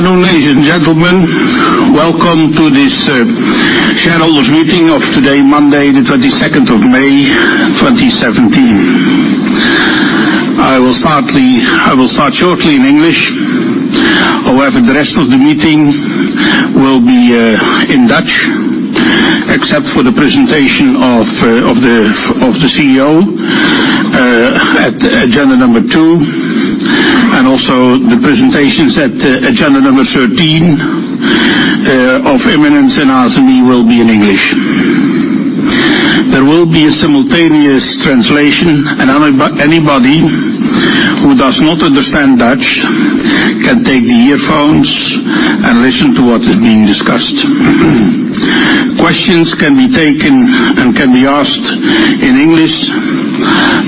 Good afternoon, ladies and gentlemen. Welcome to this shareholders meeting of today, Monday, the 22nd of May, 2017. I will start shortly in English. However, the rest of the meeting will be in Dutch, except for the presentation of the CEO at agenda number two, and also the presentations at agenda number thirteen of Eumedion and Uncertain will be in English. There will be a simultaneous translation, and anybody who does not understand Dutch can take the earphones and listen to what is being discussed. Questions can be taken and can be asked in English,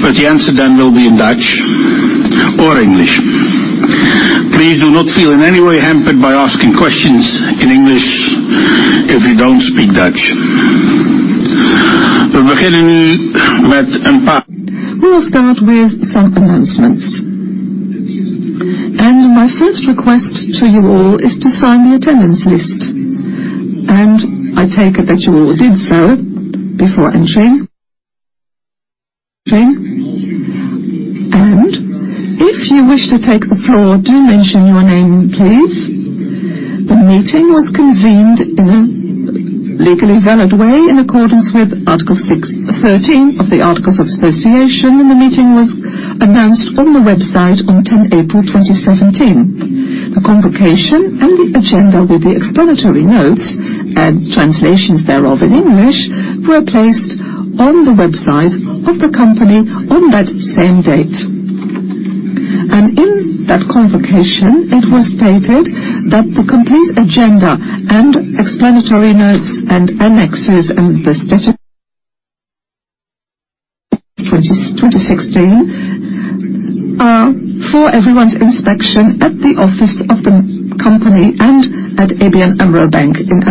but the answer then will be in Dutch or English. Please do not feel in any way hampered by asking questions in English if you don't speak Dutch. We will start with some announcements, and my first request to you all is to sign the attendance list, and I take it that you all did so before entering. And if you wish to take the floor, do mention your name, please. The meeting was convened in a legally valid way, in accordance with Article 6-13 of the Articles of Association, and the meeting was announced on the website on 10 April 2017. The convocation and the agenda, with the explanatory notes and translations thereof in English, were placed on the website of the company on that same date. In that convocation, it was stated that the complete agenda and explanatory notes, and annexes, and the statutes of 2016, are for everyone's inspection at the office of the company and at ABN AMRO Bank in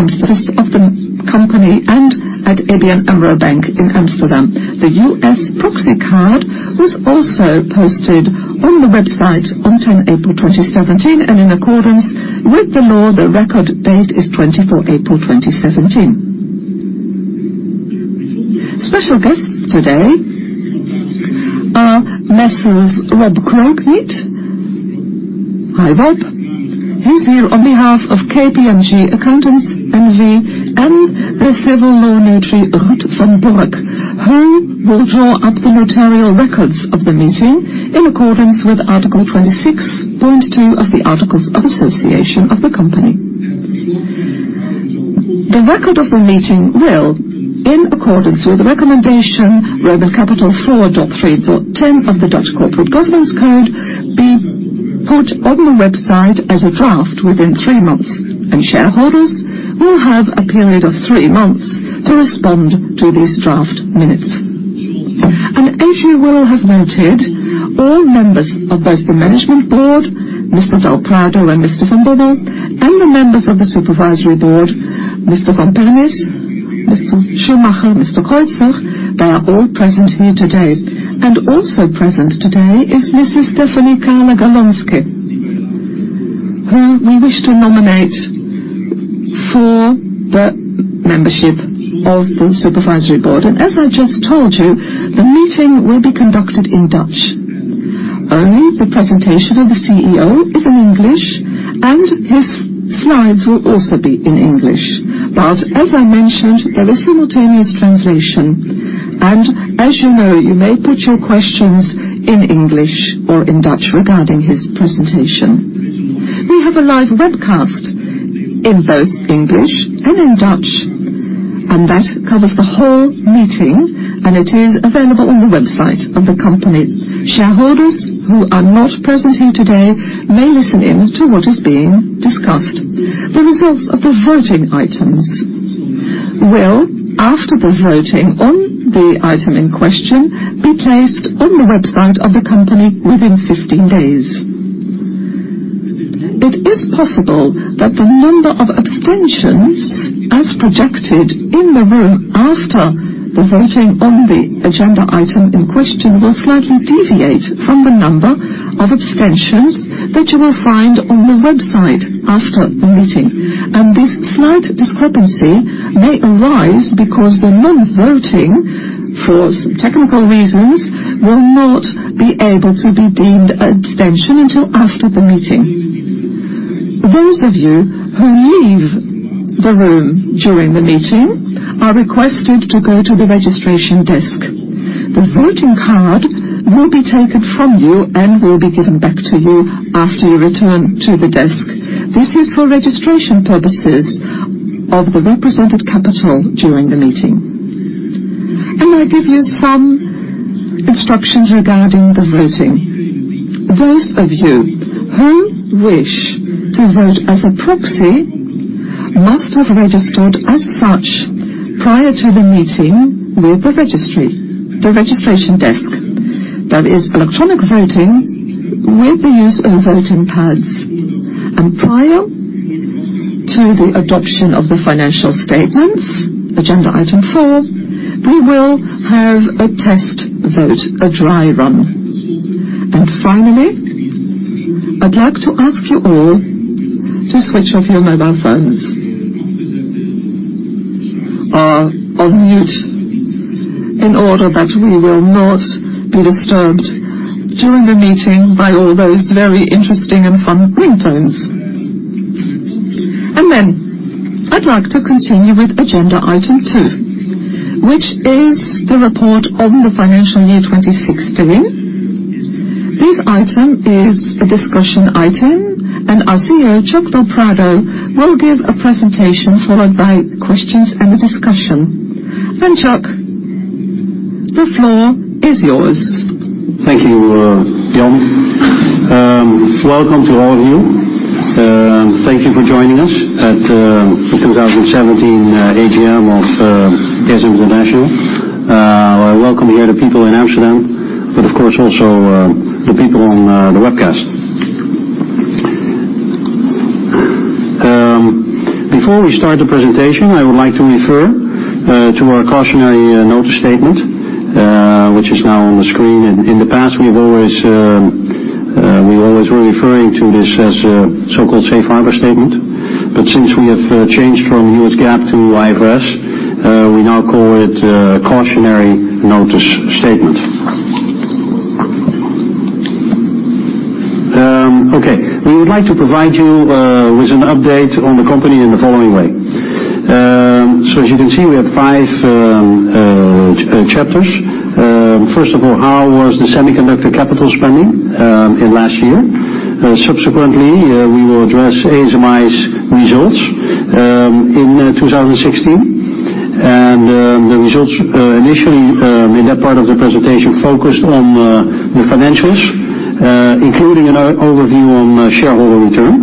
Amsterdam. The US proxy card was also posted on the website on 10 April 2017, and in accordance with the law, the record date is 24th April 2017. Special guests today are Messrs. Rob Krogveld. Hi, Rob. He's here on behalf of KPMG Accountants NV, and the civil law notary, Ruth van der Burgh, who will draw up the notarial records of the meeting in accordance with Article 26, point 2, of the Articles of Association of the company. The record of the meeting will, in accordance with the recommendation IV.3.10 of the Dutch Corporate Governance Code, be put on the website as a draft within three months, and shareholders will have a period of three months to respond to these draft minutes. As you will have noted, all members of both the management board, Mr. del Prado and Mr. van Bommel, and the members of the supervisory board, Mr. van Pernis, Mr. Schumacher, Mr. Kreutzer, they are all present here today. Also present today is Mrs. Stefanie Kahle-Galonske, who we wish to nominate for the membership of the supervisory board. As I just told you, the meeting will be conducted in Dutch. Only the presentation of the CEO is in English, and his slides will also be in English. But as I mentioned, there is simultaneous translation, and as you know, you may put your questions in English or in Dutch regarding his presentation. We have a live webcast in both English and in Dutch, and that covers the whole meeting, and it is available on the website of the company. Shareholders who are not present here today may listen in to what is being discussed. The results of the voting items will, after the voting on the item in question, be placed on the website of the company within 15 days. It is possible that the number of abstentions, as projected in the room after the voting on the agenda item in question, will slightly deviate from the number of abstentions that you will find on the website after the meeting. This slight discrepancy may arise because the non-voting, for some technical reasons, will not be able to be deemed an abstention until after the meeting. Those of you who leave the room during the meeting are requested to go to the registration desk. The voting card will be taken from you and will be given back to you after you return to the desk. This is for registration purposes of the represented capital during the meeting. I give you some instructions regarding the voting. Those of you who wish to vote as a proxy must have registered as such prior to the meeting with the registry, the registration desk. There is electronic voting with the use of voting pads, and prior to the adoption of the financial statements, agenda item four, we will have a test vote, a dry run. And finally, I'd like to ask you all to switch off your mobile phones, or on mute, in order that we will not be disturbed during the meeting by all those very interesting and fun ringtones. And then, I'd like to continue with agenda item two, which is the report on the financial year 2016. This item is a discussion item, and our CEO, Chuck del Prado, will give a presentation, followed by questions and a discussion. And Chuck, the floor is yours. Thank you, Jan. Welcome to all of you. Thank you for joining us at the 2017 AGM of ASM International. Welcome here to people in Amsterdam, but of course, also the people on the webcast. Before we start the presentation, I would like to refer to our cautionary notice statement, which is now on the screen. In the past, we've always we always were referring to this as a so-called safe harbor statement. But since we have changed from U.S. GAAP to IFRS, we now call it cautionary notice statement. Okay, we would like to provide you with an update on the company in the following way. So as you can see, we have five chapters. First of all, how was the semiconductor capital spending in last year? Subsequently, we will address ASMI's results in 2016. And the results, initially, in that part of the presentation focused on the financials, including an overview on shareholder return,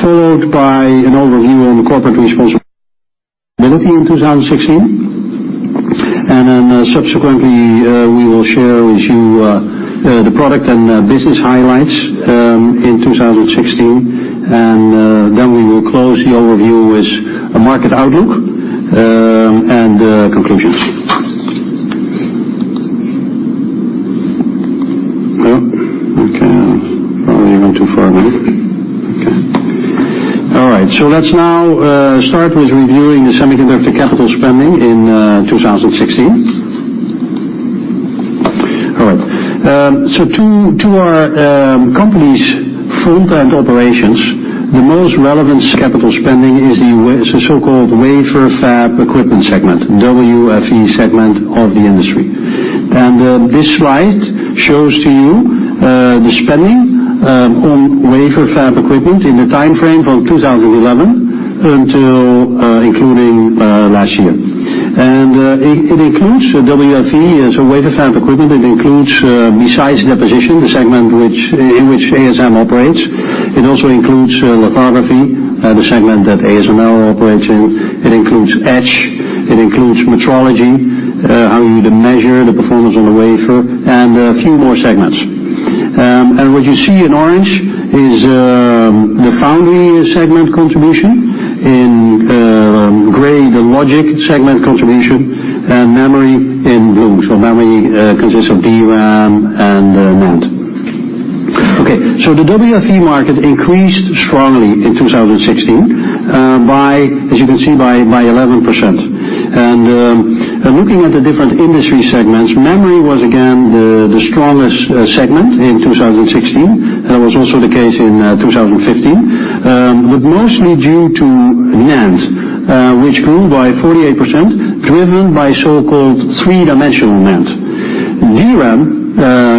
followed by an overview on the corporate responsibility in 2016. And then, subsequently, we will share with you the product and business highlights in 2016. And then we will close the overview with a market outlook and conclusions. Well, okay, probably went too far now. Okay. All right, so let's now start with reviewing the semiconductor capital spending in 2016. All right. To our company's front-end operations, the most relevant capital spending is the so-called wafer fab equipment segment, WFE segment of the industry. This slide shows to you the spending on wafer fab equipment in the time frame from 2011 until including last year. It includes WFE, so wafer fab equipment. It includes, besides deposition, the segment in which ASM operates. It also includes lithography, the segment that ASML operates in. It includes etch, it includes metrology, how you measure the performance on the wafer, and a few more segments. What you see in orange is the foundry segment contribution, in gray, the logic segment contribution, and memory in blue. Memory consists of DRAM and NAND. Okay, so the WFE market increased strongly in 2016 by, as you can see, 11%. And in looking at the different industry segments, memory was again the strongest segment in 2016. That was also the case in 2015. But mostly due to NAND, which grew by 48%, driven by so-called 3D NAND. DRAM,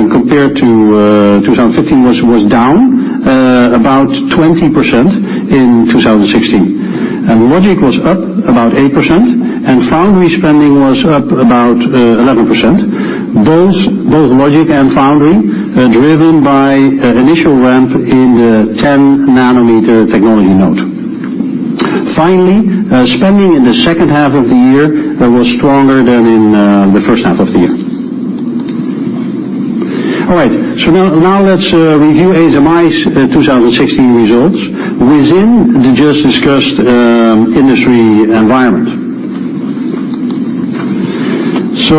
compared to 2015, was down about 20% in 2016. And logic was up about 8%, and foundry spending was up about 11%. Both logic and foundry were driven by an initial ramp in the 10 nm technology node. Finally, spending in the second half of the year was stronger than in the first half of the year. All right, so now let's review ASMI's 2016 results within the just discussed industry environment. So,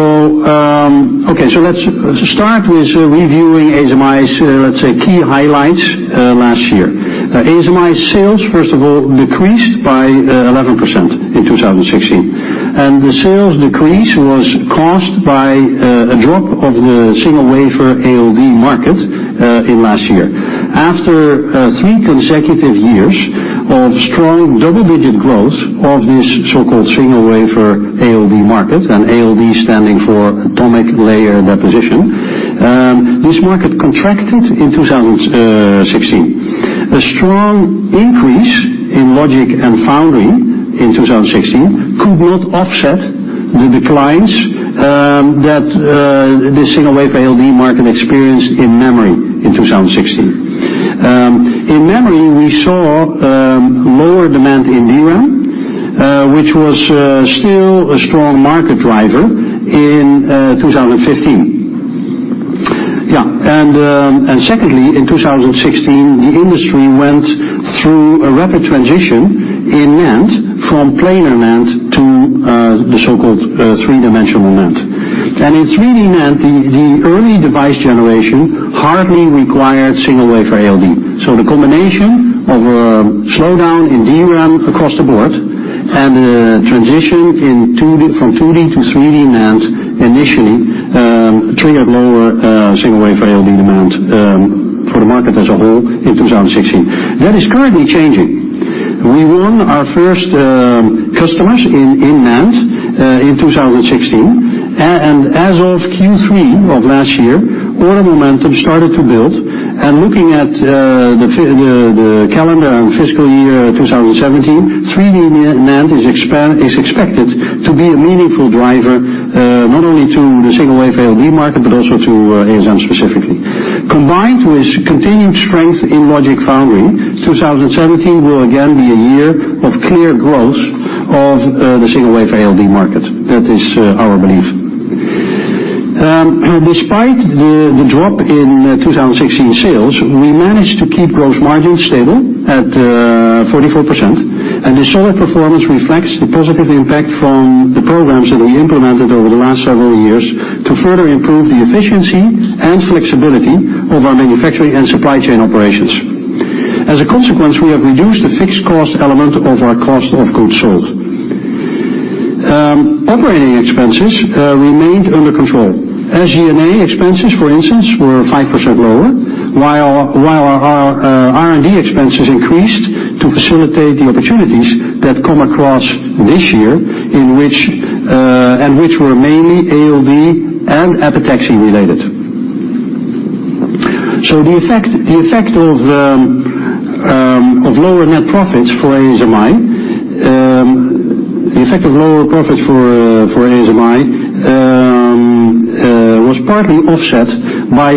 okay, so let's start with reviewing ASMI's let's say key highlights last year. ASMI's sales, first of all, decreased by 11% in 2016. The sales decrease was caused by a drop of the single wafer ALD market in last year. After three consecutive years of strong double-digit growth of this so-called single wafer ALD market, and ALD standing for atomic layer deposition, this market contracted in 2016. A strong increase in logic and foundry in 2016 could not offset the declines that the single wafer ALD market experienced in memory in 2016. In memory, we saw lower demand in DRAM, which was still a strong market driver in 2015. Yeah, and secondly, in 2016, the industry went through a rapid transition in NAND, from planar NAND to the so-called 3D NAND. And in 3D NAND, the early device generation hardly required single-wafer ALD. So the combination of a slowdown in DRAM across the board and transition in 2D from 2D to 3D NAND, initially, triggered lower single-wafer ALD demand for the market as a whole in 2016. That is currently changing. We won our first customers in NAND in 2016. And as of Q3 of last year, order momentum started to build. Looking at the calendar and fiscal year 2017, 3D NAND is expected to be a meaningful driver, not only to the single-wafer ALD market, but also to ASML specifically. Combined with continued strength in logic foundry, 2017 will again be a year of clear growth of the single-wafer ALD market. That is our belief. Despite the drop in 2016 sales, we managed to keep gross margins stable at 44%. The solid performance reflects the positive impact from the programs that we implemented over the last several years to further improve the efficiency and flexibility of our manufacturing and supply chain operations. As a consequence, we have reduced the fixed cost element of our cost of goods sold. Operating expenses remained under control. SG&A expenses, for instance, were 5% lower, while our R&D expenses increased to facilitate the opportunities that come across this year, which were mainly ALD and epitaxy related. So the effect of lower net profits for ASMI was partly offset by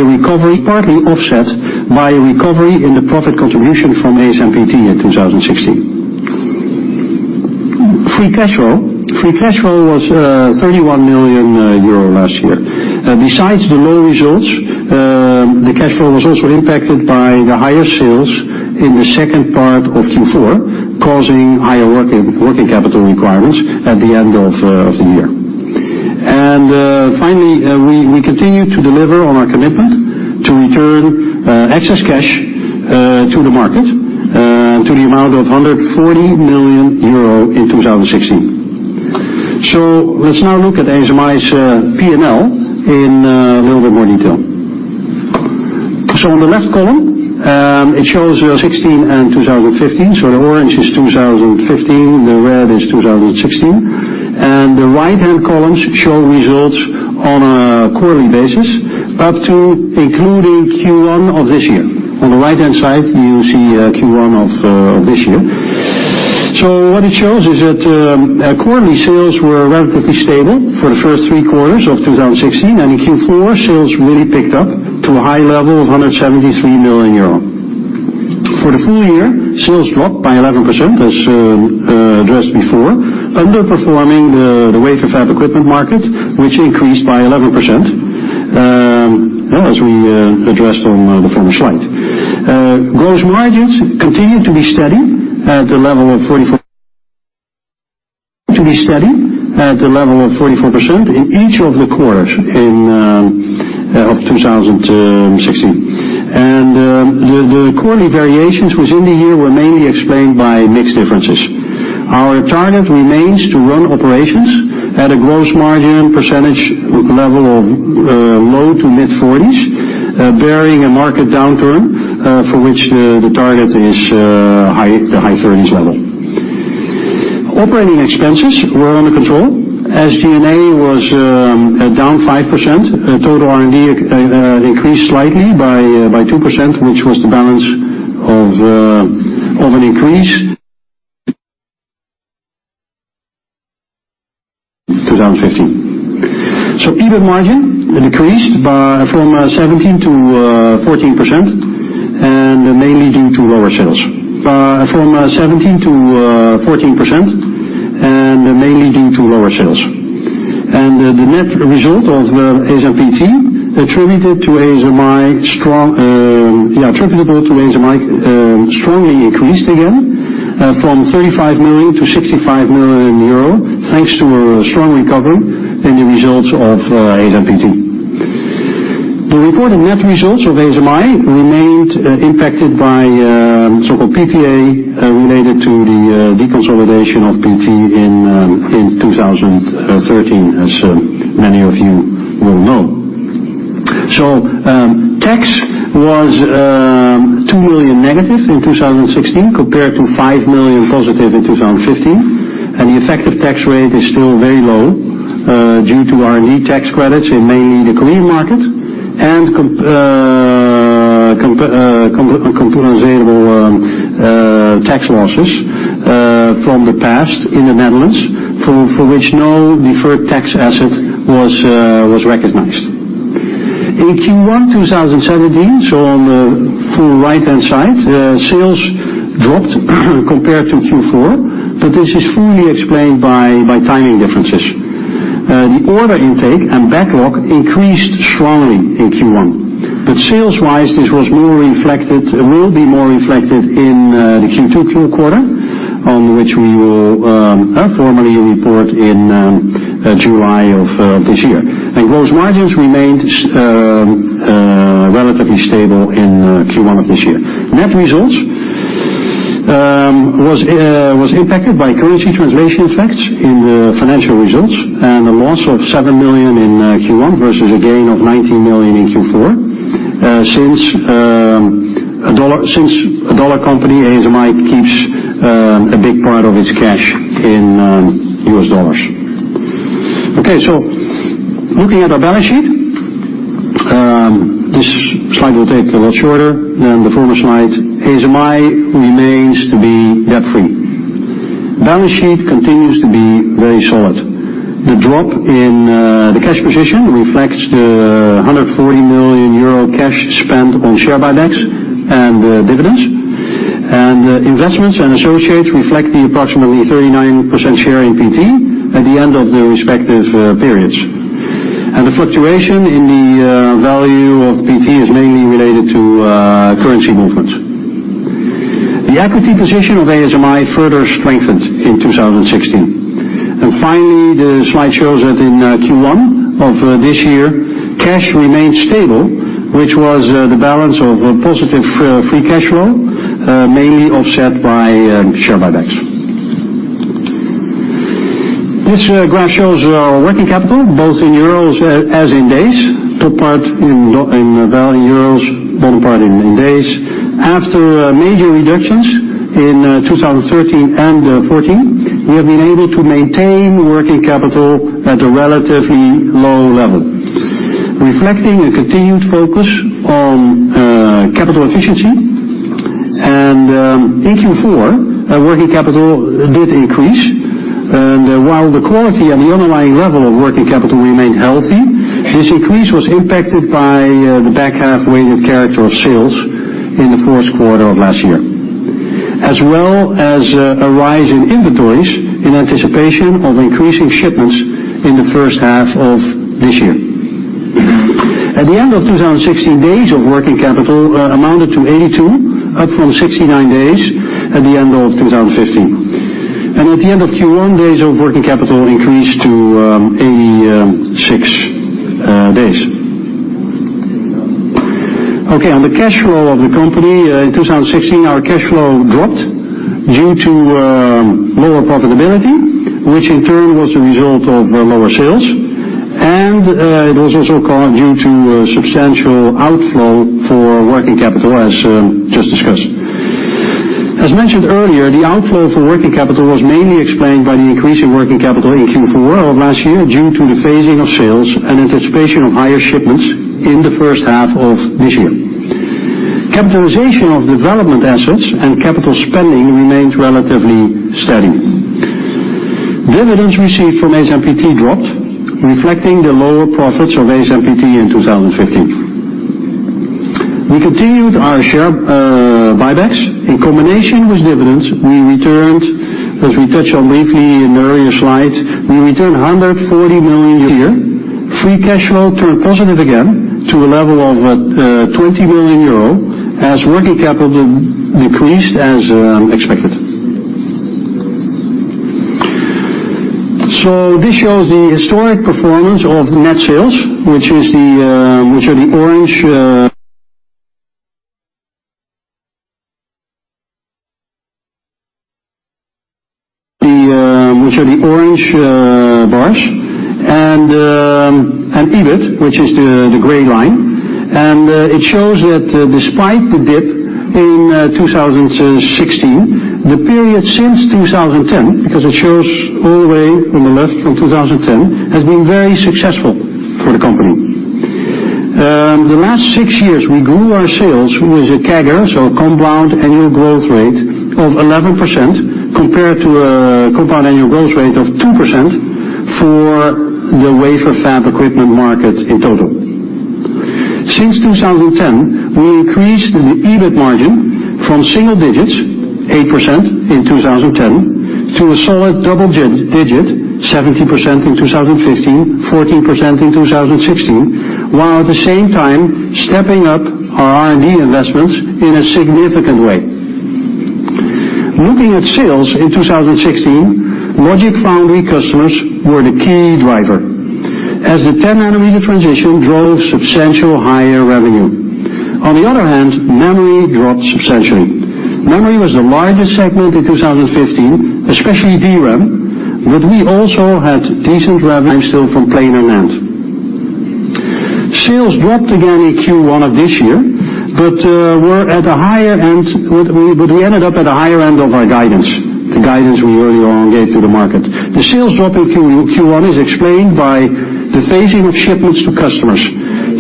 a recovery in the profit contribution from ASMPT in 2016. Free cash flow was 31 million euro last year. Besides the low results, the cash flow was also impacted by the higher sales in the second part of Q4, causing higher working capital requirements at the end of the year. Finally, we continue to deliver on our commitment to return excess cash to the market to the amount of 140 million euro in 2016. So let's now look at ASMI's P&L in a little bit more detail. On the left column, it shows 2016 and 2015. The orange is 2015, the red is 2016. The right-hand columns show results on a quarterly basis, up to including Q1 of this year. On the right-hand side, you see Q1 of this year. What it shows is that quarterly sales were relatively stable for the first three quarters of 2016, and in Q4, sales really picked up to a high level of 173 million euro. For the full year, sales dropped by 11%, as addressed before, underperforming the wafer fab equipment market, which increased by 11%, as we addressed on the former slide. Gross margins continued to be steady at the level of 44% in each of the quarters of 2016. The quarterly variations within the year were mainly explained by mix differences. Our target remains to run operations at a gross margin percentage with level of low- to mid-40s%, barring a market downturn, for which the target is high, the high 30s level. Operating expenses were under control. SG&A was down 5%. Total R&D increased slightly by 2%, which was the balance of an increase in 2015. So EBIT margin decreased from 17% to 14%, and mainly due to lower sales. From 17% to 14%, and mainly due to lower sales. And the net result of ASMPT attributable to ASMI strongly increased again from 35 million to 65 million euro, thanks to a strong recovery in the results of ASMPT. The reported net results of ASMI remained impacted by so-called PPA related to the deconsolidation of ASMPT in 2013, as many of you will know. Tax was 2 million negative in 2016, compared to 5 million positive in 2015. The effective tax rate is still very low due to R&D tax credits in mainly the Korean market, and compensable tax losses from the past in the Netherlands, for which no deferred tax asset was recognized. In Q1 2017, so on the full right-hand side, sales dropped compared to Q4, but this is fully explained by timing differences. The order intake and backlog increased strongly in Q1. But sales-wise, this was more reflected; it will be more reflected in the Q2 full quarter, on which we will formally report in July of this year. Gross margins remained relatively stable in Q1 of this year. Net results was impacted by currency translation effects in the financial results, and a loss of 7 million in Q1 versus a gain of 19 million in Q4. Since a dollar company, ASMI keeps a big part of its cash in US dollars. Okay, so looking at our balance sheet, this slide will take a lot shorter than the former slide. ASMI remains debt-free. Balance sheet continues to be very solid. The drop in the cash position reflects the 140 million euro cash spent on share buybacks and dividends. And investments in associates reflect the approximately 39% share in PT at the end of the respective periods. And the fluctuation in the value of PT is mainly related to currency movements. The equity position of ASMI further strengthened in 2016. And finally, the slide shows that in Q1 of this year, cash remained stable, which was the balance of a positive free cash flow mainly offset by share buybacks. This graph shows our working capital, both in euros as in days, top part in value euros, bottom part in days. After major reductions in 2013 and 2014, we have been able to maintain working capital at a relatively low level, reflecting a continued focus on capital efficiency. And in Q4, our working capital did increase, and while the quality and the underlying level of working capital remained healthy, this increase was impacted by the back half-weighted character of sales in the first quarter of last year, as well as a rise in inventories in anticipation of increasing shipments in the first half of this year. At the end of 2016, days of working capital amounted to 82, up from 69 days at the end of 2015. And at the end of Q1, days of working capital increased to 86 days. Okay, on the cash flow of the company, in 2016, our cash flow dropped due to lower profitability, which in turn was a result of lower sales. And, it was also caused due to a substantial outflow for working capital, as just discussed. As mentioned earlier, the outflow for working capital was mainly explained by the increase in working capital in Q4 of last year, due to the phasing of sales and anticipation of higher shipments in the first half of this year. Capitalization of development assets and capital spending remained relatively steady. Dividends received from ASMPT dropped, reflecting the lower profits of ASMPT in 2015. We continued our share buybacks. In combination with dividends, we returned, as we touched on briefly in the earlier slides, we returned 140 million a year. Free cash flow turned positive again to a level of 20 million euro, as working capital decreased as expected. So this shows the historic performance of net sales, which are the orange bars, and EBIT, which is the gray line. It shows that, despite the dip in 2016, the period since 2010, because it shows all the way from the left, from 2010, has been very successful for the company. The last six years, we grew our sales with a CAGR, so compound annual growth rate, of 11%, compared to a compound annual growth rate of 2% for the wafer fab equipment market in total. Since 2010, we increased the EBIT margin from single digits, 8% in 2010, to a solid double digit, 17% in 2015, 14% in 2016, while at the same time stepping up our R&D investments in a significant way. Looking at sales in 2016, logic foundry customers were the key driver, as the 10-nanometer transition drove substantial higher revenue. On the other hand, memory dropped substantially. Memory was the largest segment in 2015, especially DRAM, but we also had decent revenue still from planar NAND. Sales dropped again in Q1 of this year, but we're at a higher end. But we ended up at a higher end of our guidance, the guidance we earlier on gave to the market. The sales drop in Q1 is explained by the phasing of shipments to customers.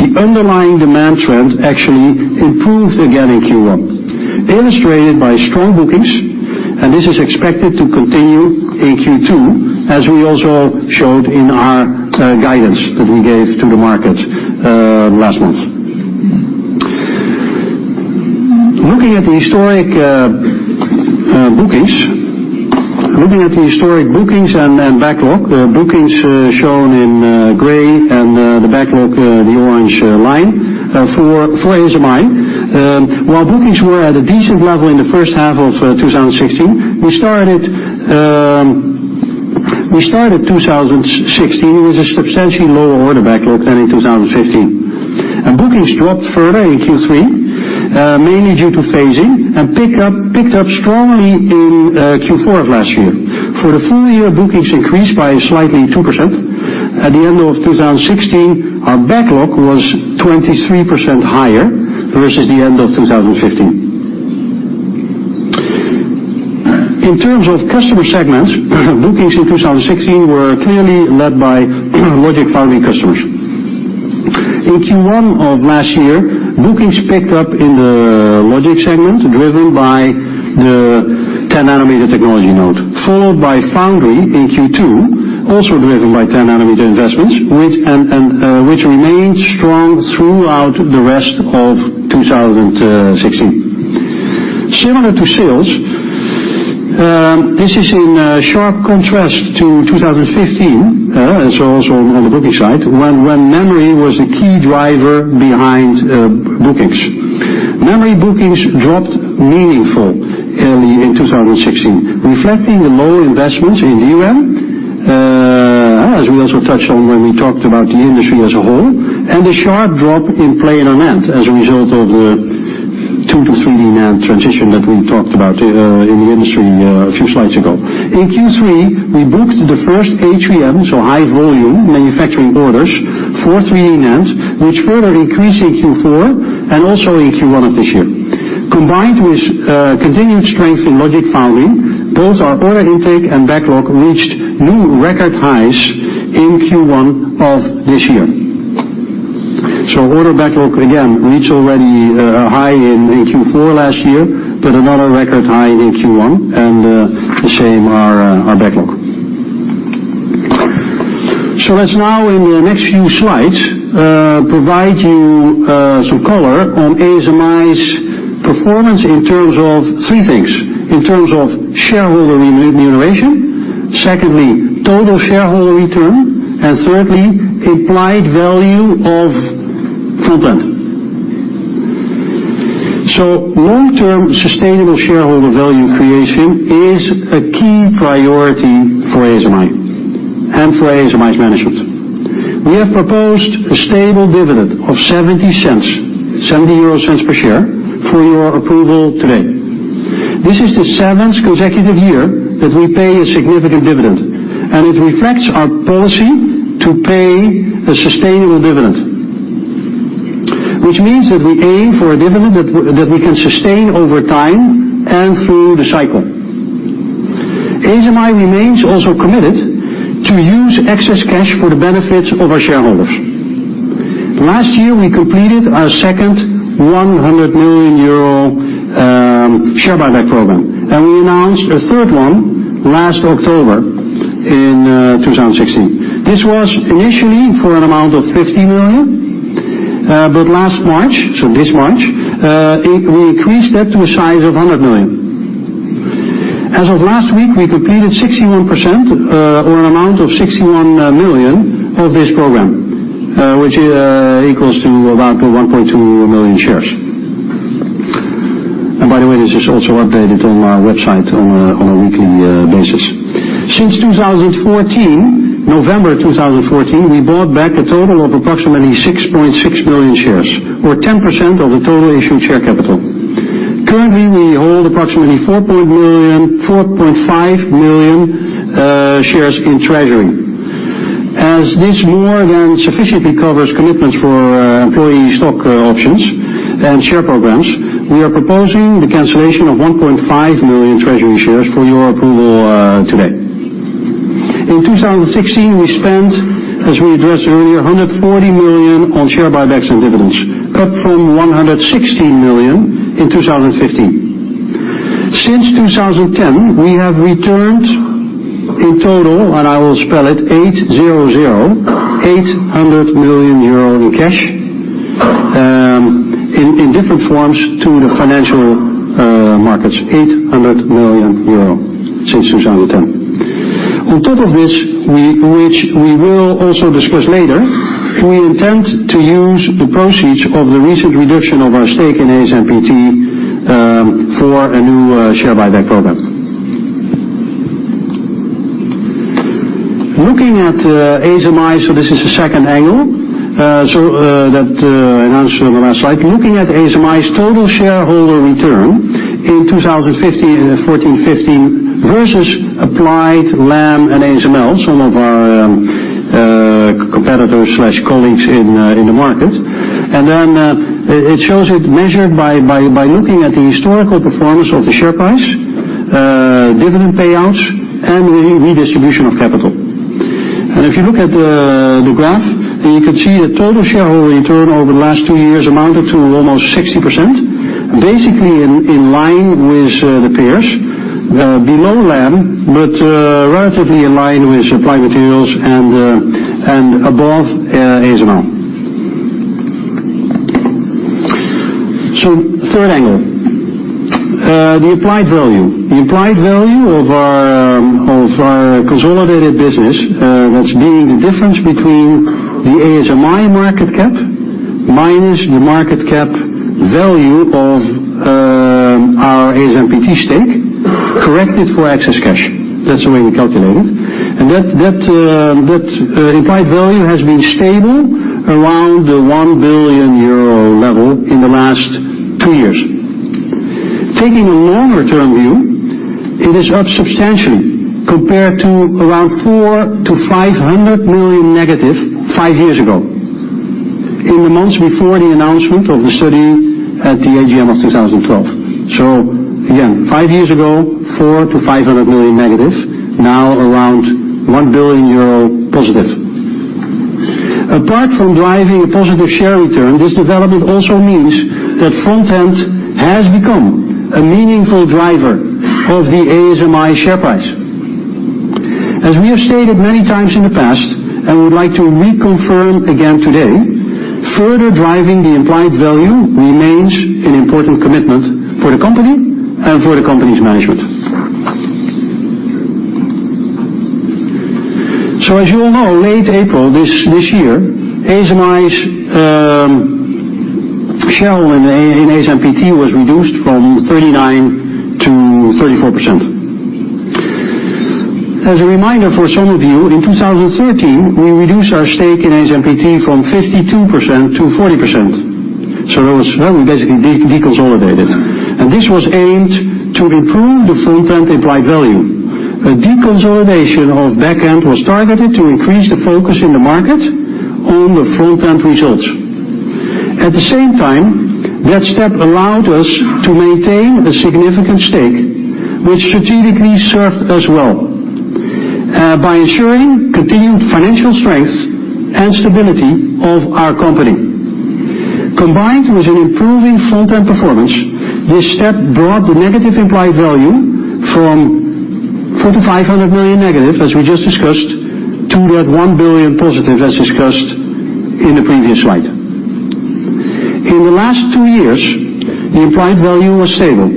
The underlying demand trend actually improved again in Q1, illustrated by strong bookings, and this is expected to continue in Q2, as we also showed in our guidance that we gave to the market last month. Looking at the historic bookings and backlog, bookings shown in gray, and the backlog, the orange line, for ASMI. While bookings were at a decent level in the first half of 2016, we started 2016 with a substantially lower order backlog than in 2015. Bookings dropped further in Q3, mainly due to phasing, and picked up strongly in Q4 of last year. For the full year, bookings increased by slightly 2%. At the end of 2016, our backlog was 23% higher versus the end of 2015. In terms of customer segments, bookings in 2016 were clearly led by Logic Foundry customers. In Q1 of last year, bookings picked up in the Logic segment, driven by the 10-nanometer technology node, followed by Foundry in Q2, also driven by 10-nanometer investments, which remained strong throughout the rest of 2016. Similar to sales, this is in sharp contrast to 2015, and so also on the booking side, when memory was the key driver behind bookings. Memory bookings dropped meaningfully early in 2016, reflecting the lower investments in DRAM. As we also touched on when we talked about the industry as a whole, and a sharp drop in planar NAND, as a result of the 2D to 3D NAND transition that we talked about in the industry a few slides ago. In Q3, we booked the first HVM, so high volume manufacturing orders for 3D NAND, which further increased in Q4 and also in Q1 of this year. Combined with continued strength in Logic Foundry, both our order intake and backlog reached new record highs in Q1 of this year. So order backlog again reached already a high in Q4 last year, but another record high in Q1, and the same our our backlog. So let's now in the next few slides provide you some color on ASMI's performance in terms of three things: in terms of shareholder remuneration, secondly, total shareholder return, and thirdly, implied value of front-end. So long-term sustainable shareholder value creation is a key priority for ASMI and for ASMI's management. We have proposed a stable dividend of 0.70 per share for your approval today. This is the seventh consecutive year that we pay a significant dividend, and it reflects our policy to pay a sustainable dividend. Which means that we aim for a dividend that we can sustain over time and through the cycle. ASMI remains also committed to use excess cash for the benefits of our shareholders. Last year, we completed our second 100 million euro share buyback program, and we announced a third one last October in 2016. This was initially for an amount of 50 million, but last March, so this March, we increased that to a size of 100 million. As of last week, we completed 61%, or an amount of 61 million of this program, which equals to about 1.2 million shares. And by the way, this is also updated on our website on a weekly basis. Since November 2014, we bought back a total of approximately 6.6 million shares, or 10% of the total issued share capital. Currently, we hold approximately 4.5 million shares in treasury. As this more than sufficiently covers commitments for employee stock options and share programs, we are proposing the cancellation of 1.5 million treasury shares for your approval today. In 2016, we spent, as we addressed earlier, 140 million on share buybacks and dividends, up from 116 million in 2015. Since 2010, we have returned in total, and I will spell it, 800, eight hundred million euro in cash, in different forms to the financial markets. Eight hundred million euro since 2010. On top of which, which we will also discuss later, we intend to use the proceeds of the recent reduction of our stake in ASMPT, for a new share buyback program. Looking at ASMI, so this is the second angle, so that announced on the last slide. Looking at ASMI's total shareholder return in 2015, 2014, 2015, versus Applied, Lam and ASML, some of our competitors slash colleagues in the market. And then it shows it measured by looking at the historical performance of the share price, dividend payouts, and redistribution of capital. And if you look at the graph, you can see the total shareholder return over the last two years amounted to almost 60%, basically in line with the peers. Below Lam, but relatively in line with Applied Materials and above ASML. So third angle, the implied value. The implied value of our consolidated business, that's being the difference between the ASMI market cap minus the market cap value of our ASMPT stake, corrected for excess cash. That's the way we calculate it, and that implied value has been stable around the 1 billion euro level in the last two years. Taking a longer-term view, it is up substantially compared to around -400 million to -500 million five years ago, in the months before the announcement of the study at the AGM of 2012. So again, five years ago, -400 million to -500 million, now around 1 billion euro positive. Apart from driving a positive share return, this development also means that front-end has become a meaningful driver of the ASMI share price. As we have stated many times in the past, and we would like to reconfirm again today, further driving the implied value remains an important commitment for the company and for the company's management. So as you all know, late April this year, ASMI's shareholding in ASMPT was reduced from 39%-34%. As a reminder for some of you, in 2013, we reduced our stake in ASMPT from 52%-40%, so that was when we basically deconsolidated. And this was aimed to improve the Front-end implied value. The deconsolidation of Back-end was targeted to increase the focus in the market on the Front-end results. At the same time, that step allowed us to maintain a significant stake, which strategically served us well by ensuring continued financial strength and stability of our company. Combined with an improving front-end performance, this step brought the negative implied value from 400 million to 500 million negative, as we just discussed, to that 1 billion positive, as discussed in the previous slide. In the last two years, the implied value was stable,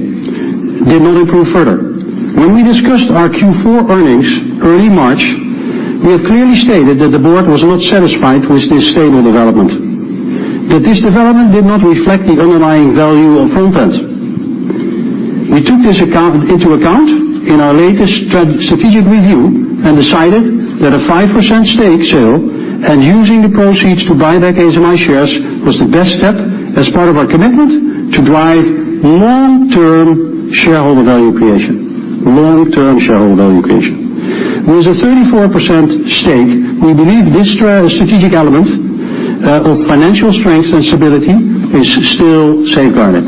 did not improve further. When we discussed our Q4 earnings, early March, we have clearly stated that the board was not satisfied with this stable development, that this development did not reflect the underlying value of front-end. We took this into account in our latest strategic review and decided that a 5% stake sale and using the proceeds to buy back ASMI shares was the best step as part of our commitment to drive long-term shareholder value creation, long-term shareholder value creation. With a 34% stake, we believe this strategic element of financial strength and stability is still safeguarded.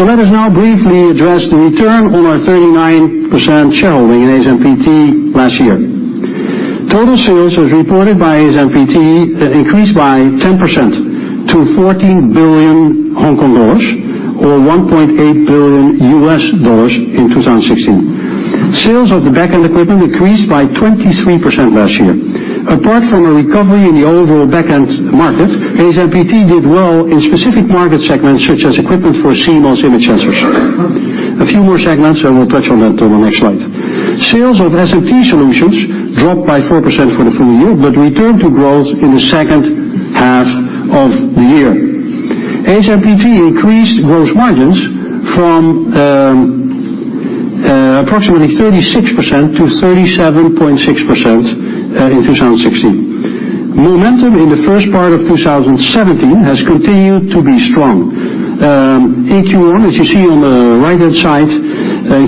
Let us now briefly address the return on our 39% shareholding in ASMPT last year. Total sales as reported by ASMPT increased by 10% to 14 billion Hong Kong dollars, or $1.8 billion, in 2016. Sales of the Back-end equipment increased by 23% last year. Apart from a recovery in the overall Back-end market, ASMPT did well in specific market segments, such as equipment for CMOS image sensors. A few more segments, and we'll touch on that on the next slide. Sales of SMT solutions dropped by 4% for the full year, but returned to growth in the second half of the year. ASMPT increased gross margins from approximately 36%-37.6%, in 2016. Momentum in the first part of 2017 has continued to be strong. In Q1, as you see on the right-hand side,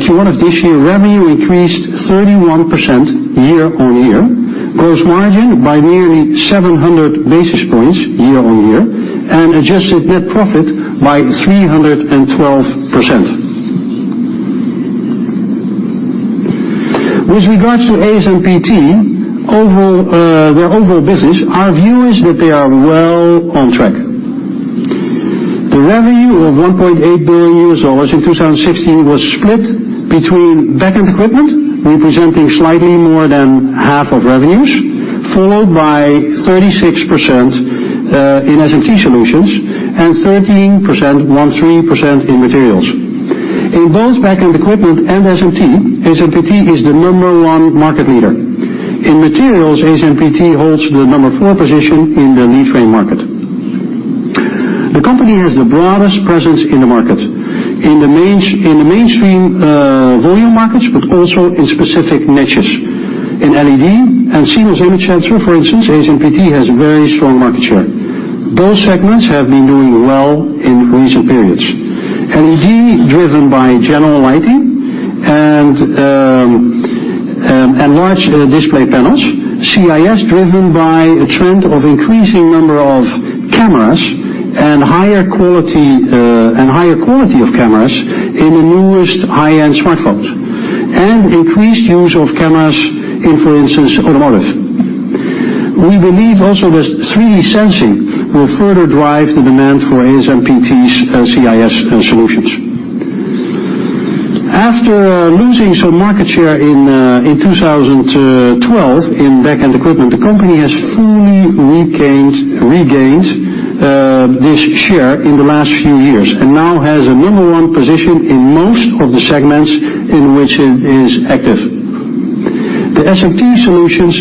Q1 of this year, revenue increased 31% year-on-year, gross margin by nearly 700 basis points year-on-year, and adjusted net profit by 312%. With regards to ASMPT, overall, their overall business, our view is that they are well on track. The revenue of $1.8 billion in 2016 was split between Back-end equipment, representing slightly more than half of revenues, followed by 36% in SMT solutions, and 13%, 13%, in materials. In both Back-end equipment and SMT, ASMPT is the number one market leader. In materials, ASMPT holds the number four position in the lead frame market. The company has the broadest presence in the market, in the main, in the mainstream volume markets, but also in specific niches. In LED and CMOS image sensor, for instance, ASMPT has a very strong market share. Both segments have been doing well in recent periods. LED, driven by general lighting and large display panels. CIS, driven by a trend of increasing number of cameras and higher quality of cameras in the newest high-end smartphones, and increased use of cameras in, for instance, automotive. We believe also this 3D sensing will further drive the demand for ASMPT's CIS solutions. After losing some market share in 2012 in back-end equipment, the company has fully regained this share in the last few years, and now has a number one position in most of the segments in which it is active. The SMT Solutions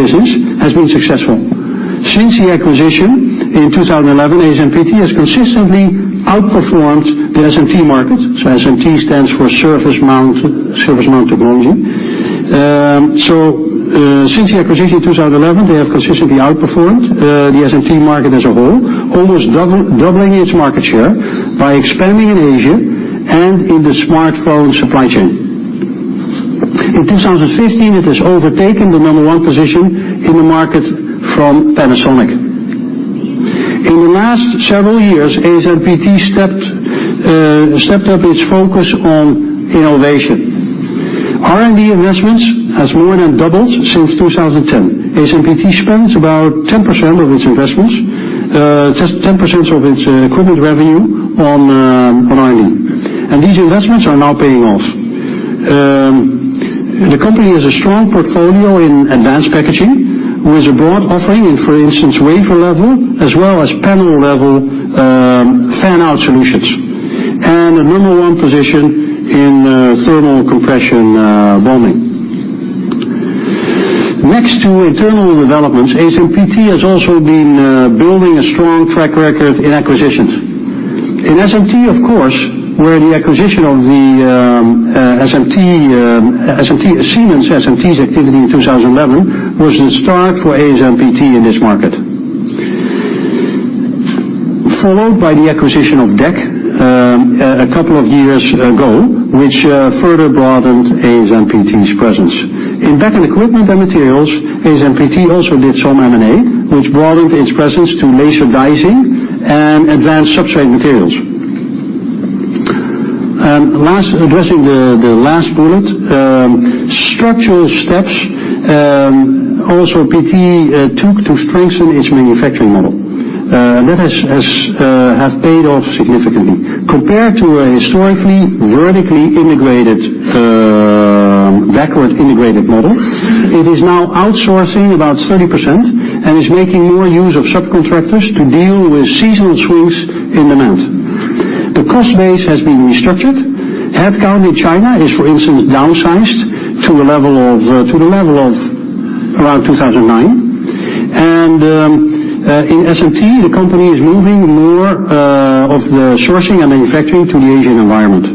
business has been successful. Since the acquisition in 2011, ASMPT has consistently outperformed the SMT market. So SMT stands for surface mount technology. Since the acquisition in 2011, they have consistently outperformed the SMT market as a whole, almost doubling its market share by expanding in Asia and in the smartphone supply chain. In 2015, it has overtaken the number one position in the market from Panasonic. In the last several years, ASMPT stepped up its focus on innovation. R&D investments has more than doubled since 2010. ASMPT spends about 10% of its investments, just 10% of its equipment revenue on R&D, and these investments are now paying off. The company has a strong portfolio in advanced packaging, with a broad offering in, for instance, wafer level, as well as panel level, fan-out solutions, and a number one position in thermal compression bonding. Next to internal developments, ASMPT has also been building a strong track record in acquisitions. In SMT, of course, where the acquisition of the SMT, Siemens SMT's activity in 2011 was the start for ASMPT in this market. Followed by the acquisition of DEK, a couple of years ago, which further broadened ASMPT's presence. In back-end equipment and materials, ASMPT also did some M&A, which broadened its presence to laser dicing and advanced substrate materials. And last, addressing the last bullet, structural steps also ASMPT took to strengthen its manufacturing model. That has paid off significantly. Compared to a historically vertically integrated, backward integrated model, it is now outsourcing about 30% and is making more use of subcontractors to deal with seasonal swings in demand. The cost base has been restructured. Headcount in China is, for instance, downsized to a level of to the level of around 2,009. In SMT, the company is moving more of the sourcing and manufacturing to the Asian environment.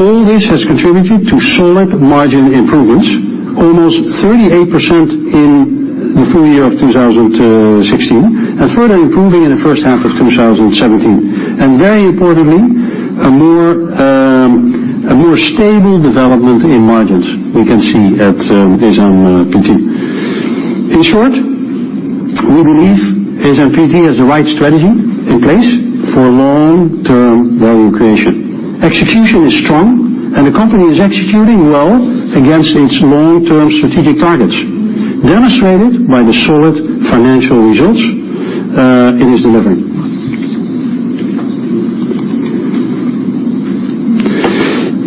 All this has contributed to solid margin improvements, almost 38% in the full year of 2016, and further improving in the first half of 2017. Very importantly, a more stable development in margins we can see at ASMPT. In short, we believe ASMPT has the right strategy in place for long-term value creation. Execution is strong, and the company is executing well against its long-term strategic targets, demonstrated by the solid financial results it is delivering.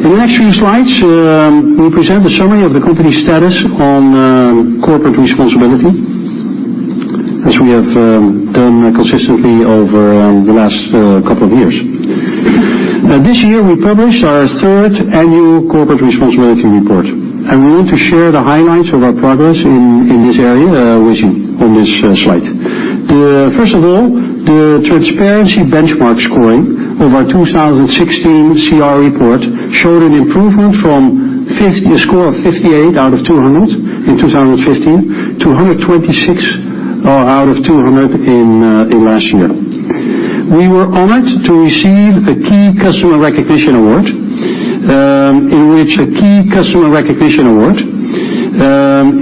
In the next few slides, we present a summary of the company's status on corporate responsibility, as we have done consistently over the last couple of years. Now, this year, we published our third annual corporate responsibility report, and we want to share the highlights of our progress in this area with you on this slide. First of all, the transparency benchmark scoring of our 2016 CR report showed an improvement from a score of 58 out of 200 in 2015 to 126 out of 200 in last year. We were honored to receive a Key Customer Recognition Award,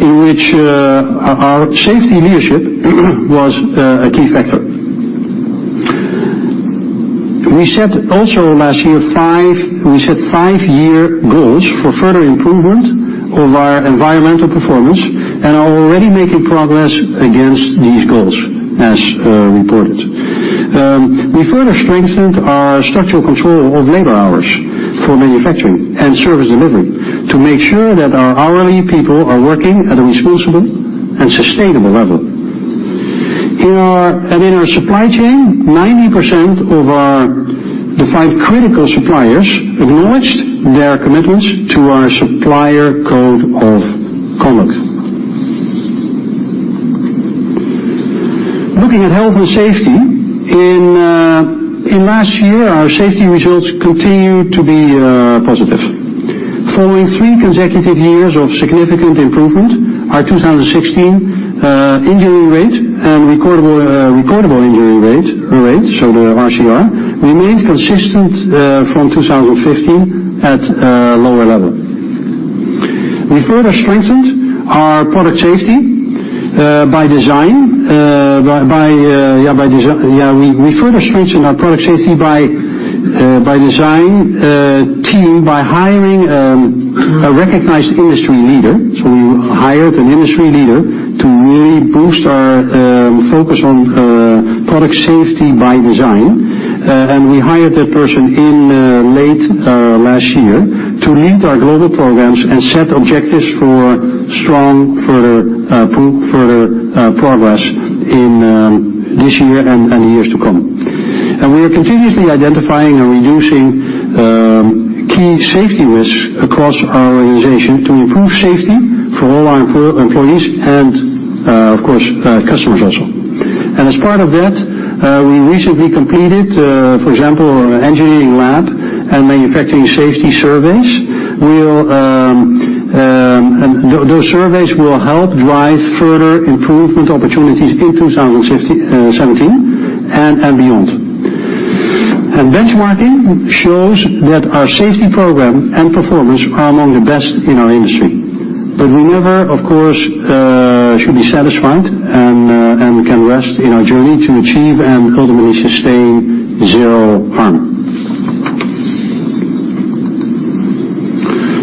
in which our safety leadership was a key factor. We set also last year, five—we set 5-year goals for further improvement of our environmental performance and are already making progress against these goals, as reported. We further strengthened our structural control of labor hours for manufacturing and service delivery to make sure that our hourly people are working at a responsible and sustainable level. In our supply chain, 90% of our defined critical suppliers acknowledged their commitments to our supplier code of conduct. Looking at health and safety, in last year, our safety results continued to be positive. Following three consecutive years of significant improvement, our 2016 injury rate and recordable injury rates, so the RCR, remained consistent from 2015 at a lower level. We further strengthened our product safety by design team by hiring a recognized industry leader. So we hired an industry leader to really boost our focus on product safety by design. And we hired that person in late last year to lead our global programs and set objectives for strong further progress in this year and the years to come. And we are continuously identifying and reducing key safety risks across our organization to improve safety for all our employees and, of course, customers also. And as part of that, we recently completed, for example, our engineering lab and manufacturing safety surveys. And those surveys will help drive further improvement opportunities in 2017 and beyond. And benchmarking shows that our safety program and performance are among the best in our industry. But we never, of course, should be satisfied and we can rest in our journey to achieve and ultimately sustain zero harm.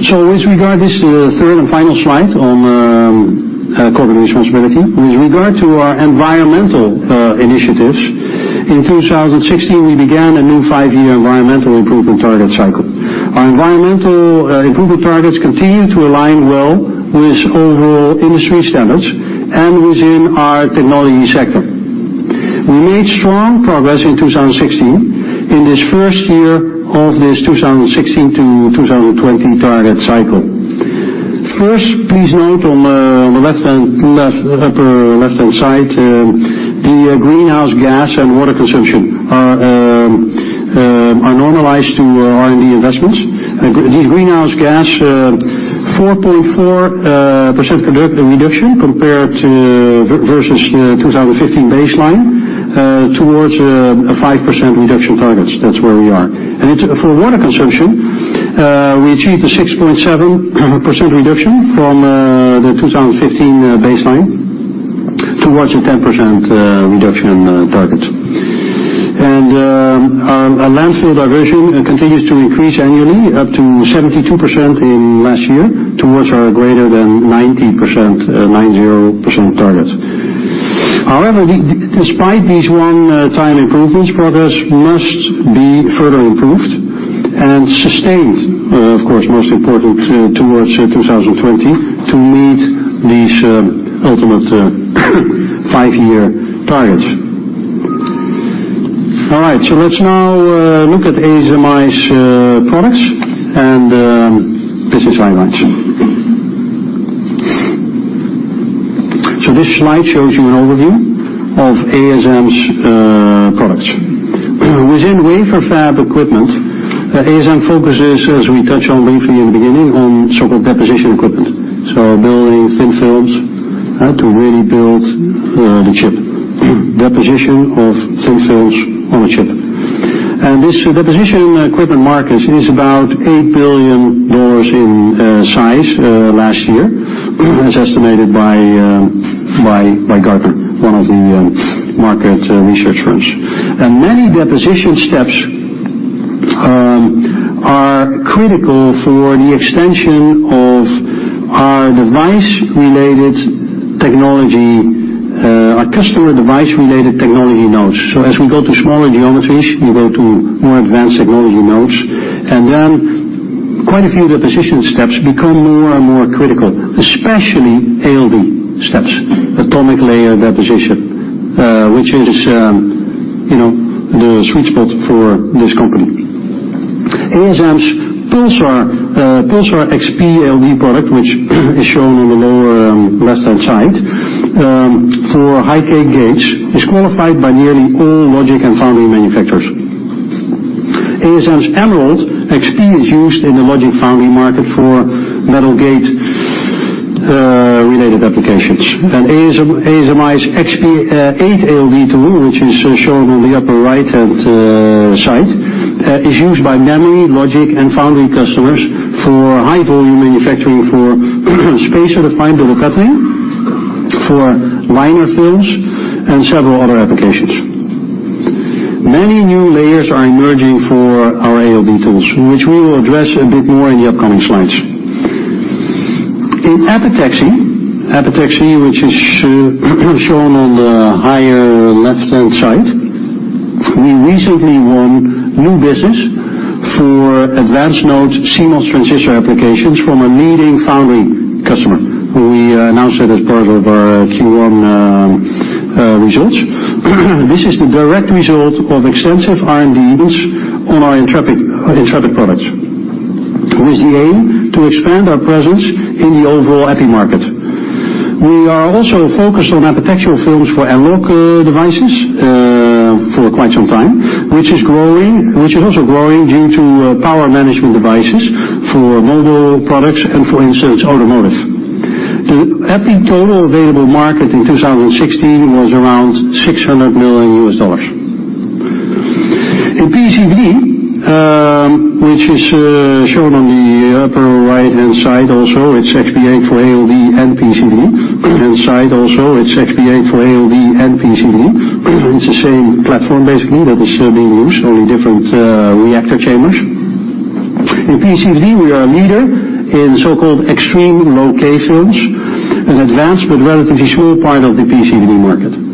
So with regard to this the third and final slide on corporate responsibility. With regard to our environmental initiatives, in 2016, we began a new five-year environmental improvement target cycle. Our environmental improvement targets continue to align well with overall industry standards and within our technology sector. We made strong progress in 2016, in this first year of this 2016 to 2020 target cycle. First, please note on the upper left-hand side, the greenhouse gas and water consumption are normalized to R&D investments. The greenhouse gas 4.4% reduction compared to versus 2015 baseline, towards a 5% reduction targets. That's where we are. It's for water consumption we achieved a 6.7% reduction from the 2015 baseline towards a 10% reduction target. Our landfill diversion continues to increase annually, up to 72% in last year, towards our greater than 90%, 90% target. However, despite these one-time improvements, progress must be further improved and sustained, of course, most important towards 2020, to meet these ultimate five-year targets. All right, so let's now look at ASM's products and business highlights. So this slide shows you an overview of ASM's products. Within wafer fab equipment, ASM focuses, as we touched on briefly in the beginning, on so-called deposition equipment. So building thin films to really build the chip. Deposition of thin films on a chip. This deposition equipment market is about $8 billion in size last year, as estimated by Gartner, one of the market research firms. Many deposition steps are critical for the extension of our device-related technology, our customer device-related technology nodes. So as we go to smaller geometries, we go to more advanced technology nodes, and then quite a few deposition steps become more and more critical, especially ALD steps, atomic layer deposition, which is, you know, the sweet spot for this company. ASM's Pulsar XP ALD product, which is shown on the lower left-hand side, for high-K gates, is qualified by nearly all logic and foundry manufacturers. ASM's Emerald XP is used in the logic foundry market for metal gate related applications. ASM, ASMI's XP8 ALD tool, which is shown on the upper right-hand side, is used by memory, logic, and foundry customers for high-volume manufacturing for space-certified double cutting, for liner films, and several other applications. Many new layers are emerging for our ALD tools, which we will address a bit more in the upcoming slides. In epitaxy, which is shown on the upper left-hand side, we recently won new business for advanced node CMOS transistor applications from a leading foundry customer, who we announced it as part of our Q1 results. This is the direct result of extensive R&D investments on our Intrepid products, with the aim to expand our presence in the overall Epi market. We are also focused on epitaxial films for logic devices for quite some time, which is growing—which is also growing due to power management devices for mobile products and, for instance, automotive. The epi total available market in 2016 was around $600 million. In PECVD, which is shown on the upper right-hand side also, it's XP8 for ALD and PECVD. It's the same platform, basically, that is being used, only different reactor chambers. In PECVD, we are a leader in so-called extreme low-k films, an advanced but relatively small part of the PECVD market.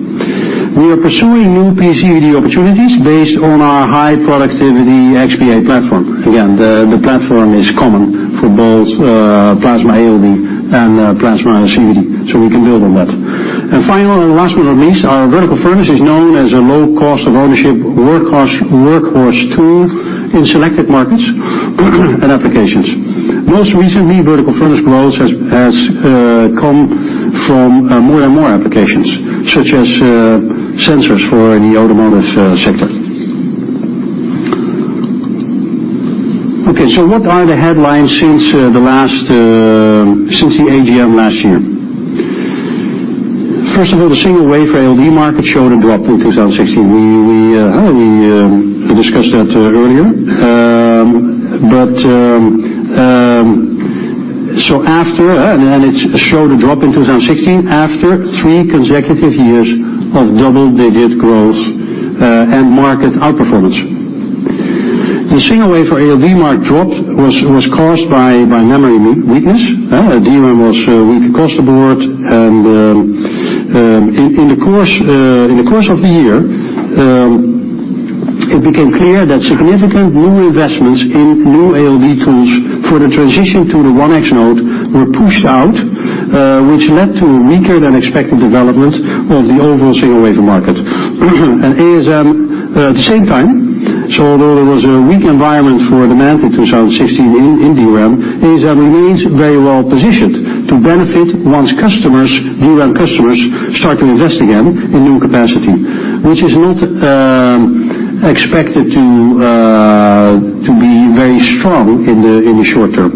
We are pursuing new PECVD opportunities based on our high productivity XP8 platform. Again, the platform is common for both plasma ALD and plasma CVD, so we can build on that. And final, and last but not least, our vertical furnace is known as a low cost of ownership, workhorse, workhorse tool in selected markets and applications. Most recently, vertical furnace growth has come from more and more applications, such as sensors for the automotive sector. Okay, so what are the headlines since the last AGM last year? First of all, the single wafer ALD market showed a drop in 2016. We discussed that earlier. And it showed a drop in 2016 after three consecutive years of double-digit growth, and market outperformance. The single wafer ALD market drop was caused by memory weakness. Well, DRAM was weak across the board, and in the course of the year, it became clear that significant new investments in new ALD tools for the transition to the 1X node were pushed out, which led to weaker than expected development of the overall single wafer market. ASM, at the same time, although there was a weak environment for demand in 2016 in DRAM, remains very well positioned to benefit once customers, DRAM customers, start to invest again in new capacity. Which is not expected to be very strong in the short term.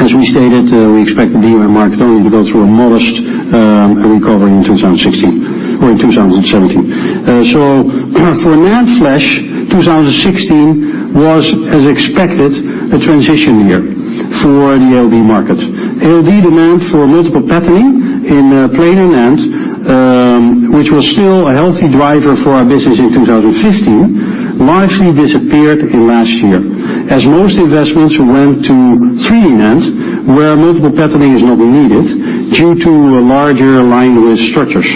As we stated, we expect the DRAM market only to go through a modest recovery in 2016 - or in 2017. So for NAND flash, 2016 was, as expected, a transition year for the ALD market. ALD demand for multiple patterning in planar NAND, which was still a healthy driver for our business in 2015, largely disappeared in last year, as most investments went to 3D NAND, where multiple patterning is not needed due to larger line width structures.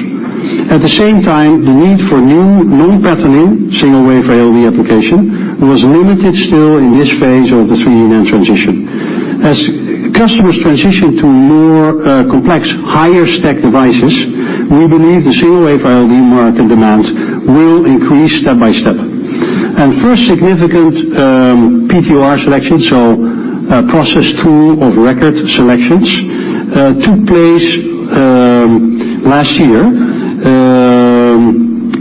At the same time, the need for new patterning, single wafer ALD application, was limited still in this phase of the 3D NAND transition. As customers transition to more complex, higher stack devices, we believe the single wafer ALD market demand will increase step by step. And first significant PTOR selections, so process tool of record selections, took place last year.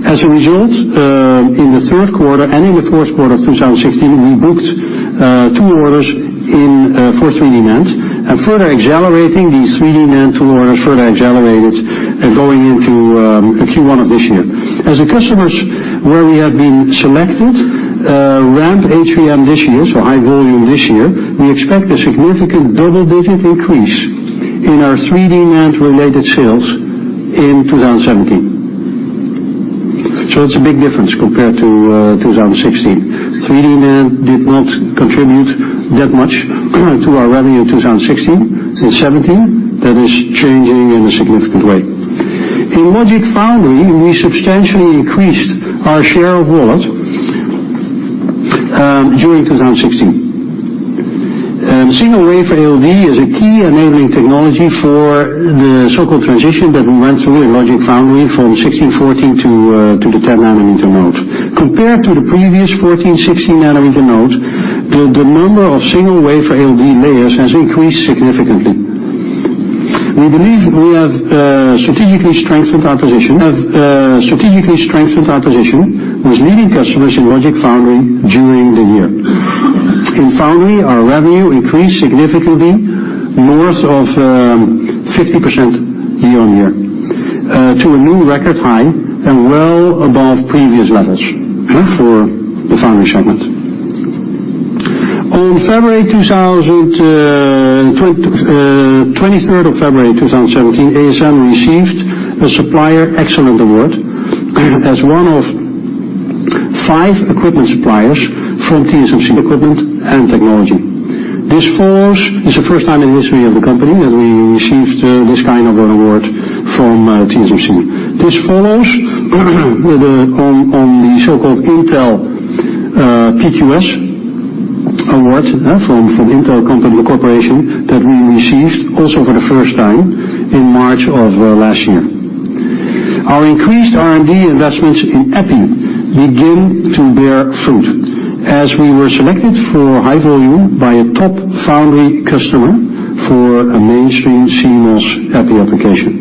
As a result, in the third quarter and in the fourth quarter of 2016, we booked 2 orders in for 3D NAND, and further accelerating these 3D NAND tool orders further accelerated going into Q1 of this year. As the customers where we have been selected ramp HVM this year, so high volume this year, we expect a significant double-digit increase in our 3D NAND-related sales in 2017. So it's a big difference compared to 2016. 3D NAND did not contribute that much to our revenue in 2016. In 2017, that is changing in a significant way. In logic foundry, we substantially increased our share of wallet during 2016. Single wafer ALD is a key enabling technology for the so-called transition that we went through in logic foundry from 16, 14 to the 10 nanometer node. Compared to the previous 14, 16 nanometer node, the number of single wafer ALD layers has increased significantly. We believe we have strategically strengthened our position, have strategically strengthened our position with leading customers in logic foundry during the year. In foundry, our revenue increased significantly, north of 50% year-on-year to a new record high and well above previous levels for the foundry segment. On February 23, 2017, ASM received a Supplier Excellence Award as one of 5 equipment suppliers from TSMC, equipment and technology. This follows. It's the first time in the history of the company that we received this kind of an award from TSMC. This follows with the so-called Intel PQS Award from Intel Corporation that we received, also for the first time, in March of last year. Our increased R&D investments in EPI begin to bear fruit, as we were selected for high volume by a top foundry customer for a mainstream CMOS EPI application.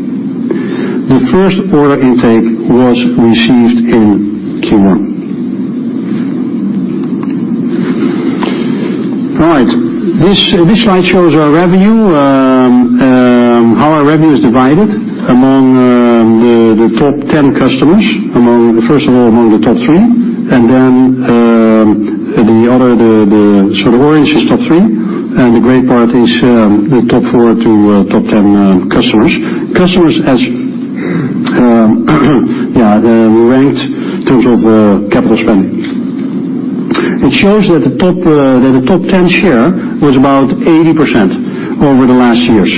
The first order intake was received in Q1.... All right, this slide shows our revenue, how our revenue is divided among the top 10 customers. First of all, among the top three, and then the other, so the orange is top three, and the gray part is the top four to top 10 customers. Customers as, yeah, ranked in terms of capital spending. It shows that the top that the top 10 share was about 80% over the last years.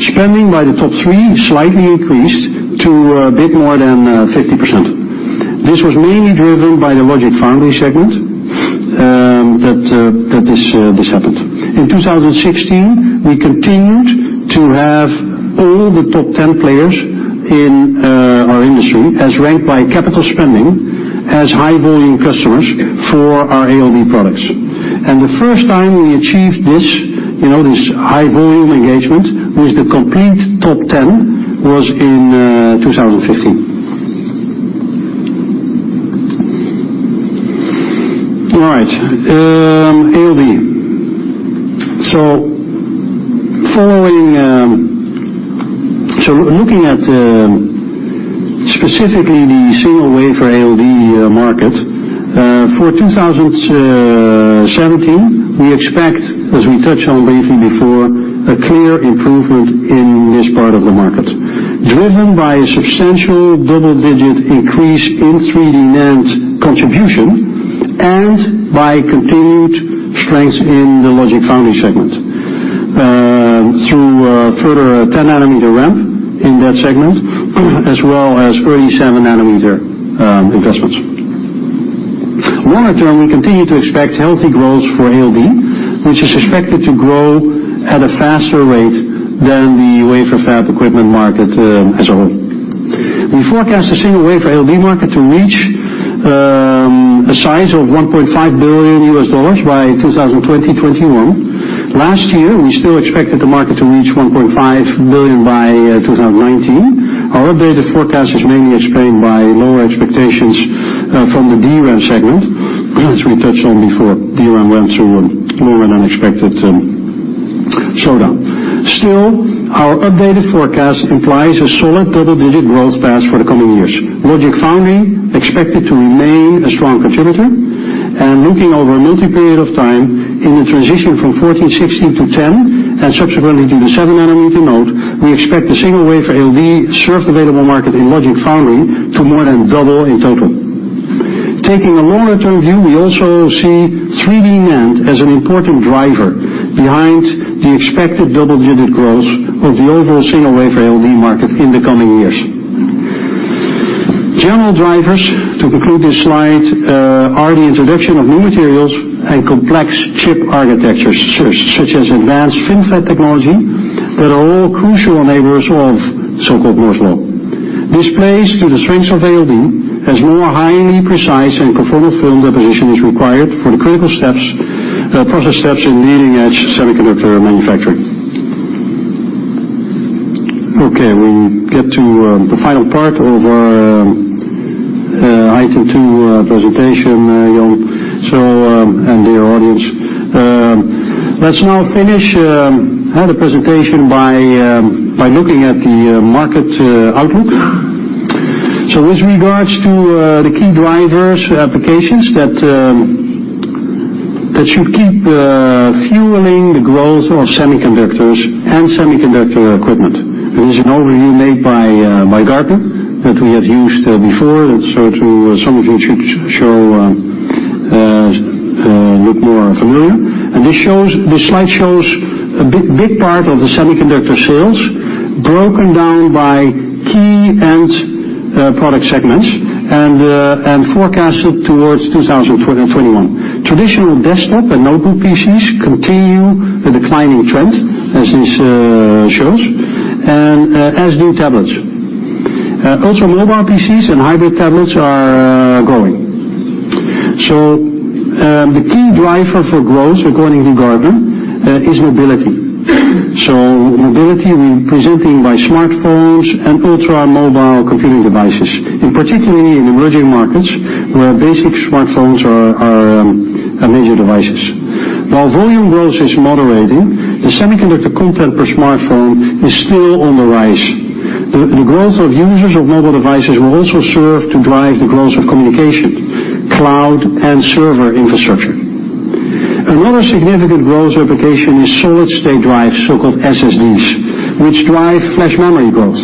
Spending by the top three slightly increased to a bit more than 50%. This was mainly driven by the logic foundry segment, that this happened. In 2016, we continued to have all the top 10 players in our industry, as ranked by capital spending, as high-volume customers for our ALD products. And the first time we achieved this, you know, this high-volume engagement, with the complete top 10, was in 2015. All right, ALD. So following... So looking at, specifically the single wafer ALD market, for 2017, we expect, as we touched on briefly before, a clear improvement in this part of the market, driven by a substantial double-digit increase in 3D NAND contribution and by continued strength in the logic foundry segment, through further 10-nanometer ramp in that segment, as well as early 7-nanometer investments. Longer term, we continue to expect healthy growth for ALD, which is expected to grow at a faster rate than the wafer fab equipment market as a whole. We forecast the single wafer ALD market to reach a size of $1.5 billion by 2021. Last year, we still expected the market to reach $1.5 billion by 2019. Our updated forecast is mainly explained by lower expectations from the DRAM segment, as we touched on before. DRAM went through a more than unexpected slowdown. Still, our updated forecast implies a solid double-digit growth path for the coming years. Logic foundry expected to remain a strong contributor. And looking over a multi-period of time, in the transition from 14, 16 to 10, and subsequently to the 7-nanometer node, we expect the single wafer ALD served available market in logic foundry to more than double in total. Taking a longer-term view, we also see 3D NAND as an important driver behind the expected double-digit growth of the overall single wafer ALD market in the coming years. General drivers, to conclude this slide, are the introduction of new materials and complex chip architectures, such as advanced FinFET technology, that are all crucial enablers of so-called Moore's Law. This plays to the strengths of ALD, as more highly precise and conformal film deposition is required for the critical steps, process steps in leading-edge semiconductor manufacturing. Okay, we get to the final part of our item two presentation, young, so, and dear audience. Let's now finish the presentation by looking at the market outlook. So with regards to the key drivers, applications that that should keep fueling the growth of semiconductors and semiconductor equipment. It is an overview made by Gartner, that we have used before, and so to some of you should show look more familiar. This shows, this slide shows a big, big part of the semiconductor sales, broken down by key end product segments, and forecasted towards 2021. Traditional desktop and notebook PCs continue the declining trend, as this shows, and as do tablets. Also, mobile PCs and hybrid tablets are growing. So, the key driver for growth, according to Gartner, is mobility. So mobility, representing by smartphones and ultra-mobile computing devices, in particularly in emerging markets, where basic smartphones are major devices. While volume growth is moderating, the semiconductor content per smartphone is still on the rise. The growth of users of mobile devices will also serve to drive the growth of communication, cloud, and server infrastructure. Another significant growth application is solid-state drives, so-called SSDs, which drive flash memory growth.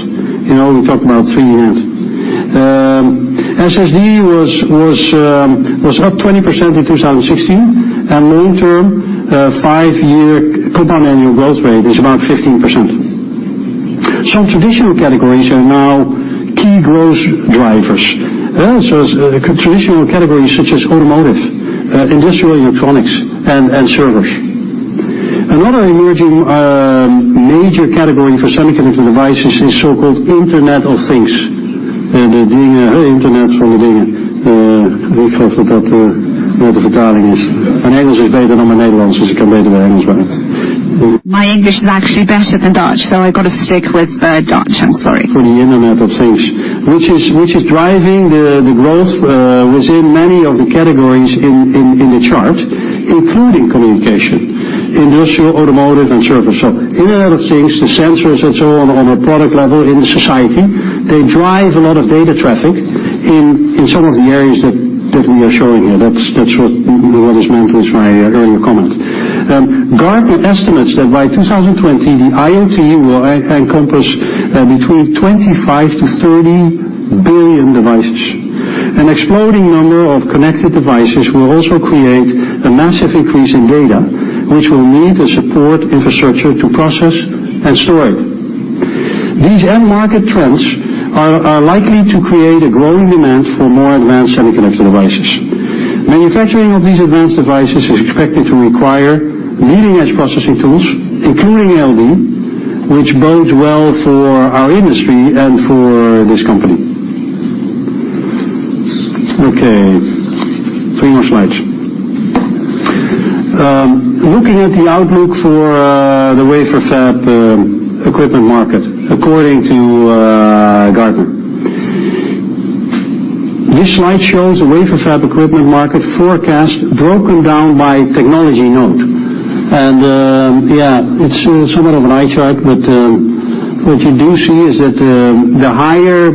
You know, we talked about 3D NAND. SSD was up 20% in 2016, and long-term, five-year compound annual growth rate is about 15%. Some traditional categories are now key growth drivers. So traditional categories such as automotive, industrial electronics, and servers. Another emerging major category for semiconductor devices is so-called Internet of Things. And the Internet van dingen, ik geloof dat wel de vertaling is. Mijn Engels is beter dan mijn Nederlands, dus ik kan beter- ...My English is actually better than Dutch, so I've got to stick with Dutch. I'm sorry. For the Internet of Things, which is driving the growth within many of the categories in the chart, including communication, industrial, automotive, and service. So Internet of Things, the sensors and so on, on a product level in society, they drive a lot of data traffic in some of the areas that we are showing here. That's what was meant with my earlier comment. Gartner estimates that by 2020, the IoT will encompass between 25-30 billion devices. An exploding number of connected devices will also create a massive increase in data, which will need a support infrastructure to process and store it. These end market trends are likely to create a growing demand for more advanced semiconductor devices. Manufacturing of these advanced devices is expected to require leading-edge processing tools, including ALD, which bodes well for our industry and for this company. Okay, 3 more slides. Looking at the outlook for the wafer fab equipment market according to Gartner. This slide shows the wafer fab equipment market forecast broken down by technology node. Yeah, it's somewhat of an eye chart, but what you do see is that the higher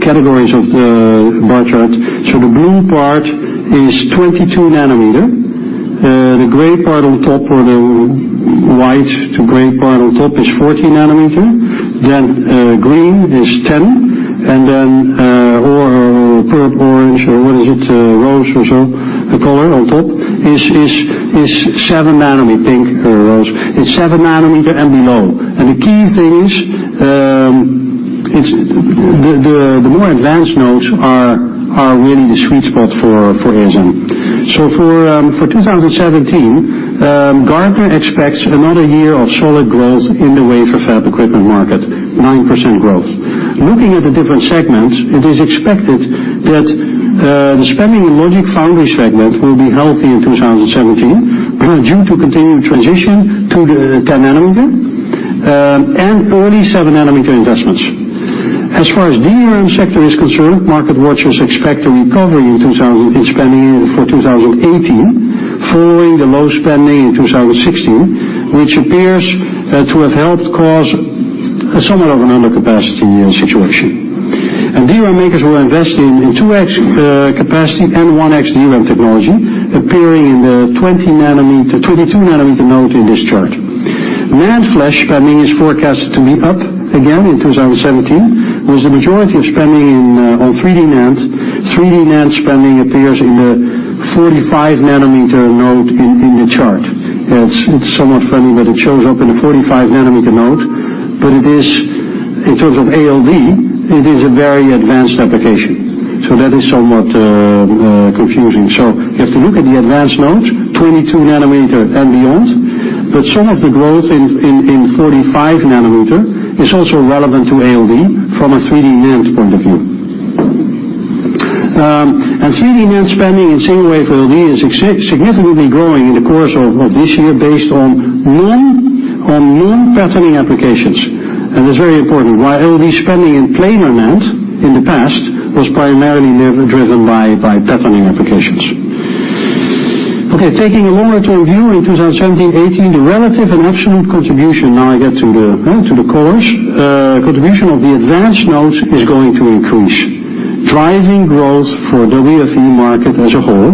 categories of the bar chart, so the blue part is 22 nanometer. The gray part on top, or the white to gray part on top is 14 nanometer. Then green is 10, and then or purple, orange, or what is it? Rose or so, the color on top is 7 nanometer. Pink or rose. It's 7 nanometer and below. And the key thing is, it's the more advanced nodes are really the sweet spot for ASML. So for 2017, Gartner expects another year of solid growth in the wafer fab equipment market, 9% growth. Looking at the different segments, it is expected that the spending in logic foundry segment will be healthy in 2017 due to continued transition to the 10 nanometer and early 7 nanometer investments. As far as DRAM sector is concerned, market watchers expect a recovery in spending in 2018 following the low spending in 2016, which appears to have helped cause somewhat of an undercapacity situation. DRAM makers were investing in 2X capacity and 1X DRAM technology, appearing in the 20 nanometer, 22 nanometer node in this chart. NAND flash spending is forecasted to be up again in 2017, with the majority of spending in on 3D NAND. 3D NAND spending appears in the 45 nanometer node in the chart. It's somewhat funny, but it shows up in the 45 nanometer node, but it is, in terms of ALD, it is a very advanced application, so that is somewhat confusing. So you have to look at the advanced nodes, 22 nanometer and beyond, but some of the growth in 45 nanometer is also relevant to ALD from a 3D NAND point of view. And 3D NAND spending in single wafer ALD is significantly growing in the course of this year based on non-patterning applications. And it's very important. While ALD spending in planar NAND in the past was primarily driven by patterning applications. Okay, taking a longer-term view, in 2017, 2018, the relative and absolute contribution, now I get to the colors, contribution of the advanced nodes is going to increase, driving growth for the WFE market as a whole,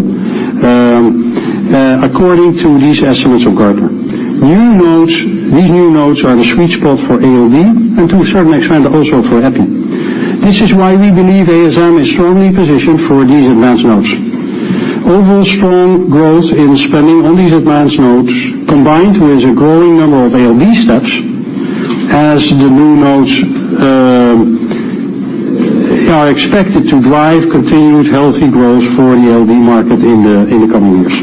according to these estimates of Gartner. New nodes, these new nodes are the sweet spot for ALD and to a certain extent, also for EPI. This is why we believe ASML is strongly positioned for these advanced nodes. Overall strong growth in spending on these advanced nodes, combined with a growing number of ALD steps as the new nodes are expected to drive continued healthy growth for the ALD market in the coming years.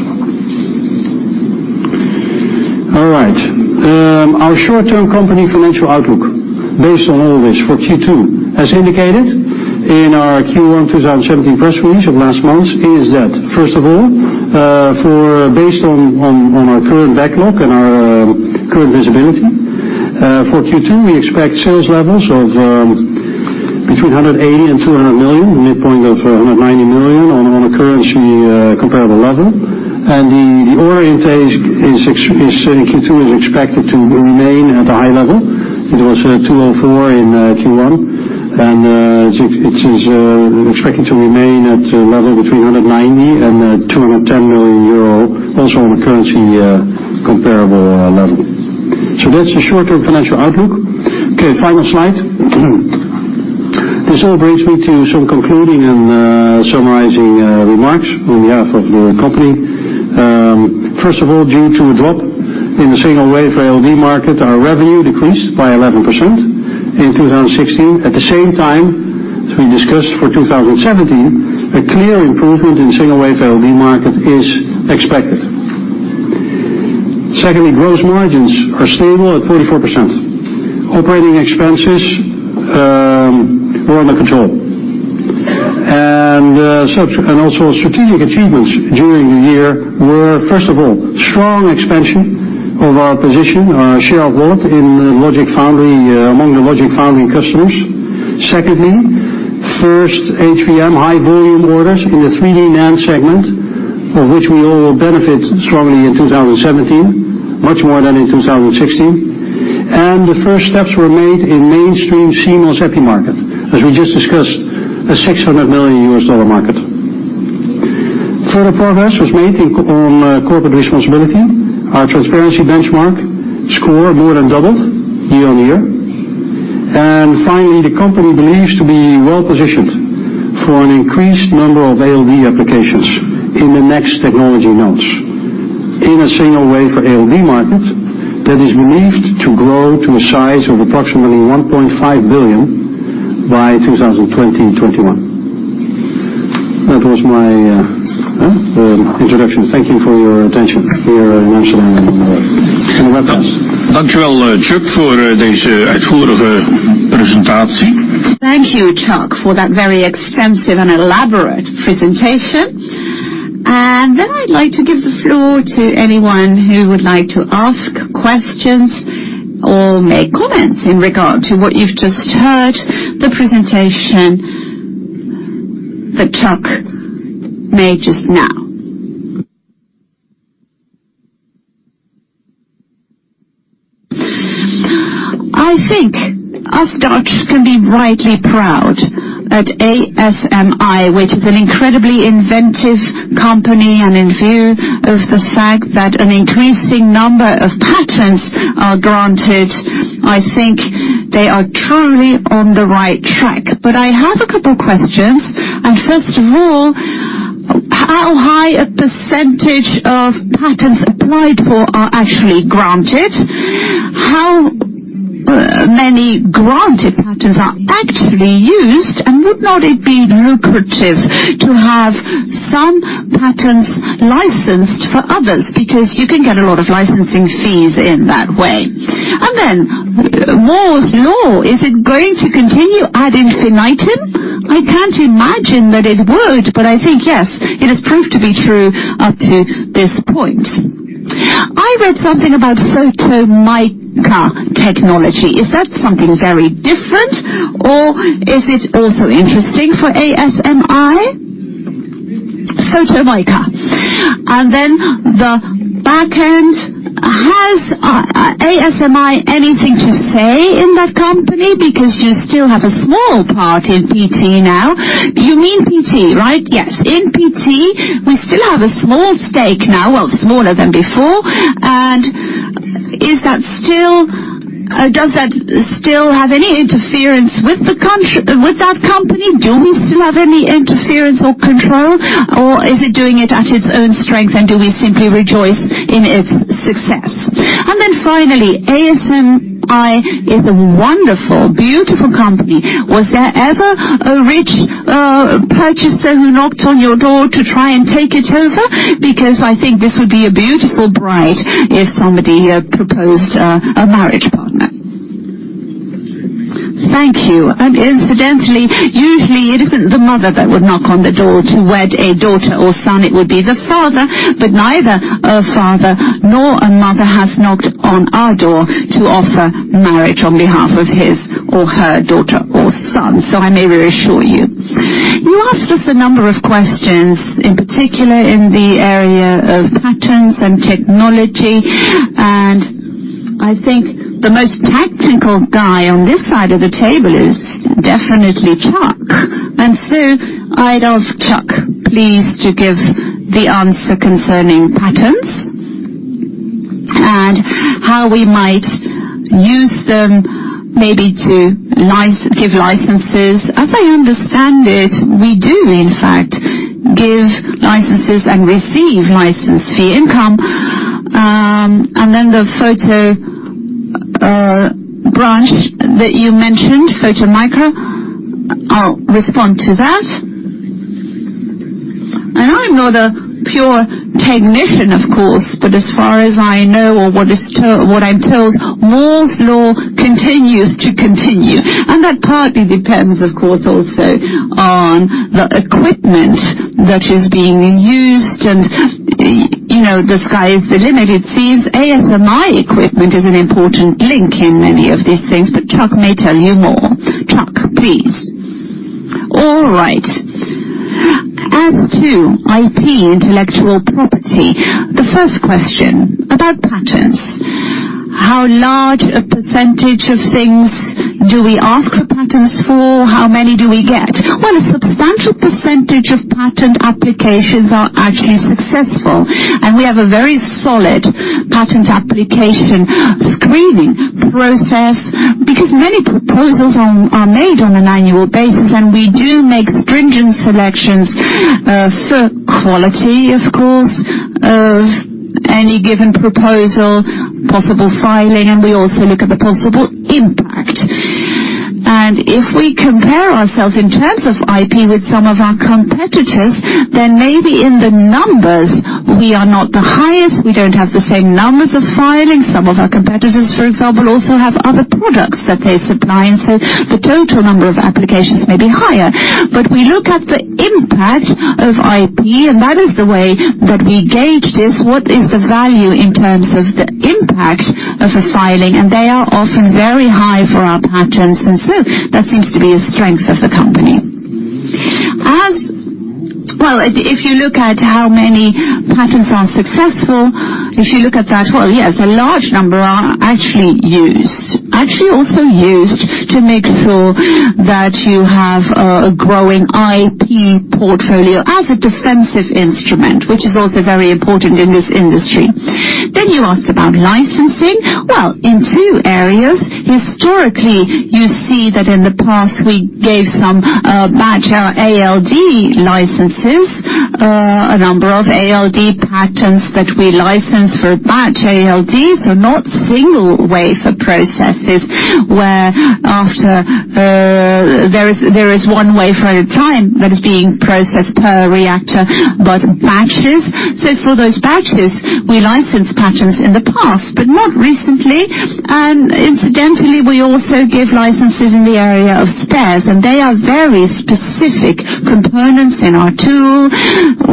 All right. Our short-term company financial outlook based on all this for Q2, as indicated in our Q1 2017 press release of last month, is that, first of all, based on our current backlog and our current visibility, for Q2, we expect sales levels of between 180 million and 200 million, midpoint of 190 million on a currency comparable level. And the order intake in Q2 is expected to remain at a high level. It was 204 million in Q1, and it is expected to remain at a level between 190 million and 210 million euro, also on a currency comparable level. So that's the short-term financial outlook. Okay, final slide. This all brings me to some concluding and summarizing remarks on behalf of the company. First of all, due to a drop in the Single Wafer ALD market, our revenue decreased by 11% in 2016. At the same time, as we discussed for 2017, a clear improvement in Single Wafer ALD market is expected. Secondly, gross margins are stable at 44%. Operating expenses were under control. And, so and also strategic achievements during the year were, first of all, strong expansion of our position, our share of wallet in logic foundry, among the logic foundry customers. Secondly, first HVM high volume orders in the 3D NAND segment, of which we all will benefit strongly in 2017, much more than in 2016. And the first steps were made in mainstream CMOS epi market, as we just discussed, a $600 million market. Further progress was made in on corporate responsibility. Our transparency benchmark score more than doubled year-on-year. Finally, the company believes to be well-positioned for an increased number of ALD applications in the next technology nodes, in Single Wafer ALD market that is believed to grow to a size of approximately $1.5 billion by 2020-2021. That was my introduction. Thank you for your attention here in Amsterdam and in the webcast. Thank you, Chuck, for this presentation. Thank you, Chuck, for that very extensive and elaborate presentation. And then I'd like to give the floor to anyone who would like to ask questions or make comments in regard to what you've just heard, the presentation that Chuck made just now. I think us Dutch can be rightly proud at ASMI, which is an incredibly inventive company, and in view of the fact that an increasing number of patents are granted, I think they are truly on the right track. But I have a couple questions. And first of all, how high a percentage of patents applied for are actually granted? How many granted patents are actually used, and would not it be lucrative to have some patents licensed for others? Because you can get a lot of licensing fees in that way. And then, Moore's Law, is it going to continue ad infinitum? I can't imagine that it would, but I think, yes, it has proved to be true up to this point. I read something about Photonics technology. Is that something very different, or is it also interesting for ASMI? Photonics. And then, the back end, has ASMI anything to say in that company? Because you still have a small part in PT now. You mean PT, right? Yes. In PT, we still have a small stake now, well, smaller than before. And is that still... does that still have any interference with that company? Do we still have any interference or control, or is it doing it at its own strength, and do we simply rejoice in its success? And then finally, ASMI is a wonderful, beautiful company. Was there ever a rich purchaser who knocked on your door to try and take it over? Because I think this would be a beautiful bride if somebody proposed a marriage partner. Thank you. And incidentally, usually it isn't the mother that would knock on the door to wed a daughter or son, it would be the father. But neither a father nor a mother has knocked on our door to offer marriage on behalf of his or her daughter or son, so I may reassure you. You asked us a number of questions, in particular in the area of patents and technology, and I think the most tactical guy on this side of the table is definitely Chuck. And so I'd ask Chuck, please, to give the answer concerning patents and how we might use them maybe to license, give licenses. As I understand it, we do, in fact, give licenses and receive license fee income. And then the photonics branch that you mentioned, photonics, I'll respond to that. I'm not a pure technician, of course, but as far as I know or what is told, what I'm told, Moore's Law continues to continue, and that partly depends, of course, also on the equipment that is being used. You know, the sky is the limit. It seems ASMI equipment is an important link in many of these things, but Chuck may tell you more. Chuck, please. All right. As to IP, intellectual property, the first question about patents, how large a percentage of things do we ask for patents for? How many do we get? Well, a substantial percentage of patent applications are actually successful, and we have a very solid patent application screening process, because many proposals are made on an annual basis, and we do make stringent selections for quality, of course, of any given proposal, possible filing, and we also look at the possible impact. And if we compare ourselves in terms of IP with some of our competitors, then maybe in the numbers we are not the highest. We don't have the same numbers of filings. Some of our competitors, for example, also have other products that they supply, and so the total number of applications may be higher. But we look at the impact of IP, and that is the way that we gauge this. What is the value in terms of the impact of a filing? They are often very high for our patents, and so that seems to be a strength of the company. Well, if you look at how many patents are successful, if you look at that, well, yes, a large number are actually used. Actually, also used to make sure that you have a growing IP portfolio as a defensive instrument, which is also very important in this industry. Then you asked about licensing. Well, in two areas. Historically, you see that in the past we gave some batch ALD licenses. A number of ALD patents that we licensed for batch ALD, so not single wafer processes, where after there is one wafer at a time that is being processed per reactor, but batches. So for those batches, we licensed patents in the past, but not recently. Incidentally, we also give licenses in the area of spares, and they are very specific components in our tool,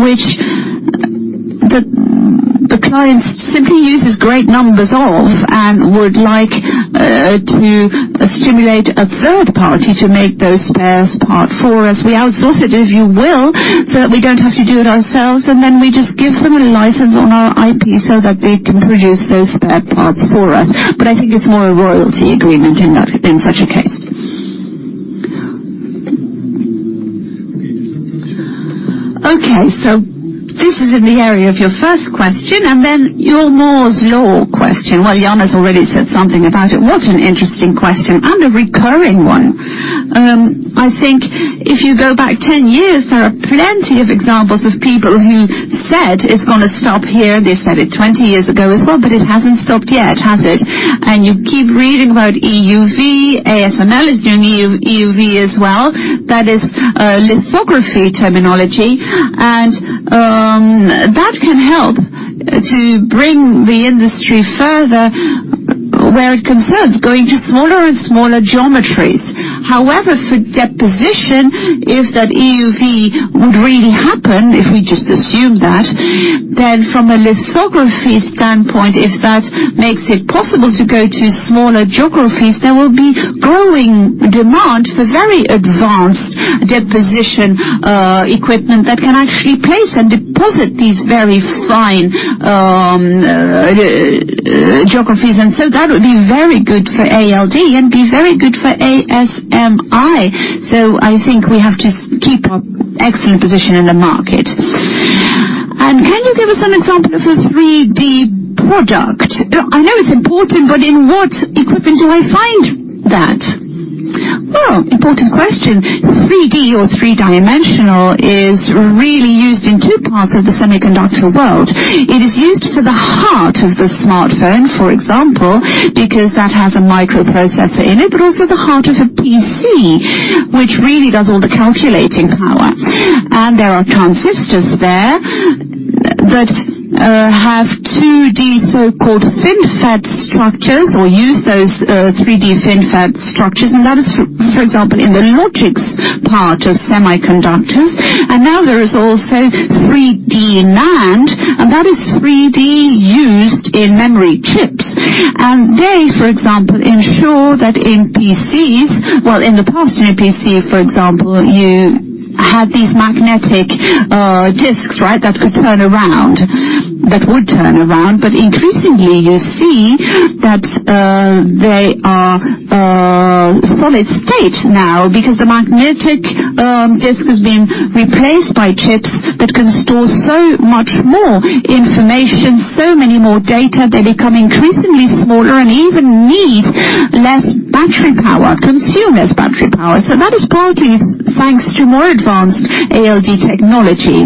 which the client simply uses great numbers of and would like to stimulate a third party to make those spare parts for us. We outsource it, if you will, so that we don't have to do it ourselves, and then we just give them a license on our IP so that they can produce those spare parts for us. But I think it's more a royalty agreement in that, in such a case. Okay, so this is in the area of your first question, and then your Moore's Law question. Well, Jan has already said something about it. What an interesting question and a recurring one. I think if you go back 10 years, there are plenty of examples of people who said it's gonna stop here. They said it 20 years ago as well, but it hasn't stopped yet, has it? And you keep reading about EUV. ASML is doing EUV as well. That is, lithography terminology, and, that can help to bring the industry further where it concerns going to smaller and smaller geometries. However, for deposition, if that EUV would really happen, if we just assume that, then from a lithography standpoint, if that makes it possible to go to smaller geometries, there will be growing demand for very advanced deposition, equipment that can actually place and deposit these very fine, geometries. And so that would be very good for ALD and be very good for ASMI. So I think we have to keep our excellent position in the market. And can you give us some example of a 3D product? I know it's important, but in what equipment do I find that? Well, important question. 3D or three-dimensional is really used in two parts of the semiconductor world. It is used for the heart of the smartphone, for example, because that has a microprocessor in it, but also the heart of a PC, which really does all the calculating power. And there are transistors there that have 2D, so-called FinFET structures, or use those 3D FinFET structures, and that is for, for example, in the logic part of semiconductors. And now there is also 3D NAND, and that is 3D used in memory chips. And they, for example, ensure that in PCs - well, in the past, in a PC, for example, you had these magnetic disks, right? That could turn around, that would turn around. But increasingly you see that, they are, solid state now, because the magnetic, disk has been replaced by chips that can store so much more information, so many more data. They become increasingly smaller and even need less battery power, consume less battery power. So that is partly thanks to more advanced ALD technology.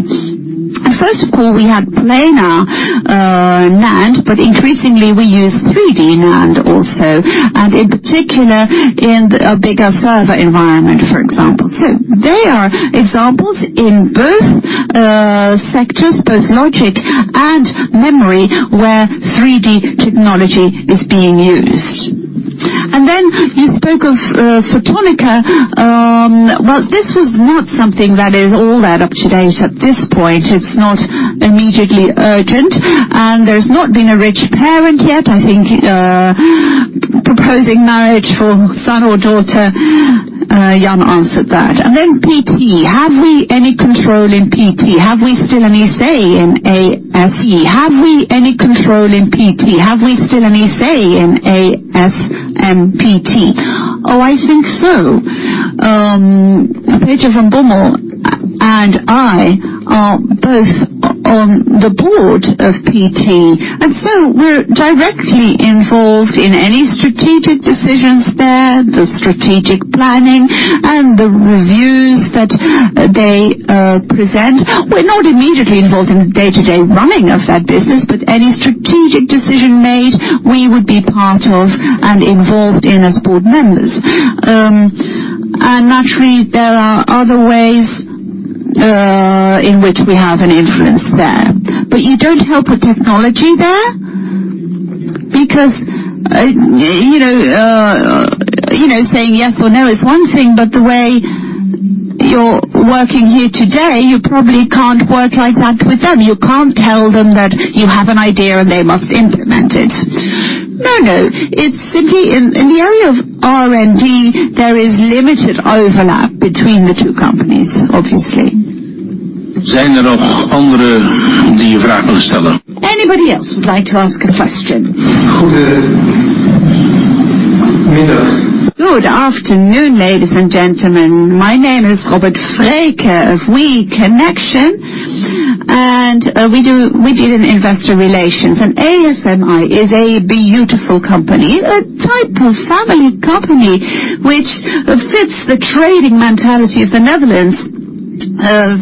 At first call, we had planar NAND, but increasingly we use 3D NAND also, and in particular in a bigger server environment, for example. So there are examples in both, sectors, both logic and memory, where 3D technology is being used. And then you spoke of, photonics. Well, this is not something that is all that up to date at this point. It's not immediately urgent, and there's not been a rich parent yet, I think, proposing marriage for son or daughter. Jan answered that. And then PT, have we any control in PT? Have we still any say in ASE? Have we any control in PT? Have we still any say in ASMPT? Oh, I think so. Peter van Bommel and I are both on the board of PT, and so we're directly involved in any strategic decisions there, the strategic planning and the reviews that they present. We're not immediately involved in the day-to-day running of that business, but any strategic decision made, we would be part of and involved in as board members. And naturally, there are other ways in which we have an influence there. But you don't help with technology there? Because, you know, you know, saying yes or no is one thing, but the way you're working here today, you probably can't work like that with them. You can't tell them that you have an idea, and they must implement it. No, no, it's simply in, in the area of R&D, there is limited overlap between the two companies, obviously. Anybody else would like to ask a question? Good afternoon, ladies and gentlemen. My name is Robert Frake of We Connection, and we do, we deal in investor relations. And ASMI is a beautiful company, a type of family company, which fits the trading mentality of the Netherlands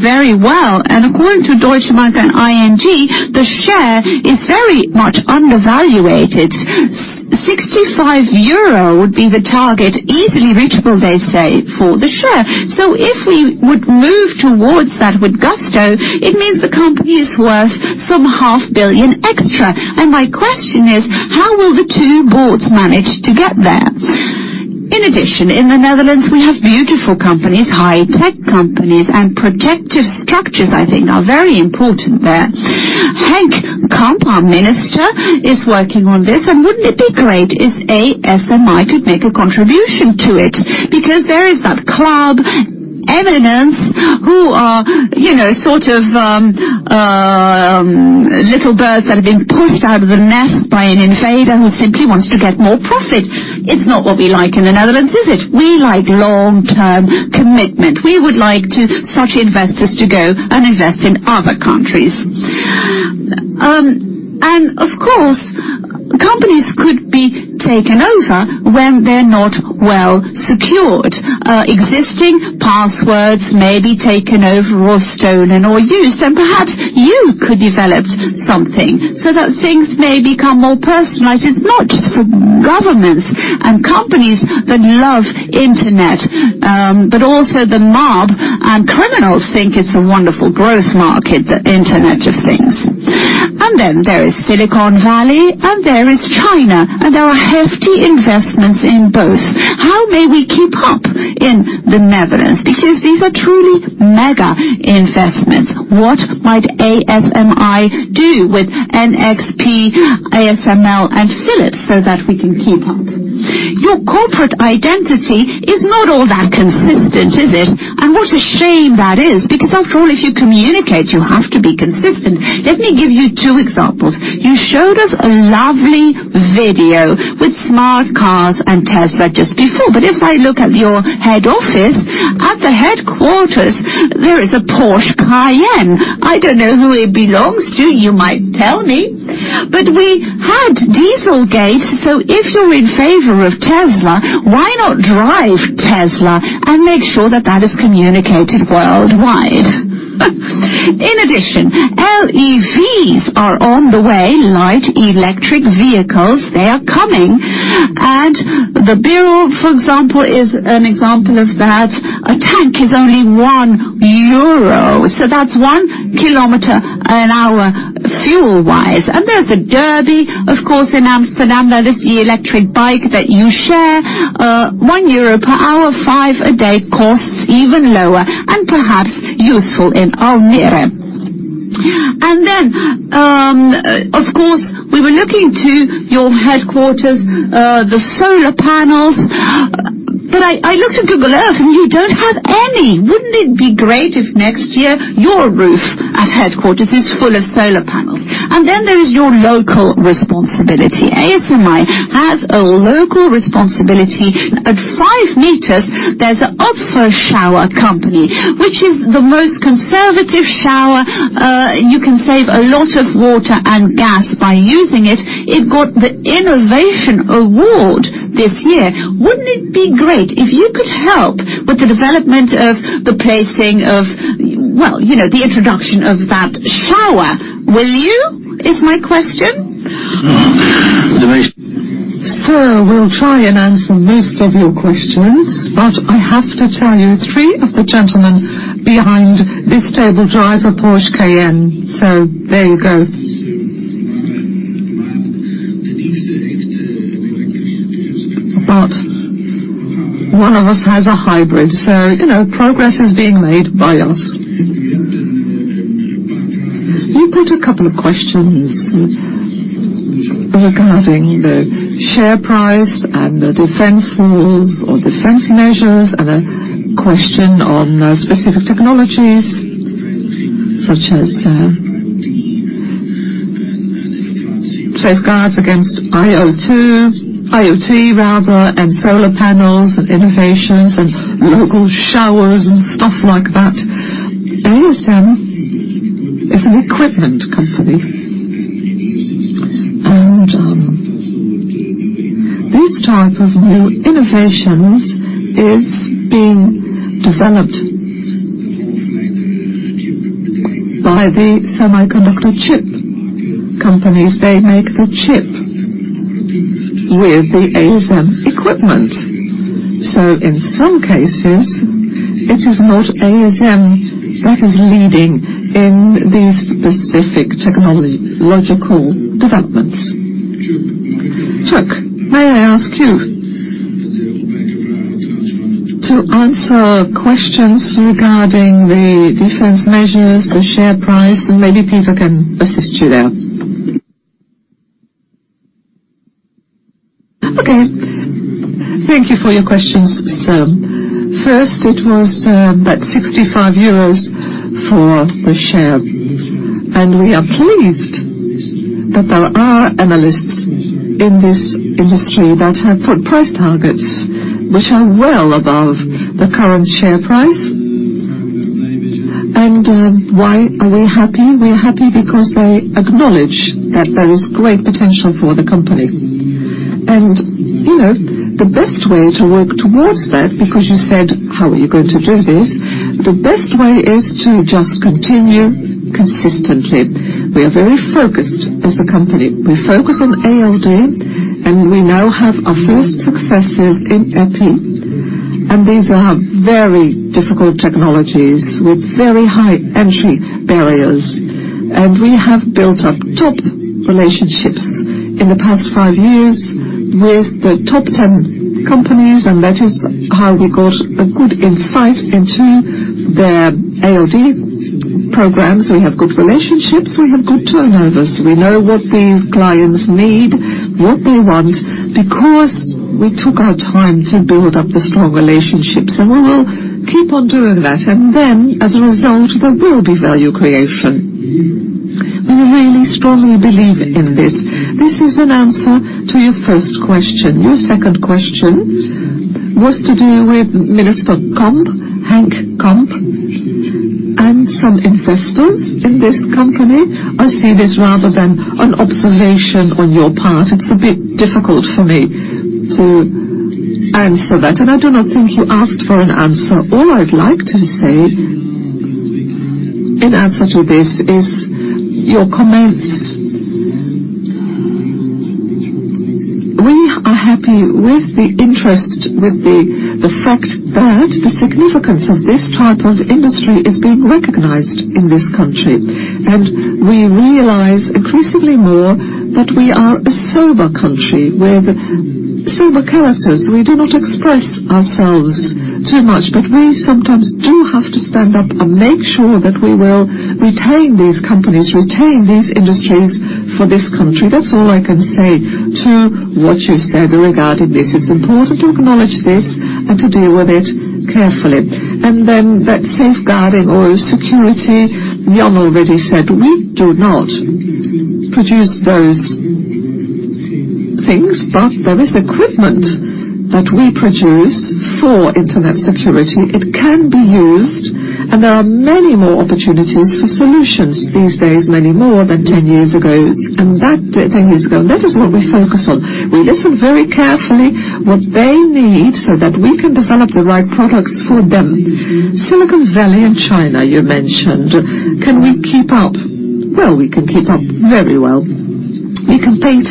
very well. And according to Deutsche Bank and ING, the share is very much undervalued. 65 euro would be the target, easily reachable, they say, for the share. So if we would move towards that with gusto, it means the company is worth some 500 million extra. And my question is: how will the two boards manage to get there? In addition, in the Netherlands, we have beautiful companies, high-tech companies, and protective structures, I think, are very important there. Henk Kamp, our minister, is working on this, and wouldn't it be great if ASMI could make a contribution to it? Because there is that club, Eminence, who are, you know, sort of, little birds that have been pushed out of the nest by an invader who simply wants to get more profit. It's not what we like in the Netherlands, is it? We like long-term commitment. We would like to such investors to go and invest in other countries. Of course, companies could be taken over when they're not well secured. Existing passwords may be taken over or stolen or used, and perhaps you could develop something so that things may become more personalized. It's not just for governments and companies that love internet, but also the mob and criminals think it's a wonderful growth market, the Internet of Things. And then there is Silicon Valley, and there is China, and there are hefty investments in both. How may we keep up in the Netherlands? Because these are truly mega investments. What might ASMI do with NXP, ASML, and Philips so that we can keep up? Your corporate identity is not all that consistent, is it? And what a shame that is, because after all, if you communicate, you have to be consistent. Let me give you two examples. You showed us a lovely video with smart cars and Tesla just before, but if I look at your head office, at the headquarters, there is a Porsche Cayenne. I don't know who it belongs to. You might tell me. But we had Dieselgate, so if you're in favor of Tesla, why not drive Tesla and make sure that that is communicated worldwide? In addition, LEVs are on the way, light electric vehicles, they are coming, and the Birò, for example, is an example of that. A tank is only 1 euro, so that's 1 kilometer an hour, fuel-wise. And there's the Urbee, of course, in Amsterdam. There is the electric bike that you share. 1 euro per hour, 5 a day, costs even lower and perhaps useful in Almere. And then, of course, we were looking to your headquarters, the solar panels, but I looked at Google Earth, and you don't have any. Wouldn't it be great if next year your roof at headquarters is full of solar panels? And then there is your local responsibility. ASMI has a local responsibility. At five meters, there's an Upfall shower company, which is the most conservative shower. You can save a lot of water and gas by using it. It got the innovation award this year. Wouldn't it be great if you could help with the development of the placing of, well, you know, the introduction of that shower? Will you? Is my question. So we'll try and answer most of your questions, but I have to tell you, three of the gentlemen behind this table drive a Porsche Cayenne, so there you go. But one of us has a hybrid, so you know, progress is being made by us. You put a couple of questions regarding the share price and the defense rules or defense measures, and a question on, specific technologies, such as, safeguards against IoT, IoT rather, and solar panels, innovations, and local showers and stuff like that. ASM is an equipment company, and, these type of new innovations is being developed by the semiconductor chip.... companies, they make the chip with the ASM equipment. So in some cases, it is not ASM that is leading in these specific technological developments. Chuck, may I ask you to answer questions regarding the defense measures, the share price, and maybe Peter can assist you there? Okay, thank you for your questions, sir. First, it was that 65 euros for the share, and we are pleased that there are analysts in this industry that have put price targets which are well above the current share price. And why are we happy? We are happy because they acknowledge that there is great potential for the company. And, you know, the best way to work towards that, because you said, "How are you going to do this?" The best way is to just continue consistently. We are very focused as a company. We focus on ALD, and we now have our first successes in EPI, and these are very difficult technologies with very high entry barriers. We have built up top relationships in the past five years with the top 10 companies, and that is how we got a good insight into their ALD programs. We have good relationships, we have good turnovers. We know what these clients need, what they want, because we took our time to build up the strong relationships, and we will keep on doing that. And then, as a result, there will be value creation. We really strongly believe in this. This is an answer to your first question. Your second question was to do with Minister Kamp, Henk Kamp, and some investors in this company. I see this rather than an observation on your part. It's a bit difficult for me to answer that, and I do not think you asked for an answer. All I'd like to say in answer to this is your comments. We are happy with the interest, with the fact that the significance of this type of industry is being recognized in this country, and we realize increasingly more that we are a sober country with sober characters. We do not express ourselves too much, but we sometimes do have to stand up and make sure that we will retain these companies, retain these industries for this country. That's all I can say to what you said regarding this. It's important to acknowledge this and to deal with it carefully. And then, that safeguarding oil security, Jan already said we do not produce those things, but there is equipment that we produce for internet security. It can be used, and there are many more opportunities for solutions these days, many more than 10 years ago, and 10 years ago. That is what we focus on. We listen very carefully what they need so that we can develop the right products for them. Silicon Valley and China, you mentioned. Can we keep up? Well, we can keep up very well. We compete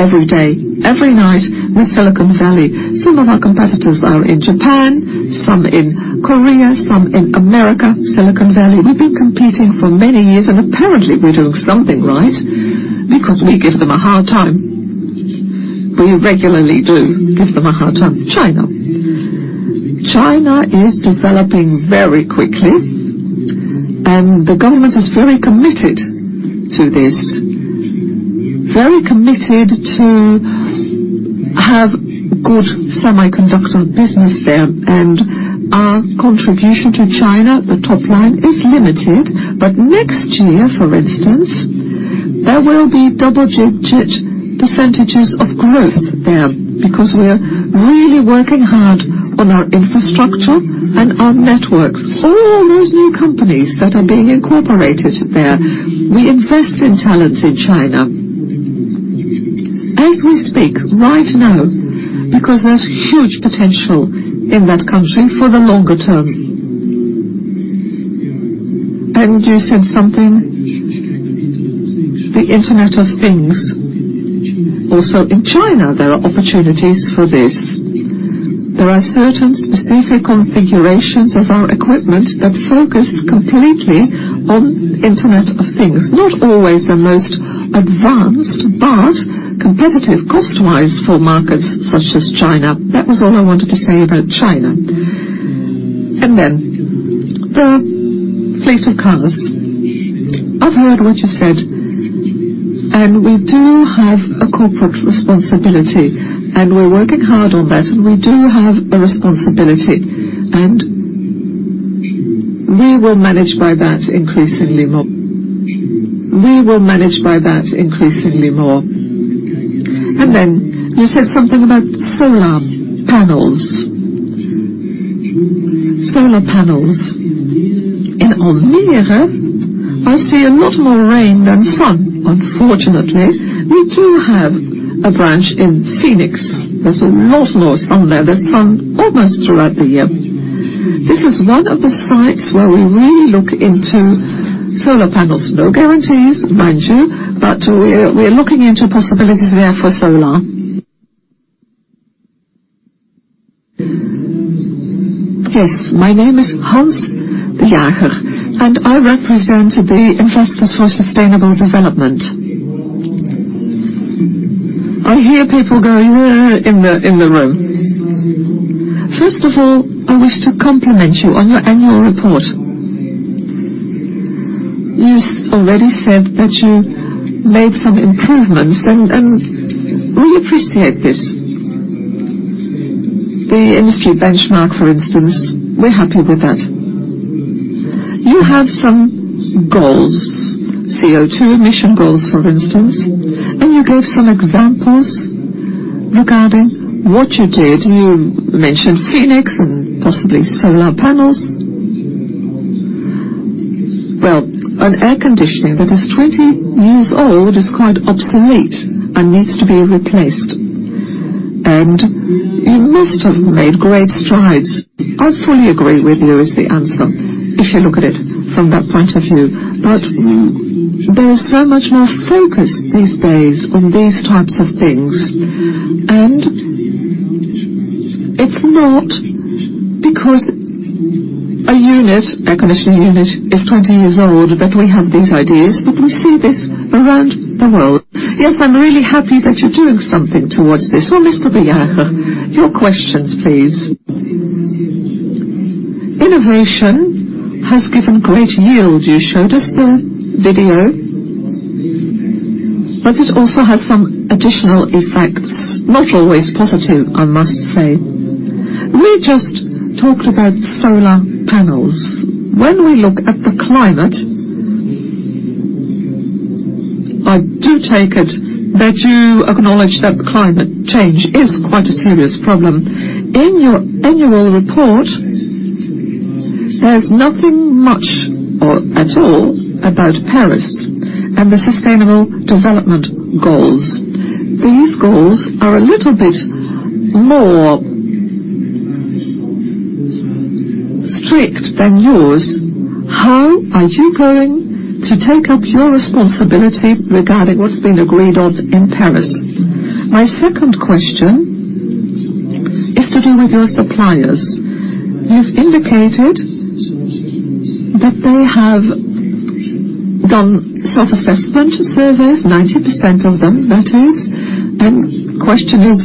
every day, every night with Silicon Valley. Some of our competitors are in Japan, some in Korea, some in America, Silicon Valley. We've been competing for many years, and apparently, we're doing something right because we give them a hard time. We regularly do give them a hard time. China. China is developing very quickly, and the government is very committed to this, very committed to have good semiconductor business there. And our contribution to China, the top line, is limited, but next year, for instance, there will be double-digit percentages of growth there, because we are really working hard on our infrastructure and our networks. All those new companies that are being incorporated there, we invest in talents in China. As we speak, right now, because there's huge potential in that country for the longer term. And you said something, the Internet of Things. Also, in China, there are opportunities for this. There are certain specific configurations of our equipment that focus completely on Internet of Things. Not always the most advanced, but competitive cost-wise for markets such as China. That was all I wanted to say about China. And then, the fleet of cars. I've heard what you said, and we do have a corporate responsibility, and we're working hard on that, and we do have a responsibility, and we will manage by that increasingly more. We will manage by that increasingly more. And then you said something about solar panels. Solar panels. In Almere, I see a lot more rain than sun, unfortunately. We do have a branch in Phoenix. There's a lot more sun there. There's sun almost throughout the year. This is one of the sites where we really look into solar panels. No guarantees, mind you, but we're looking into possibilities there for solar... Yes, my name is Hans de Jager, and I represent the Investors for Sustainable Development. I hear people going, "Ahhh," in the room. First of all, I wish to compliment you on your annual report. You've already said that you made some improvements, and, and we appreciate this. The industry benchmark, for instance, we're happy with that. You have some goals, CO2 emission goals, for instance, and you gave some examples regarding what you did. You mentioned Phoenix and possibly solar panels. Well, an air conditioning that is 20 years old is quite obsolete and needs to be replaced, and you must have made great strides. I fully agree with you is the answer, if you look at it from that point of view. But there is so much more focus these days on these types of things, and it's not because a unit, air conditioning unit, is 20 years old, that we have these ideas, but we see this around the world. Yes, I'm really happy that you're doing something towards this. Well, Mr. de Jager, your questions, please. Innovation has given great yield. You showed us the video, but it also has some additional effects, not always positive, I must say. We just talked about solar panels. When we look at the climate, I do take it that you acknowledge that climate change is quite a serious problem. In your annual report, there's nothing much or at all about Paris and the sustainable development goals. These goals are a little bit more strict than yours. How are you going to take up your responsibility regarding what's been agreed on in Paris? My second question is to do with your suppliers. You've indicated that they have done self-assessment surveys, 90% of them, that is. Question is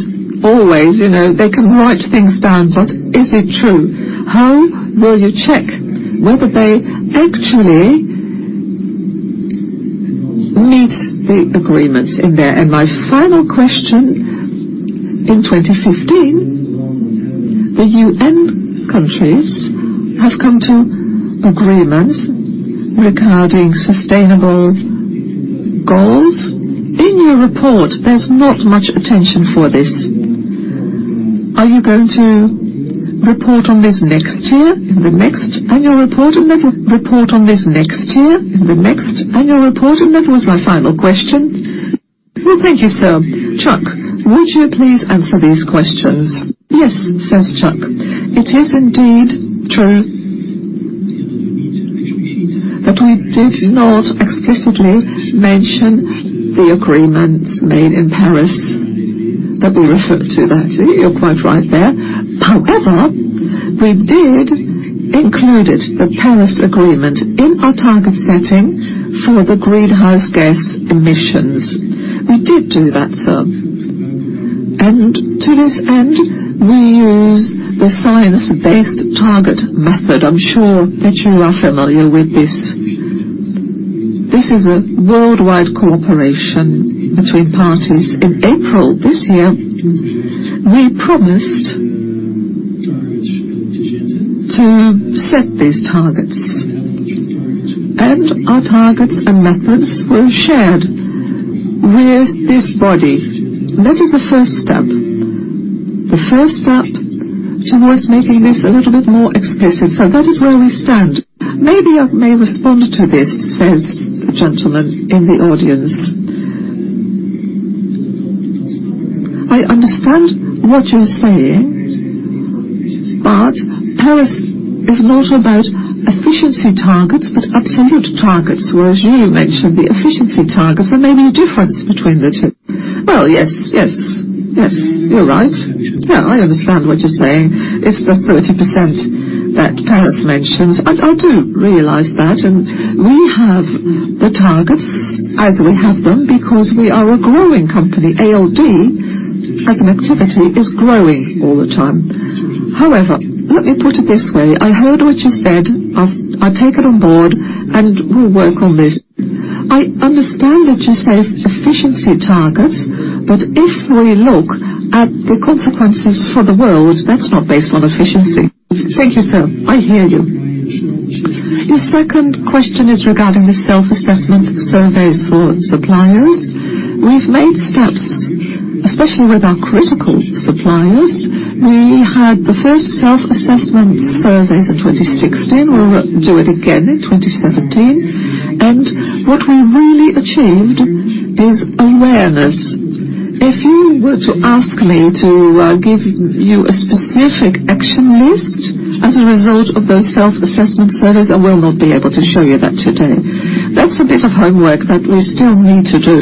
always, you know, they can write things down, but is it true? How will you check whether they actually meet the agreements in there? My final question: in 2015, the UN countries have come to agreement regarding sustainable goals. In your report, there's not much attention for this. Are you going to report on this next year, in the next annual report? That was my final question. Well, thank you, sir. Chuck, would you please answer these questions? Yes, says Chuck. It is indeed true that we did not explicitly mention the agreements made in Paris, that we referred to that. You're quite right there. However, we did include it, the Paris Agreement, in our target setting for the greenhouse gas emissions. We did do that, sir, and to this end, we use the science-based target method. I'm sure that you are familiar with this. This is a worldwide cooperation between parties. In April this year, we promised to set these targets, and our targets and methods were shared with this body. That is the first step, the first step towards making this a little bit more explicit. So that is where we stand. Maybe I may respond to this, says the gentleman in the audience. I understand what you're saying, but Paris is not about efficiency targets, but absolute targets, whereas you mentioned the efficiency targets. There may be a difference between the two. Well, yes. Yes. Yes, you're right. Yeah, I understand what you're saying. It's the 30% that Paris mentions. I, I do realize that, and we have the targets as we have them because we are a growing company. ALD, as an activity, is growing all the time. However, let me put it this way, I heard what you said. I'll take it on board, and we'll work on this. I understand that you say efficiency targets, but if we look at the consequences for the world, that's not based on efficiency. Thank you, sir. I hear you. Your second question is regarding the self-assessment surveys for suppliers. We've made steps, especially with our critical suppliers. We had the first self-assessment surveys in 2016. We'll do it again in 2017. And what we really achieved is awareness. If you were to ask me to give you a specific action list as a result of those self-assessment surveys, I will not be able to show you that today. That's a bit of homework that we still need to do...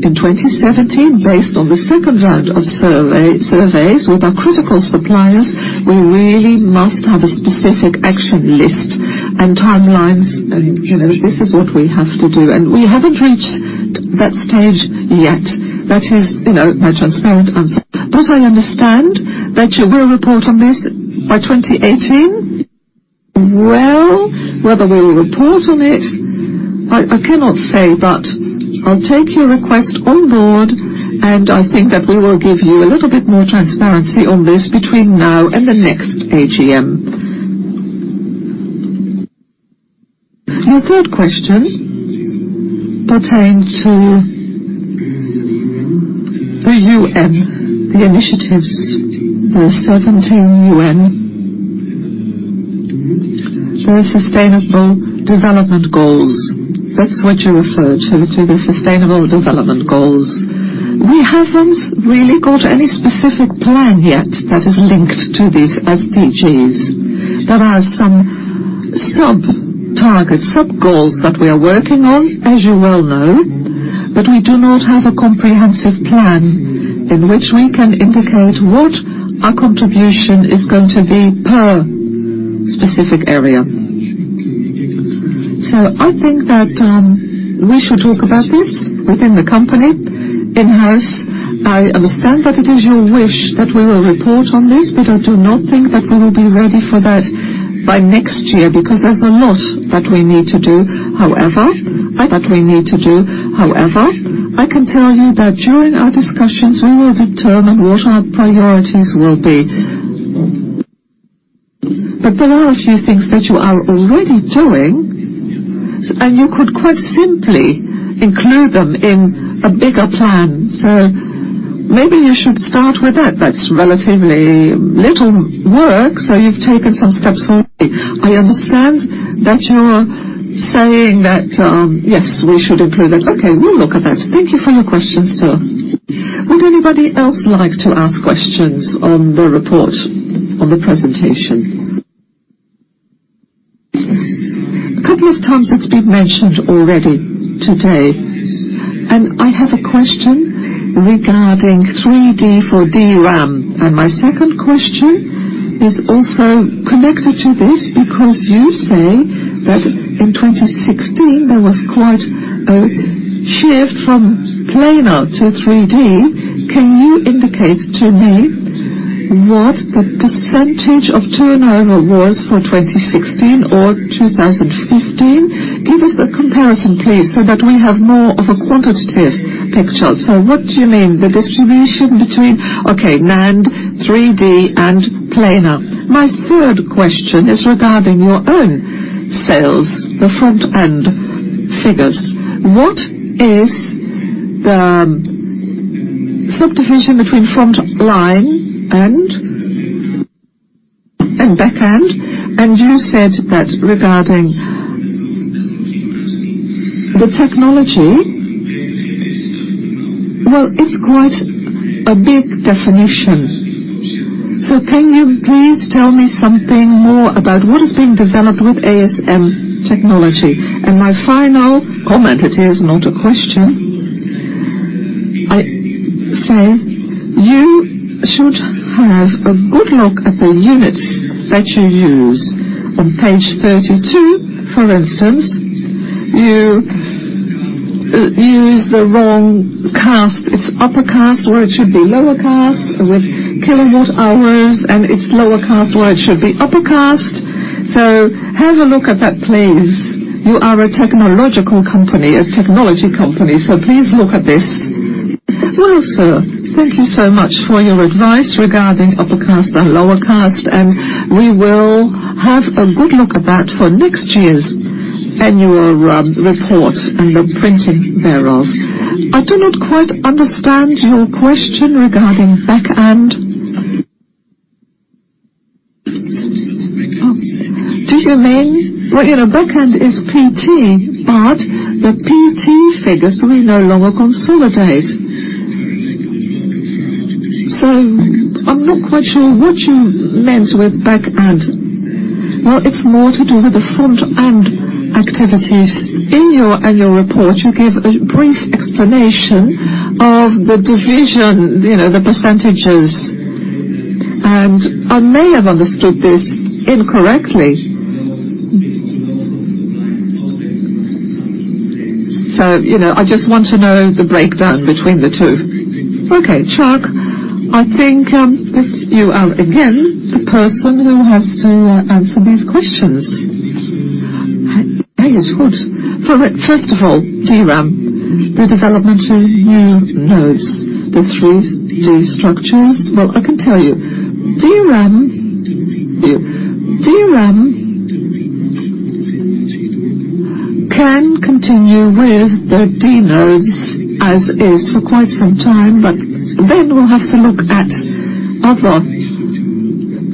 In 2017, based on the second round of survey, surveys with our critical suppliers, we really must have a specific action list and timelines, and, you know, this is what we have to do, and we haven't reached that stage yet. That is, you know, my transparent answer. But I understand that you will report on this by 2018? Well, whether we will report on it, I, I cannot say, but I'll take your request on board, and I think that we will give you a little bit more transparency on this between now and the next AGM. Your third question pertained to the UN, the initiatives for 17 UN, for sustainable development goals. That's what you referred to, to the sustainable development goals. We haven't really got any specific plan yet that is linked to these SDGs. There are some sub-targets, sub-goals that we are working on, as you well know, but we do not have a comprehensive plan in which we can indicate what our contribution is going to be per specific area. So I think that we should talk about this within the company in-house. I understand that it is your wish that we will report on this, but I do not think that we will be ready for that by next year, because there's a lot that we need to do. However, I can tell you that during our discussions, we will determine what our priorities will be. But there are a few things that you are already doing, and you could quite simply include them in a bigger plan. So maybe you should start with that. That's relatively little work, so you've taken some steps already. I understand that you are saying that, yes, we should include it. Okay, we'll look at that. Thank you for your question, sir. Would anybody else like to ask questions on the report, on the presentation? A couple of times it's been mentioned already today, and I have a question regarding 3D for DRAM. And my second question is also connected to this, because you say that in 2016, there was quite a shift from planar to 3D. Can you indicate to me what the percentage of turnover was for 2016 or 2015? Give us a comparison, please, so that we have more of a quantitative picture. So what do you mean, the distribution between... Okay, NAND, 3D, and planar. My third question is regarding your own sales, the front-end figures. What is the subdivision between front-end and back-end? And you said that regarding the technology, well, it's quite a big definition. So can you please tell me something more about what is being developed with ASMPT? And my final comment, it is not a question. I say you should have a good look at the units that you use. On page 32, for instance, you use the wrong case. It's upper case, where it should be lower case, with kilowatt hours, and it's lower case, where it should be upper case. So have a look at that, please. You are a technological company, a technology company, so please look at this. Well, sir, thank you so much for your advice regarding upper case and lower case, and we will have a good look at that for next year's annual report and the printing thereof. I do not quite understand your question regarding back end. Oh, do you mean. Well, you know, back end is PT, but the PT figures we no longer consolidate. So I'm not quite sure what you meant with back end. Well, it's more to do with the front-end activities. In your annual report, you give a brief explanation of the division, you know, the percentages. And I may have understood this incorrectly. So, you know, I just want to know the breakdown between the two. Okay, Chuck, I think that you are, again, the person who has to answer these questions. I would. So first of all, DRAM, the development of new nodes, the 3D structures. Well, I can tell you, DRAM, DRAM can continue with the 2D nodes as is for quite some time, but then we'll have to look at other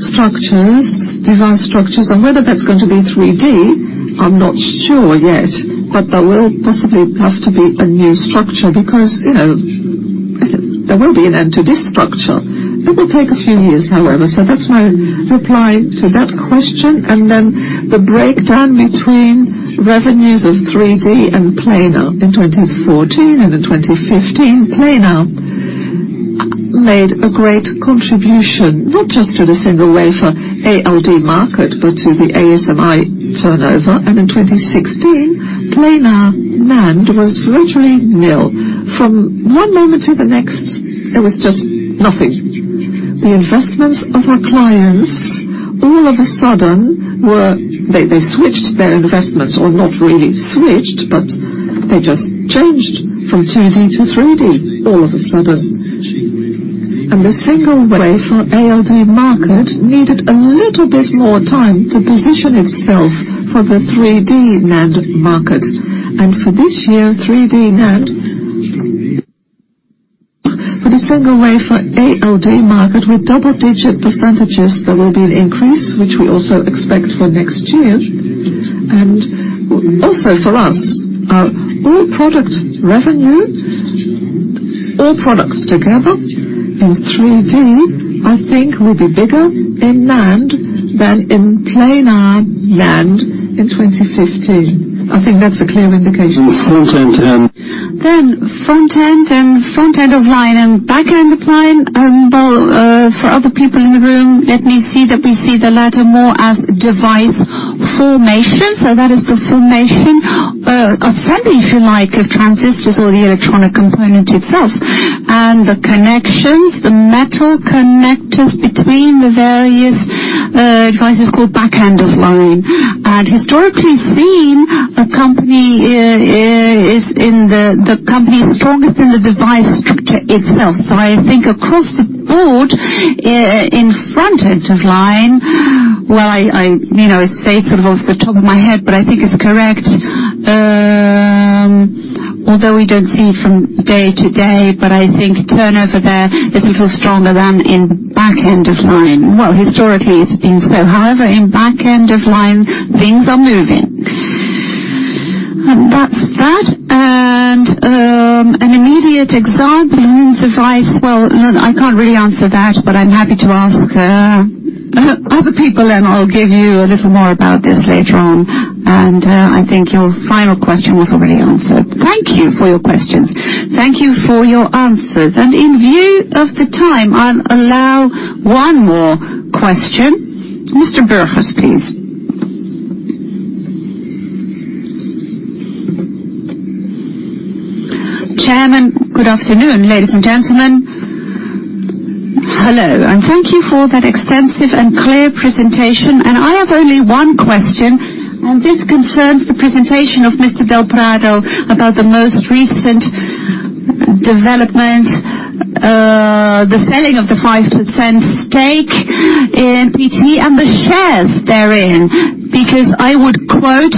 structures, device structures, and whether that's going to be 3D, I'm not sure yet, but there will possibly have to be a new structure because, you know- ...There will be an end to this structure. It will take a few years, however, so that's my reply to that question. And then the breakdown between revenues of 3D and planar in 2014 and in 2015, planar made a great contribution, not just to the single wafer ALD market, but to the ASMI turnover. And in 2016, planar NAND was virtually nil. From one moment to the next, there was just nothing. The investments of our clients, all of a sudden were-- they, they switched their investments, or not really switched, but they just changed from 2D to 3D all of a sudden. And the single wafer ALD market needed a little bit more time to position itself for the 3D NAND market. And for this year, 3D NAND, for the single wafer ALD market, with double-digit percentages, there will be an increase, which we also expect for next year. And also for us, our all product revenue, all products together in 3D, I think, will be bigger in NAND than in planar NAND in 2015. I think that's a clear indication. And front-end, Then front-end and front-end of line and back-end of line, and both, for other people in the room, let me say that we see the latter more as device formation. So that is the formation, assembly, if you like, of transistors or the electronic component itself. And the connections, the metal connectors between the various, devices, called back-end of line. And historically seen, a company, is in the – the company is strongest in the device structure itself. So I think across the board, in front-end of line, well, I you know, say sort of off the top of my head, but I think it's correct, although we don't see it from day to day, but I think turnover there is a little stronger than in back-end of line. Well, historically, it's been so. However, in back-end of line, things are moving. And that's that. And an immediate example in device, well, I can't really answer that, but I'm happy to ask other people, and I'll give you a little more about this later on. And I think your final question was already answered. Thank you for your questions. Thank you for your answers. And in view of the time, I'll allow one more question. Mr. Burgers, please. Chairman, good afternoon, ladies and gentlemen. Hello, and thank you for that extensive and clear presentation. I have only one question, and this concerns the presentation of Mr. Del Prado about the most recent development, the selling of the 5% stake in PT and the shares therein. Because I would quote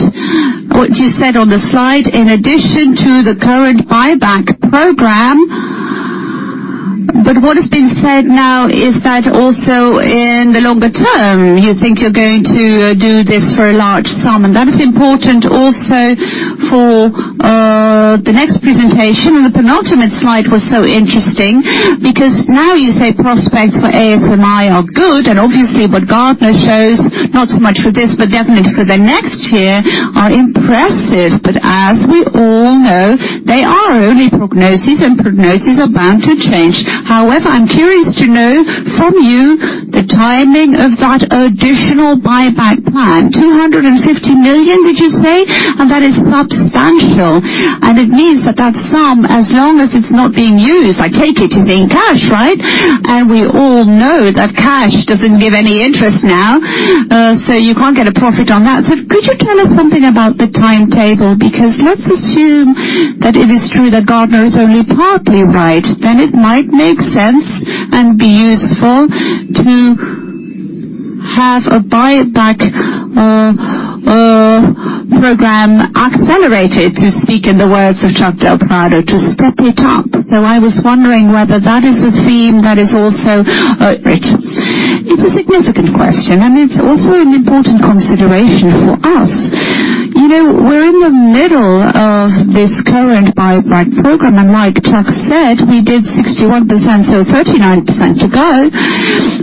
what you said on the slide, in addition to the current buyback program. But what has been said now is that also in the longer term, you think you're going to do this for a large sum. That is important also for, the next presentation. The penultimate slide was so interesting because now you say prospects for ASMI are good, and obviously what Gartner shows, not so much for this, but definitely for the next year, are impressive. But as we all know, they are only prognoses, and prognoses are bound to change. However, I'm curious to know from you the timing of that additional buyback plan. 250 million, did you say? And that is substantial. And it means that that sum, as long as it's not being used, I take it, is in cash, right? And we all know that cash doesn't give any interest now, so you can't get a profit on that. So could you tell us something about the timetable? Because let's assume that it is true that Gartner is only partly right, then it might make sense and be useful to have a buyback program accelerated, to speak in the words of Chuck del Prado, to step it up. So I was wondering whether that is a theme that is also- It's a significant question, and it's also an important consideration for us. You know, we're in the middle of this current buyback program, and like Chuck said, we did 61%, so 39% to go.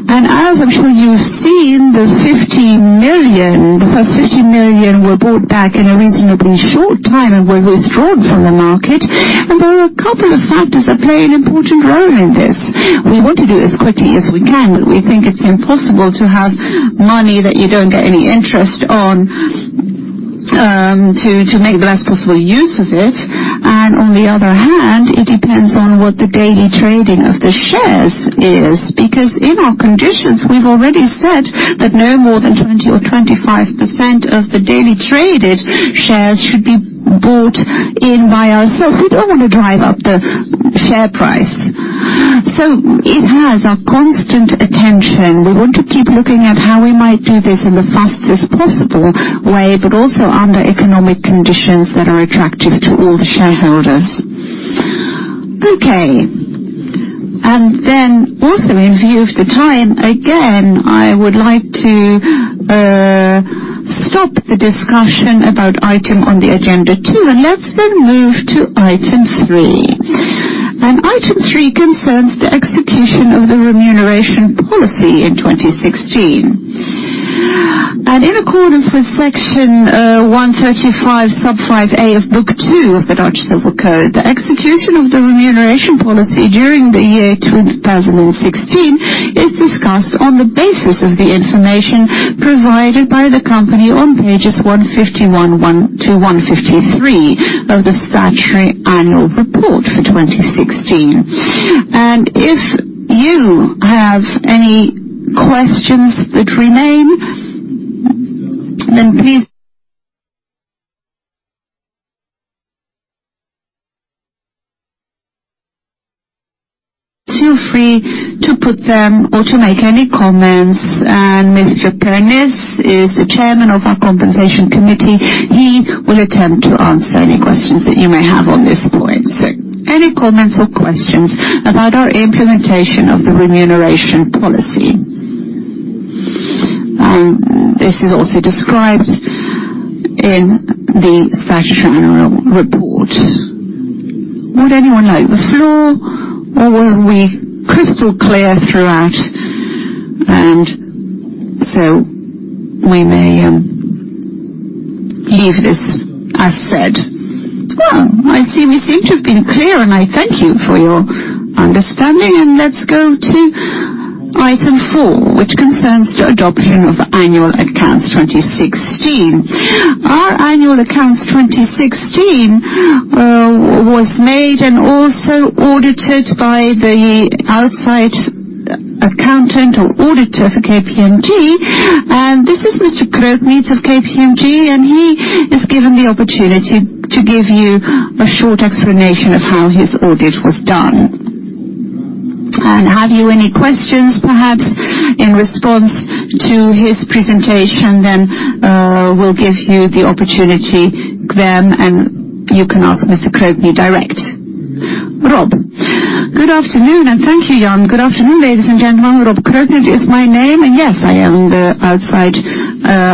And as I'm sure you've seen, the 50 million, the first 50 million were bought back in a reasonably short time and were withdrawn from the market. And there are a couple of factors that play an important role in this. We want to do it as quickly as we can, but we think it's impossible to have money that you don't get any interest on, to make the least possible use of it. And on the other hand, it depends on what the daily trading of the shares is, because in our conditions, we've already said that no more than 20 or 25% of the daily traded shares should be bought in by ourselves. We don't want to drive up the share price. So it has our constant attention. We want to keep looking at how we might do this in the fastest possible way, but also under economic conditions that are attractive to all the shareholders. Okay, and then also in view of the time, again, I would like to stop the discussion about item on the agenda two, and let's then move to item three. And item three concerns the execution of the remuneration policy in 2016. And in accordance with Section 135, sub 5A of Book 2 of the Dutch Civil Code, the execution of the remuneration policy during the year 2016 is discussed on the basis of the information provided by the company on pages 151-153 of the Statutory Annual Report for 2016. And if you have any questions that remain, then please feel free to put them or to make any comments. Mr. van Pernis is the chairman of our Compensation Committee. He will attempt to answer any questions that you may have on this point. So any comments or questions about our implementation of the remuneration policy? This is also described in the Statutory Annual Report. Would anyone like the floor, or were we crystal clear throughout? And so we may leave this as said. Well, I see we seem to have been clear, and I thank you for your understanding. And let's go to item 4, which concerns the adoption of Annual Accounts 2016. Our Annual Accounts 2016 was made and also audited by the outside accountant or auditor for KPMG, and this is Mr. Krogveld of KPMG, and he is given the opportunity to give you a short explanation of how his audit was done. Have you any questions, perhaps, in response to his presentation, then, we'll give you the opportunity then, and you can ask Mr. Krogveld direct. Rob? Good afternoon, and thank you, Jan. Good afternoon, ladies and gentlemen. Rob Krogveld is my name, and yes, I am the outside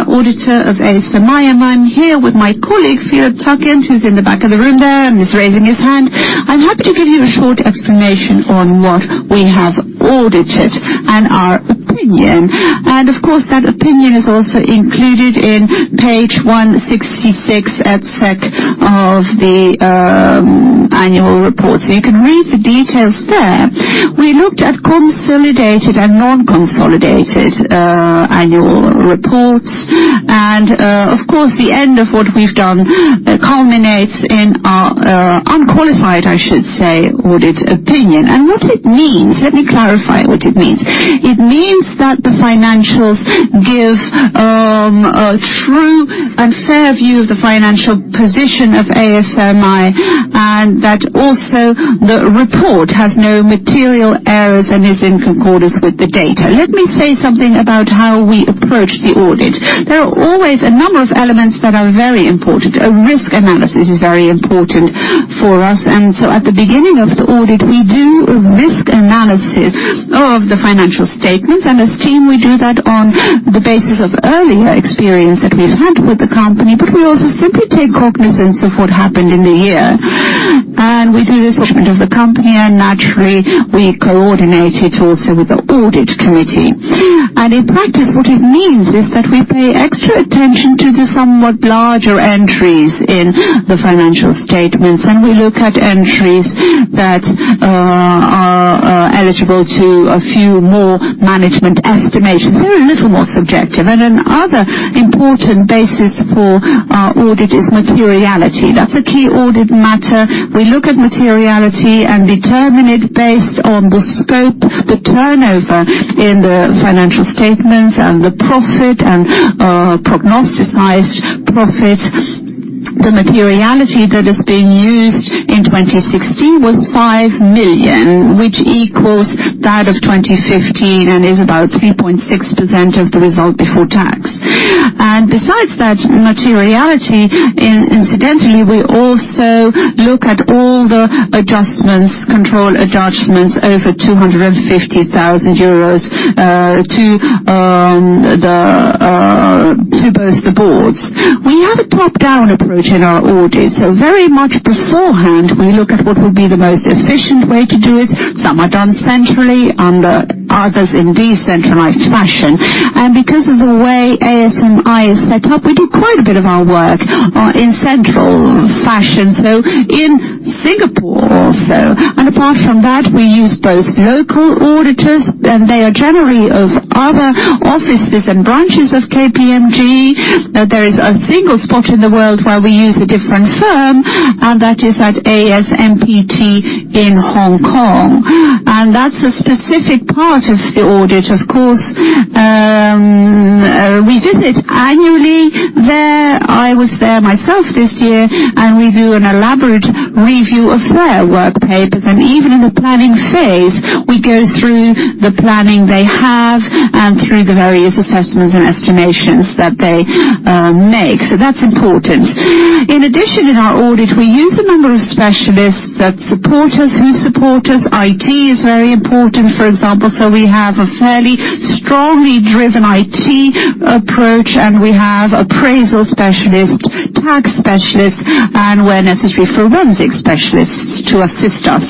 auditor of ASMI. I'm here with my colleague, Philip Takken, who's in the back of the room there and is raising his hand. I'm happy to give you a short explanation on what we have audited and our opinion. Of course, that opinion is also included in page 166 et seq. of the annual report, so you can read the details there. We looked at consolidated and non-consolidated annual reports, and, of course, the end of what we've done culminates in our unqualified, I should say, audit opinion. And what it means, let me clarify what it means. It means that the financials give a true and fair view of the financial position of ASMI, and that also the report has no material errors and is in concordance with the data. Let me say something about how we approach the audit. There are always a number of elements that are very important. A risk analysis is very important for us, and so at the beginning of the audit, we do a risk analysis of the financial statements, and as team, we do that on the basis of earlier experience that we've had with the company, but we also simply take cognizance of what happened in the year. We do the assessment of the company, and naturally, we coordinate it also with the audit committee. In practice, what it means is that we pay extra attention to the somewhat larger entries in the financial statements, and we look at entries that are eligible to a few more management estimations. They're a little more subjective, and another important basis for our audit is materiality. That's a key audit matter. We look at materiality and determine it based on the scope, the turnover in the financial statements, and the profit and prognosticized profit. The materiality that is being used in 2016 was 5 million, which equals that of 2015 and is about 3.6% of the result before tax. Besides that materiality, incidentally, we also look at all the adjustments, control adjustments over 250,000 euros to both the boards. We have a top-down approach in our audits, so very much beforehand, we look at what would be the most efficient way to do it. Some are done centrally, and others in decentralized fashion. Because of the way ASMI is set up, we do quite a bit of our work in central fashion, so in Singapore also. Apart from that, we use both local auditors, and they are generally of other offices and branches of KPMG. Now, there is a single spot in the world where we use a different firm, and that is at ASMPT in Hong Kong, and that's a specific part of the audit, of course. We visit annually there. I was there myself this year, and we do an elaborate review of their work papers, and even in the planning phase, we go through the planning they have and through the various assessments and estimations that they make. So that's important.... In addition, in our audit, we use a number of specialists that support us, who support us. IT is very important, for example, so we have a fairly strongly driven IT approach, and we have appraisal specialists, tax specialists, and where necessary, forensic specialists to assist us.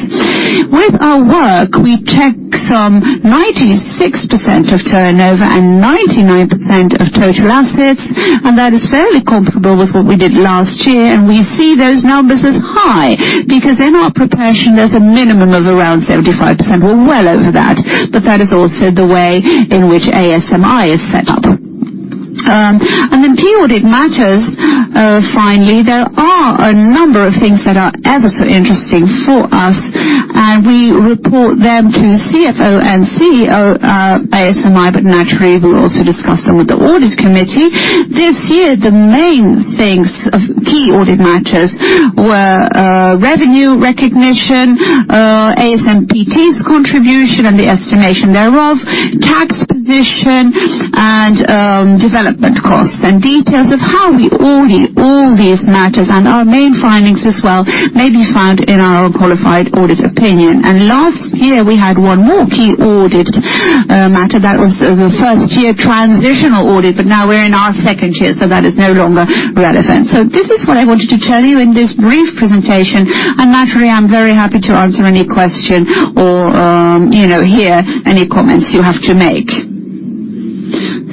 With our work, we check some 96% of turnover and 99% of total assets, and that is fairly comparable with what we did last year. We see those numbers as high, because in our preparation, there's a minimum of around 75%. We're well over that, but that is also the way in which ASMI is set up. And then key audit matters, finally, there are a number of things that are ever so interesting for us, and we report them to CFO and CEO, ASMI, but naturally, we'll also discuss them with the audit committee. This year, the main things of key audit matters were revenue recognition, ASMPT's contribution and the estimation thereof, tax position, and development costs. And details of how we audit all these matters and our main findings as well may be found in our unqualified audit opinion. And last year, we had one more key audit matter. That was the first year transitional audit, but now we're in our second year, so that is no longer relevant. So this is what I wanted to tell you in this brief presentation, and naturally, I'm very happy to answer any question or, you know, hear any comments you have to make.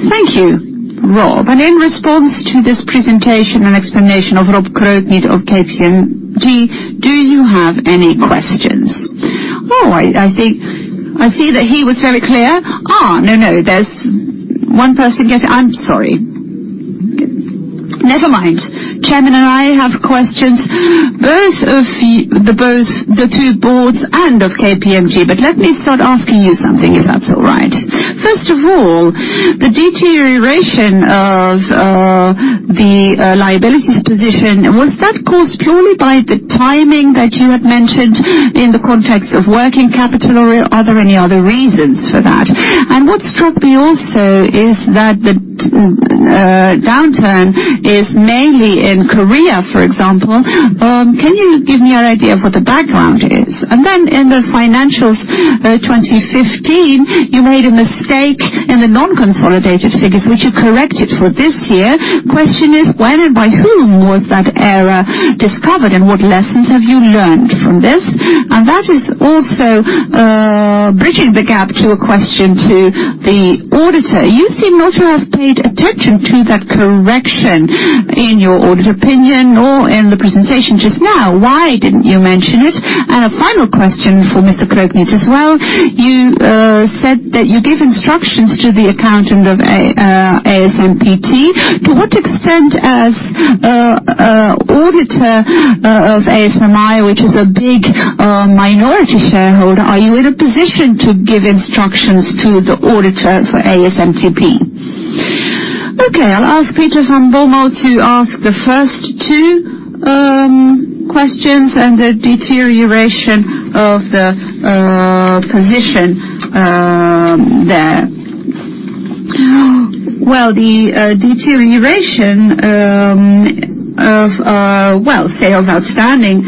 Thank you, Rob. And in response to this presentation and explanation of Rob Krogveld of KPMG, do you have any questions? Oh, I think—I see that he was very clear. Ah, no, no, there's one person. Yes, I'm sorry. Never mind. The Chairman and I have questions, both of the two boards and of KPMG, but let me start asking you something, if that's all right. First of all, the deterioration of the liabilities position, was that caused purely by the timing that you had mentioned in the context of working capital, or are there any other reasons for that? What struck me also is that the downturn is mainly in Korea, for example. Can you give me an idea of what the background is? Then in the financials, 2015, you made a mistake in the non-consolidated figures, which you corrected for this year. Question is, when and by whom was that error discovered, and what lessons have you learned from this? That is also bridging the gap to a question to the auditor. You seem not to have paid attention to that correction in your audit opinion or in the presentation just now. Why didn't you mention it? A final question for Mr. Krogveld as well, you said that you gave instructions to the accountant of A, ASMPT. To what extent, as an auditor of ASMI, which is a big minority shareholder, are you in a position to give instructions to the auditor for ASMPT? Okay, I'll ask Peter van Bommel to ask the first two questions and the deterioration of the position there. Well, the deterioration of well, sales outstanding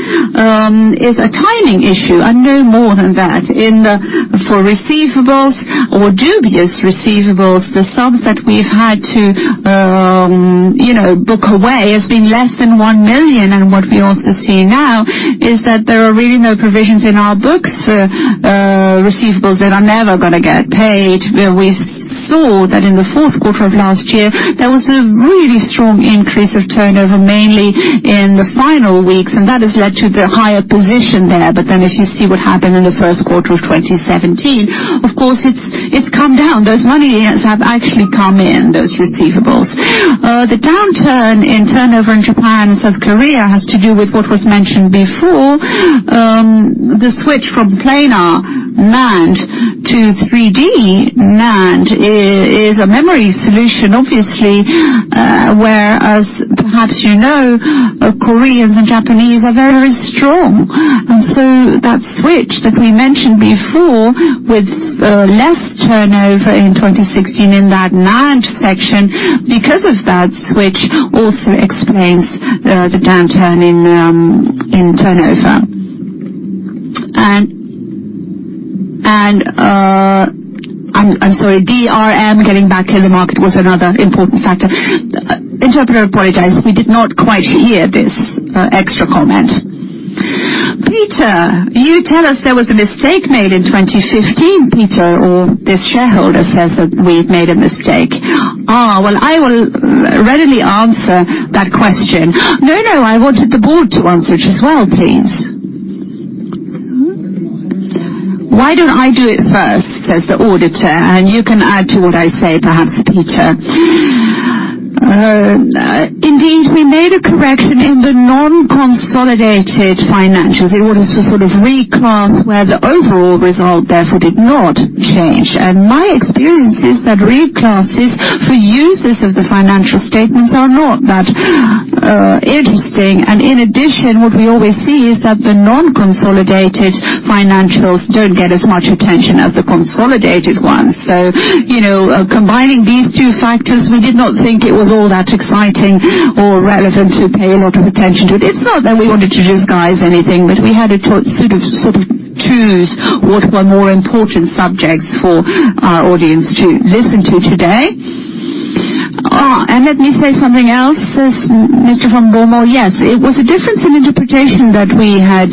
is a timing issue and no more than that. In the— For receivables or dubious receivables, the sums that we've had to, you know, book away has been less than 1 million, and what we also see now is that there are really no provisions in our books for receivables that are never gonna get paid. Where we saw that in the fourth quarter of last year, there was a really strong increase of turnover, mainly in the final weeks, and that has led to the higher position there. But then if you see what happened in the first quarter of 2017, of course, it's come down. Those money have actually come in, those receivables. The downturn in turnover in Japan and South Korea has to do with what was mentioned before. The switch from planar NAND to 3D NAND is a memory solution, obviously, whereas perhaps you know, Koreans and Japanese are very, very strong. And so that switch that we mentioned before with less turnover in 2016 in that NAND section because of that switch also explains the downturn in turnover. I'm sorry, DRAM getting back in the market was another important factor. Interpreter, apologize. We did not quite hear this extra comment. Peter, you tell us there was a mistake made in 2015. Peter or this shareholder says that we've made a mistake. Ah, well, I will readily answer that question. No, no, I wanted the board to answer it as well, please. Why don't I do it first, says the auditor, and you can add to what I say, perhaps, Peter. Indeed, we made a correction in the non-consolidated financials in order to reclass, where the overall result therefore did not change. And my experience is that reclasses for users of the financial statements are not that interesting. And in addition, what we always see is that the non-consolidated financials don't get as much attention as the consolidated ones. So, you know, combining these two factors, we did not think it was all that exciting or relevant to pay a lot of attention to it. It's not that we wanted to disguise anything, but we had to sort of, sort of choose what were more important subjects for our audience to listen to today. Ah, and let me say something else, says Mr. van Bommel. Yes, it was a difference in interpretation that we had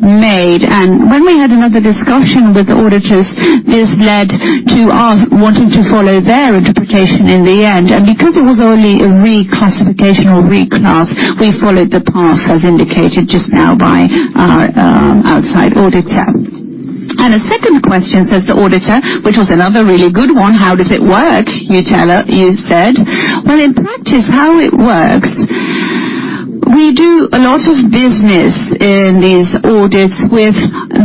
made, and when we had another discussion with the auditors, this led to our wanting to follow their interpretation in the end. And because it was only a reclassification or reclass, we followed the path as indicated just now by our outside auditor. And a second question, says the auditor, which was another really good one, "How does it work?" You tell her, you said. Well, in practice, how it works, we do a lot of business in these audits with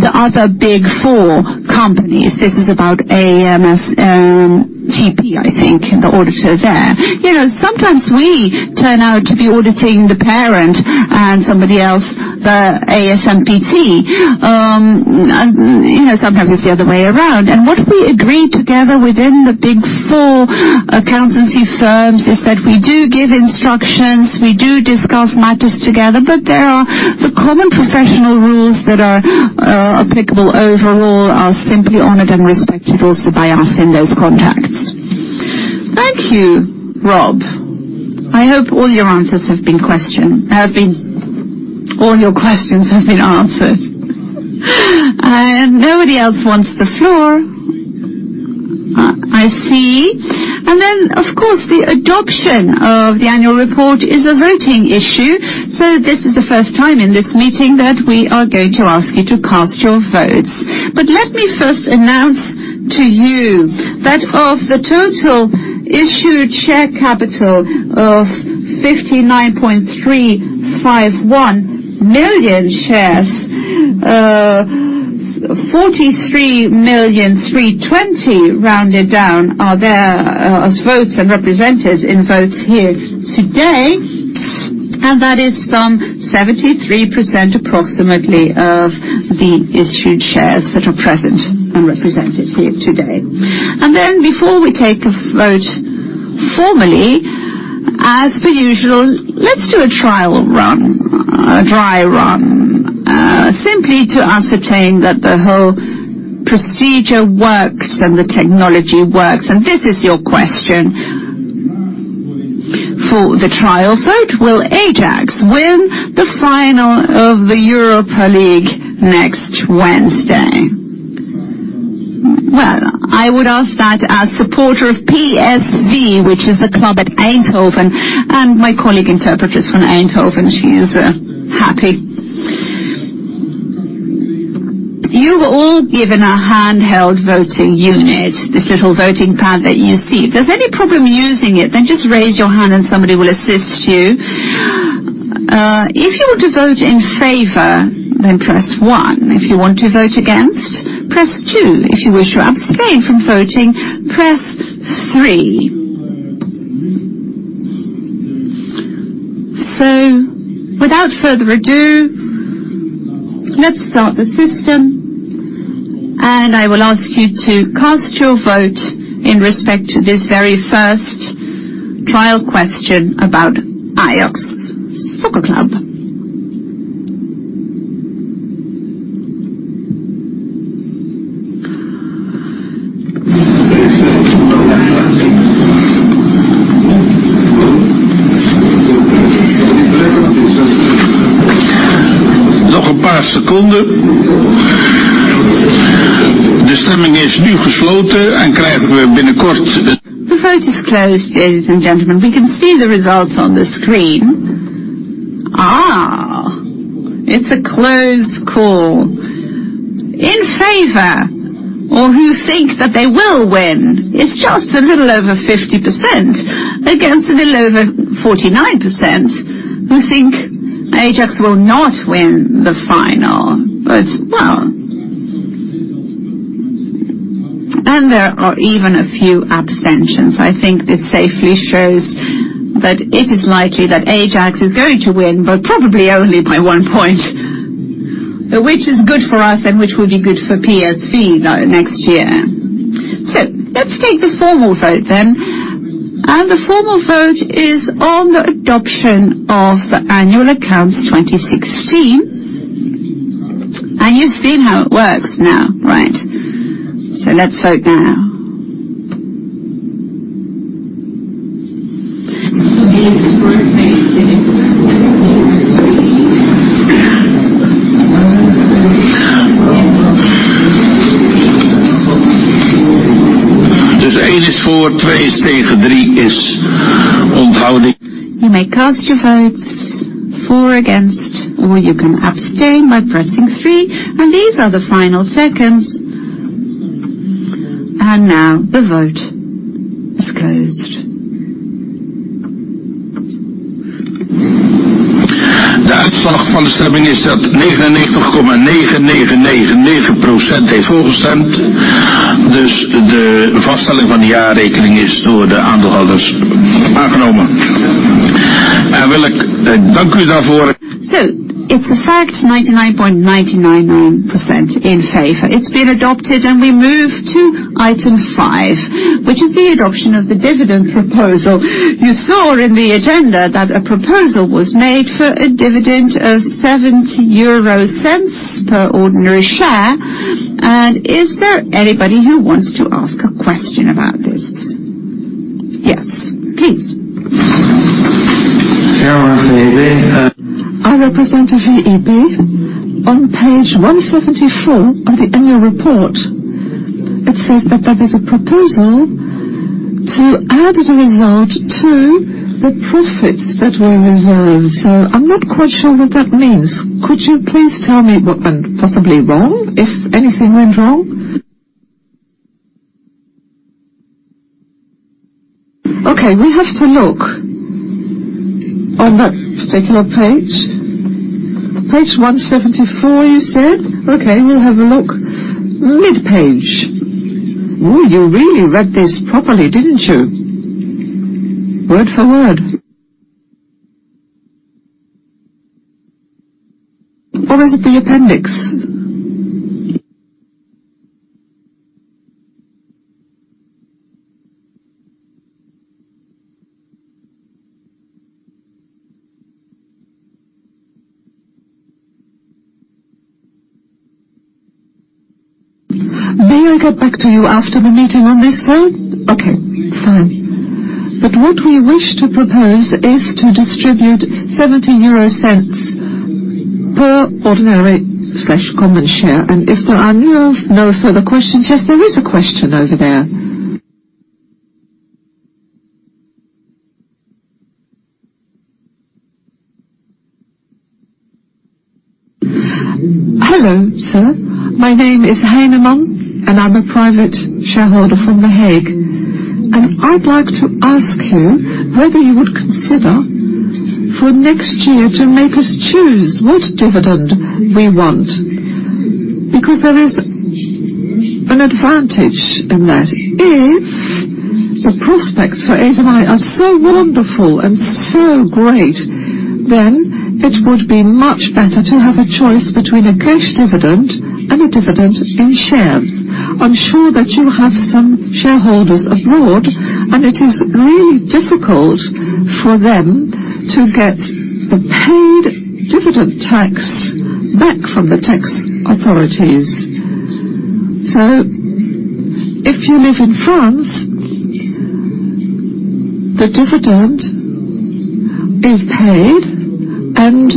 the other Big Four companies. This is about ASMPT, I think, the auditor there. You know, sometimes we turn out to be auditing the parent and somebody else, the ASMPT. And, you know, sometimes it's the other way around. And what we agree together within the Big Four accounting firms is that we do give instructions, we do discuss matters together, but there are the common professional rules that are applicable overall are simply honored and respected also by us in those contacts. Thank you, Rob. I hope all your answers have been—all your questions have been answered. And nobody else wants the floor, I see. And then, of course, the adoption of the annual report is a voting issue, so this is the first time in this meeting that we are going to ask you to cast your votes. But let me first announce to you that of the total issued share capital of 59.351 million shares, 43,320,000, rounded down, are there as votes and represented in votes here today, and that is some 73%, approximately, of the issued shares that are present and represented here today. And then, before we take a vote formally, as per usual, let's do a trial run, a dry run, simply to ascertain that the whole procedure works and the technology works. And this is your question for the trial vote: Will Ajax win the final of the Europa League next Wednesday? Well, I would ask that as supporter of PSV, which is the club at Eindhoven, and my colleague interpreter is from Eindhoven. She is happy. You've all been given a handheld voting unit, this little voting pad that you see. If there's any problem using it, then just raise your hand and somebody will assist you. If you want to vote in favor, then press 1. If you want to vote against, press 2. If you wish to abstain from voting, press 3. Without further ado, let's start the system, and I will ask you to cast your vote in respect to this very first trial question about Ajax Soccer Club. The vote is closed, ladies and gentlemen. We can see the results on the screen. Ah! It's a close call. In favor or who think that they will win, it's just a little over 50%, against a little over 49% who think Ajax will not win the final. But, well... And there are even a few abstentions. I think this safely shows that it is likely that Ajax is going to win, but probably only by one point, which is good for us and which would be good for PSV now next year. So let's take the formal vote then. And the formal vote is on the adoption of the annual accounts 2016. And you've seen how it works now, right? So let's vote now. You may cast your votes for or against, or you can abstain by pressing three, and these are the final seconds. And now the vote is closed. So it's a fact, 99.999% in favor. It's been adopted, and we move to item five, which is the adoption of the dividend proposal. You saw in the agenda that a proposal was made for a dividend of 0.70 per ordinary share. And is there anybody who wants to ask a question about this? Yes, please.... I represent VEB. On page 174 of the annual report, it says that there is a proposal to add the result to the profits that were reserved. So I'm not quite sure what that means. Could you please tell me what went possibly wrong, if anything went wrong? Okay, we have to look on that particular page. Page 174, you said? Okay, we'll have a look. Mid page. Oh, you really read this properly, didn't you? Word for word. Or is it the appendix? May I get back to you after the meeting on this, sir? Okay, fine. But what we wish to propose is to distribute €0.70 per ordinary slash common share, and if there are no, no further questions... Yes, there is a question over there. Hello, sir. My name is Heyman, and I'm a private shareholder from The Hague. And I'd like to ask you whether you would consider for next year to make us choose which dividend we want, because there is an advantage in that. If the prospects for ASMI are so wonderful and so great, then it would be much better to have a choice between a cash dividend and a dividend in shares. I'm sure that you have some shareholders abroad, and it is really difficult for them to get the paid dividend tax back from the tax authorities. So if you live in France, the dividend is paid, and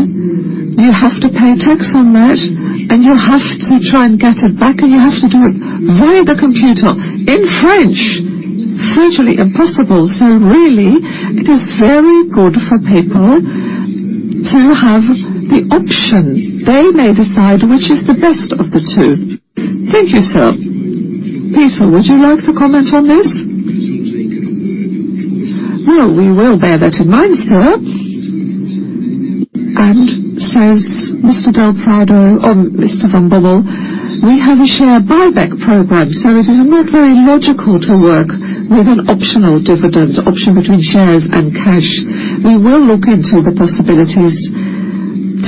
you have to pay tax on that, and you have to try and get it back, and you have to do it via the computer in French. Virtually impossible. So really, it is very good for people to have the option. They may decide which is the best of the two. Thank you, sir. Peter, would you like to comment on this? "Well, we will bear that in mind, sir," and says Mr. Del Prado, Mr. Van Bommel, "We have a share buyback program, so it is not very logical to work with an optional dividend, option between shares and cash. We will look into the possibilities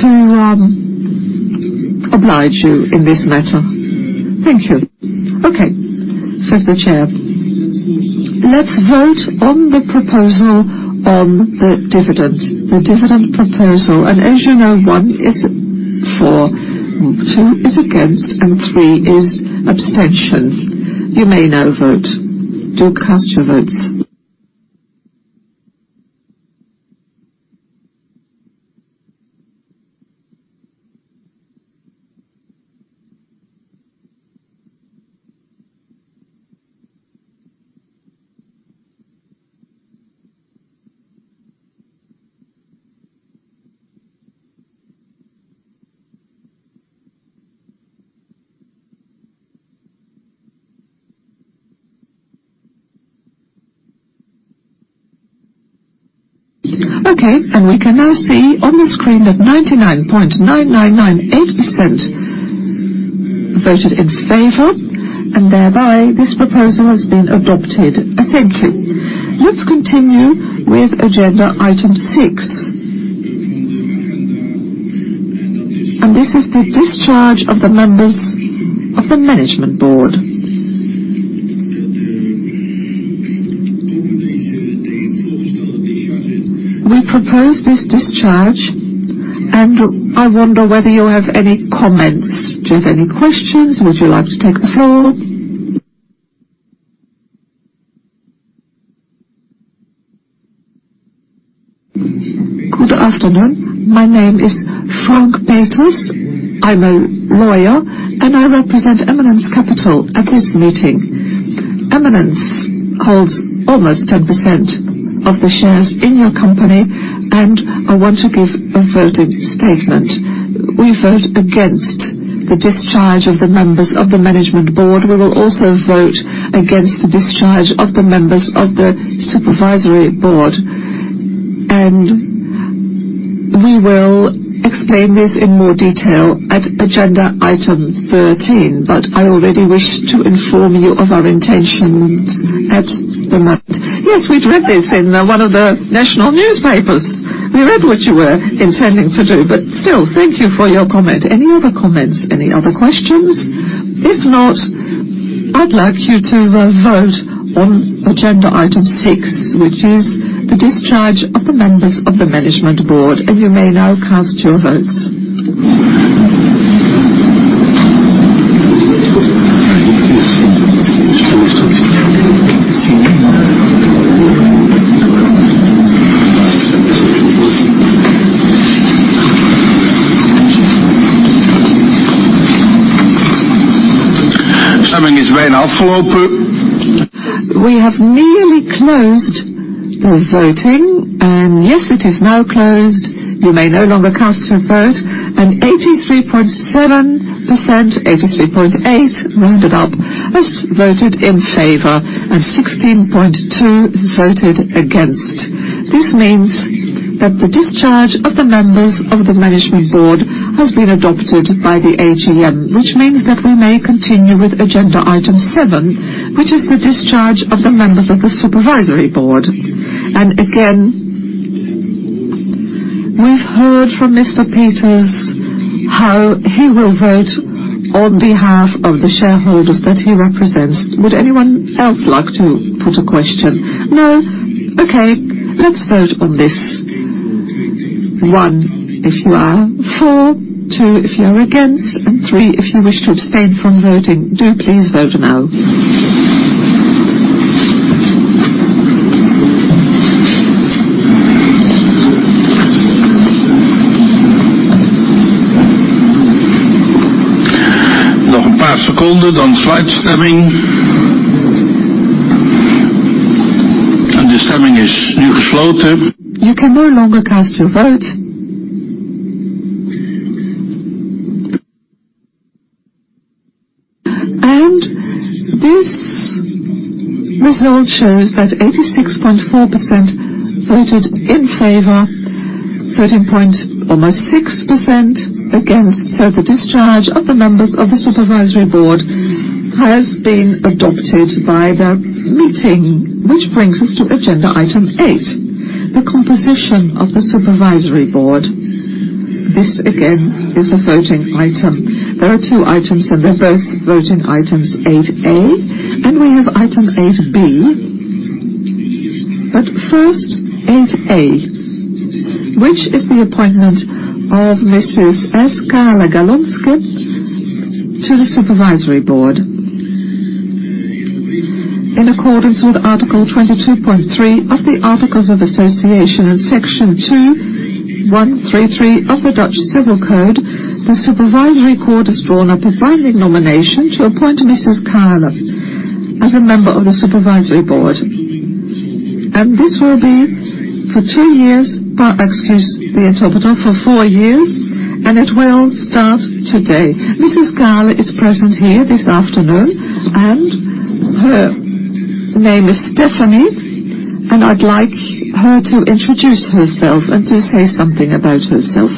to oblige you in this matter." Thank you. "Okay," says the Chair. Let's vote on the proposal on the dividend, the dividend proposal. As you know, one is for, two is against, and three is abstention. You may now vote. Do cast your votes. Okay, and we can now see on the screen that 99.9998% voted in favor, and thereby, this proposal has been adopted. Thank you. Let's continue with agenda item six. This is the discharge of the members of the management board. We propose this discharge, and I wonder whether you have any comments. Do you have any questions? Would you like to take the floor? Good afternoon. My name is Frank Peters. I'm a lawyer, and I represent Eminence Capital at this meeting. Eminence holds almost 10% of the shares in your company, and I want to give a voting statement. We vote against the discharge of the members of the management board. We will also vote against the discharge of the members of the supervisory board, and we will explain this in more detail at agenda item 13, but I already wish to inform you of our intentions at the moment. Yes, we've read this in one of the national newspapers. We read what you were intending to do, but still, thank you for your comment. Any other comments? Any other questions? If not, I'd like you to vote on agenda item six, which is the discharge of the members of the management board, and you may now cast your votes. We have nearly closed the voting, and yes, it is now closed. You may no longer cast your vote, and 83.7%, 83.8, rounded up, has voted in favor, and 16.2% voted against. This means that the discharge of the members of the management board has been adopted by the AGM, which means that we may continue with agenda item seven, which is the discharge of the members of the supervisory board. And again, we've heard from Mr. Peters how he will vote on behalf of the shareholders that he represents. Would anyone else like to put a question? No. Okay, let's vote on this. One, if you are for, two, if you are against, and three, if you wish to abstain from voting. Do please vote now. You can no longer cast your vote. And this result shows that 86.4% voted in favor, 13 point almost 6% against. So the discharge of the members of the supervisory board has been adopted by the meeting, which brings us to agenda item 8, the composition of the supervisory board. This, again, is a voting item. There are two items, and they're both voting items, 8A, and we have item 8B. But first, 8A, which is the appointment of Mrs. S. Kahle-Galonske to the supervisory board. In accordance with Article 22.3 of the Articles of Association in Section 2133 of the Dutch Civil Code, the supervisory board has drawn up a binding nomination to appoint Mrs. Kahle as a member of the supervisory board. This will be for two years, excuse the interpreter, for four years, and it will start today. Mrs. Kahle is present here this afternoon, and her name is Stefanie, and I'd like her to introduce herself and to say something about herself.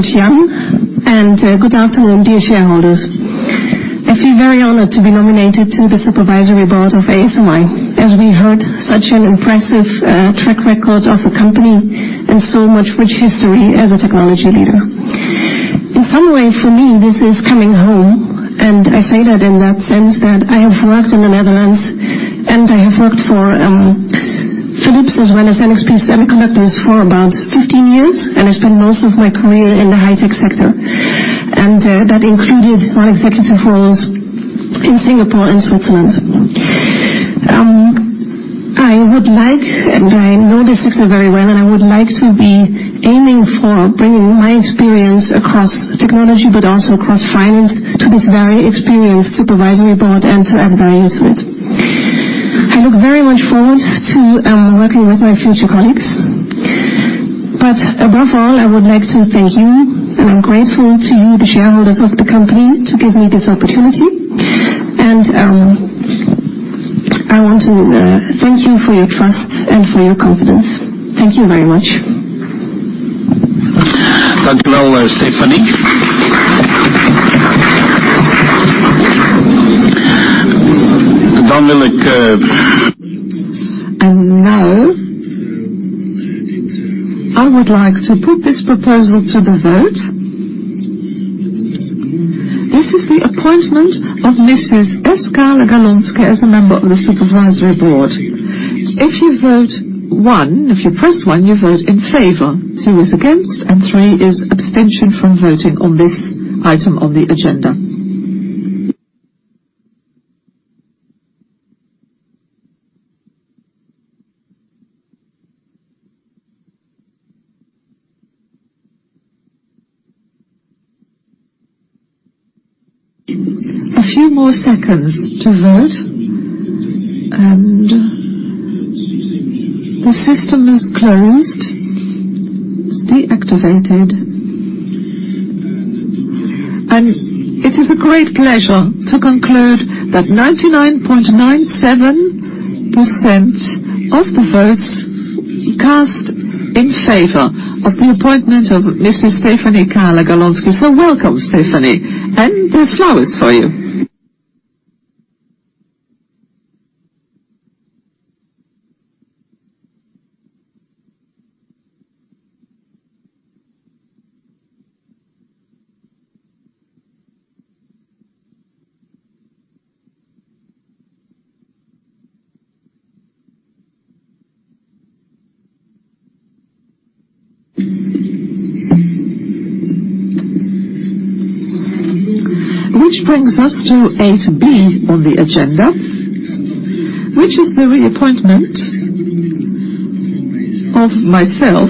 Even better. So, thank you very much, Jan, and, good afternoon, dear shareholders. I feel very honored to be nominated to the supervisory board of ASMI. As we heard, such an impressive, track record of the company and so much rich history as a technology leader. In some way, for me, this is coming home, and I say that in that sense that I have worked in the Netherlands, and I have worked for, Philips as well as NXP Semiconductors for about 15 years, and I spent most of my career in the high-tech sector, and, that included my executive roles in Singapore and Switzerland. I would like, and I know this sector very well, and I would like to be aiming for bringing my experience across technology, but also across finance, to this very experienced supervisory board and to add value to it. I look very much forward to working with my future colleagues. But above all, I would like to thank you, and I'm grateful to you, the shareholders of the company, to give me this opportunity. I want to thank you for your trust and for your confidence. Thank you very much. Thank you, Stefanie. And now, I would like to put this proposal to the vote. This is the appointment of Mrs. S. Kahle-Galonske as a member of the supervisory board. If you vote 1, if you press 1, you vote in favor, 2 is against, and 3 is abstention from voting on this item on the agenda. A few more seconds to vote, and the system is closed, deactivated. And it is a great pleasure to conclude that 99.97% of the votes cast in favor of the appointment of Mrs. Stefanie Kahle-Galonske. So welcome, Stephanie, and there's flowers for you. Which brings us to 8B on the agenda, which is the reappointment of myself.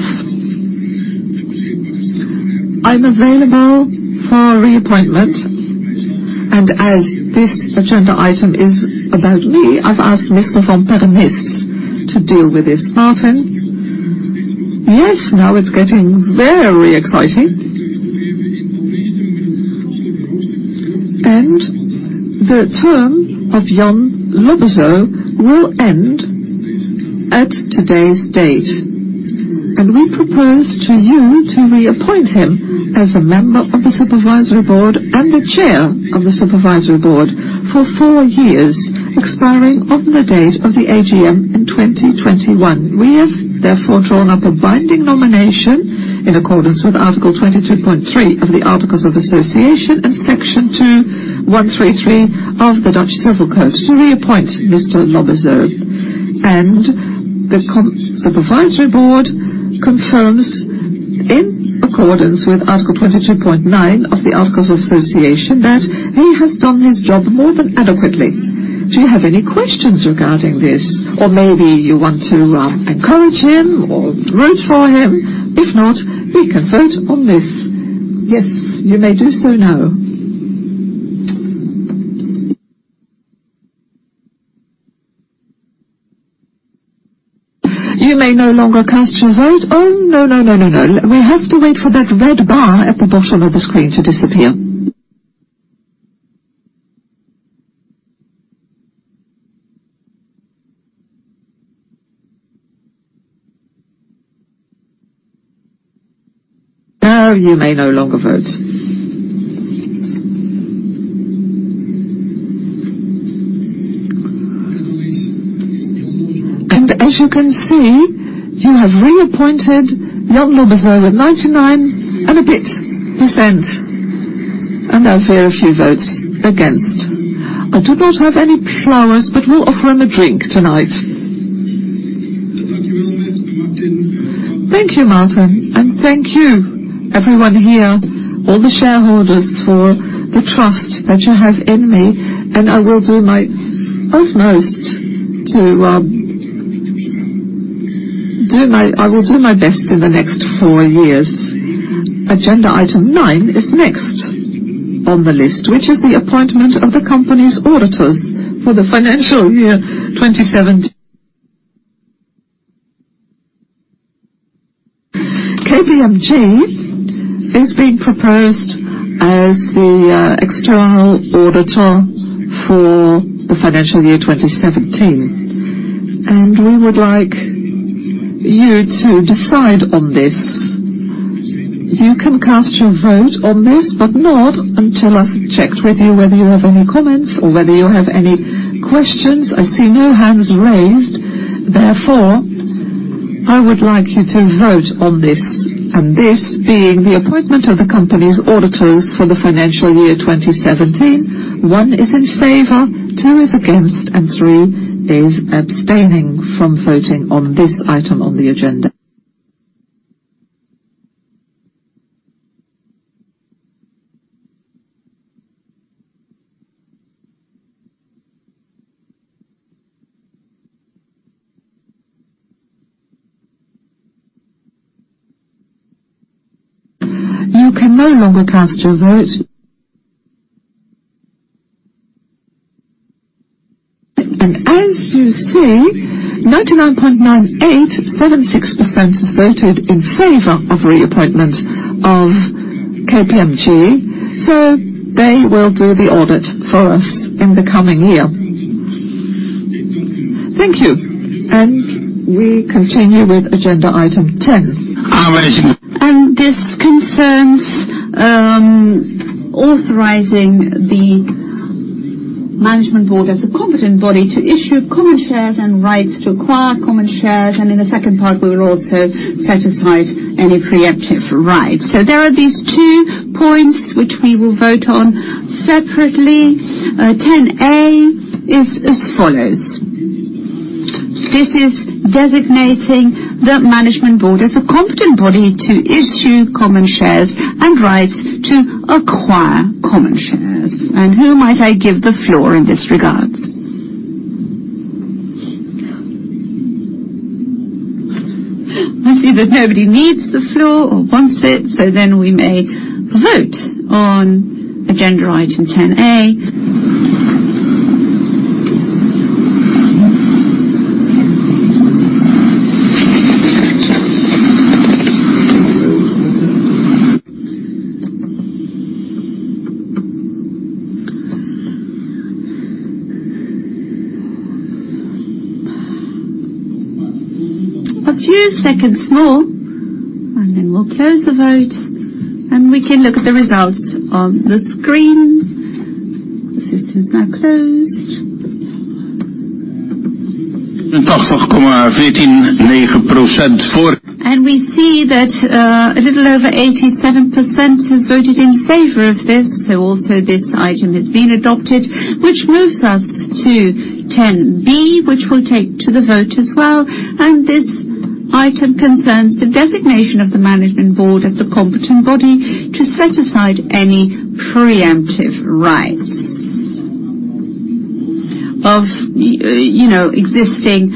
I'm available for reappointment, and as this agenda item is about me, I've asked Mr. van Pernis to deal with this. Martin? Yes, now it's getting very exciting. The term of Jan Lobbezoo will end at today's date, and we propose to you to reappoint him as a member of the supervisory board and the chair of the supervisory board for four years, expiring on the date of the AGM in 2021. We have therefore drawn up a binding nomination in accordance with Article 22.3 of the Articles of Association and Section 2133 of the Dutch Civil Code to reappoint Mr. Lobbezoo. And the supervisory board confirms, in accordance with Article 22.9 of the Articles Association, that he has done his job more than adequately. Do you have any questions regarding this? Or maybe you want to encourage him or root for him? If not, we can vote on this. Yes, you may do so now. You may no longer cast your vote. Oh, no, no, no, no, no. We have to wait for that red bar at the bottom of the screen to disappear. Now, you may no longer vote. And as you can see, you have reappointed Jan Lobbezoo with 99% and a bit, and there are a few votes against. I do not have any flowers, but we'll offer him a drink tonight. Thank you, Martin. And thank you everyone here, all the shareholders, for the trust that you have in me, and I will do my utmost to do my best in the next 4 years. Agenda item 9 is next on the list, which is the appointment of the company's auditors for the financial year 2017. KPMG is being proposed as the external auditor for the financial year 2017, and we would like you to decide on this. You can cast your vote on this, but not until I've checked with you whether you have any comments or whether you have any questions. I see no hands raised, therefore, I would like you to vote on this, and this being the appointment of the company's auditors for the financial year 2017. 1 is in favor, 2 is against, and 3 is abstaining from voting on this item on the agenda. You can no longer cast your vote. And as you see, 99.9876% has voted in favor of reappointment of KPMG, so they will do the audit for us in the coming year. Thank you. And we continue with agenda item ten. Our agenda- This concerns authorizing the management board as a competent body to issue common shares and rights to acquire common shares, and in the second part, we will also satisfy any pre-emptive rights. So there are these two points which we will vote on separately. 10 A is as follows: This is designating the management board as a competent body to issue common shares and rights to acquire common shares. And who might I give the floor in this regards? I see that nobody needs the floor or wants it, so then we may vote on agenda item 10 A.... A few seconds more, and then we'll close the vote, and we can look at the results on the screen. The system is now closed. And we see that a little over 87% has voted in favor of this, so also this item has been adopted, which moves us to ten B, which we'll take to the vote as well. And this item concerns the designation of the management board as the competent body to set aside any preemptive rights of, you know, existing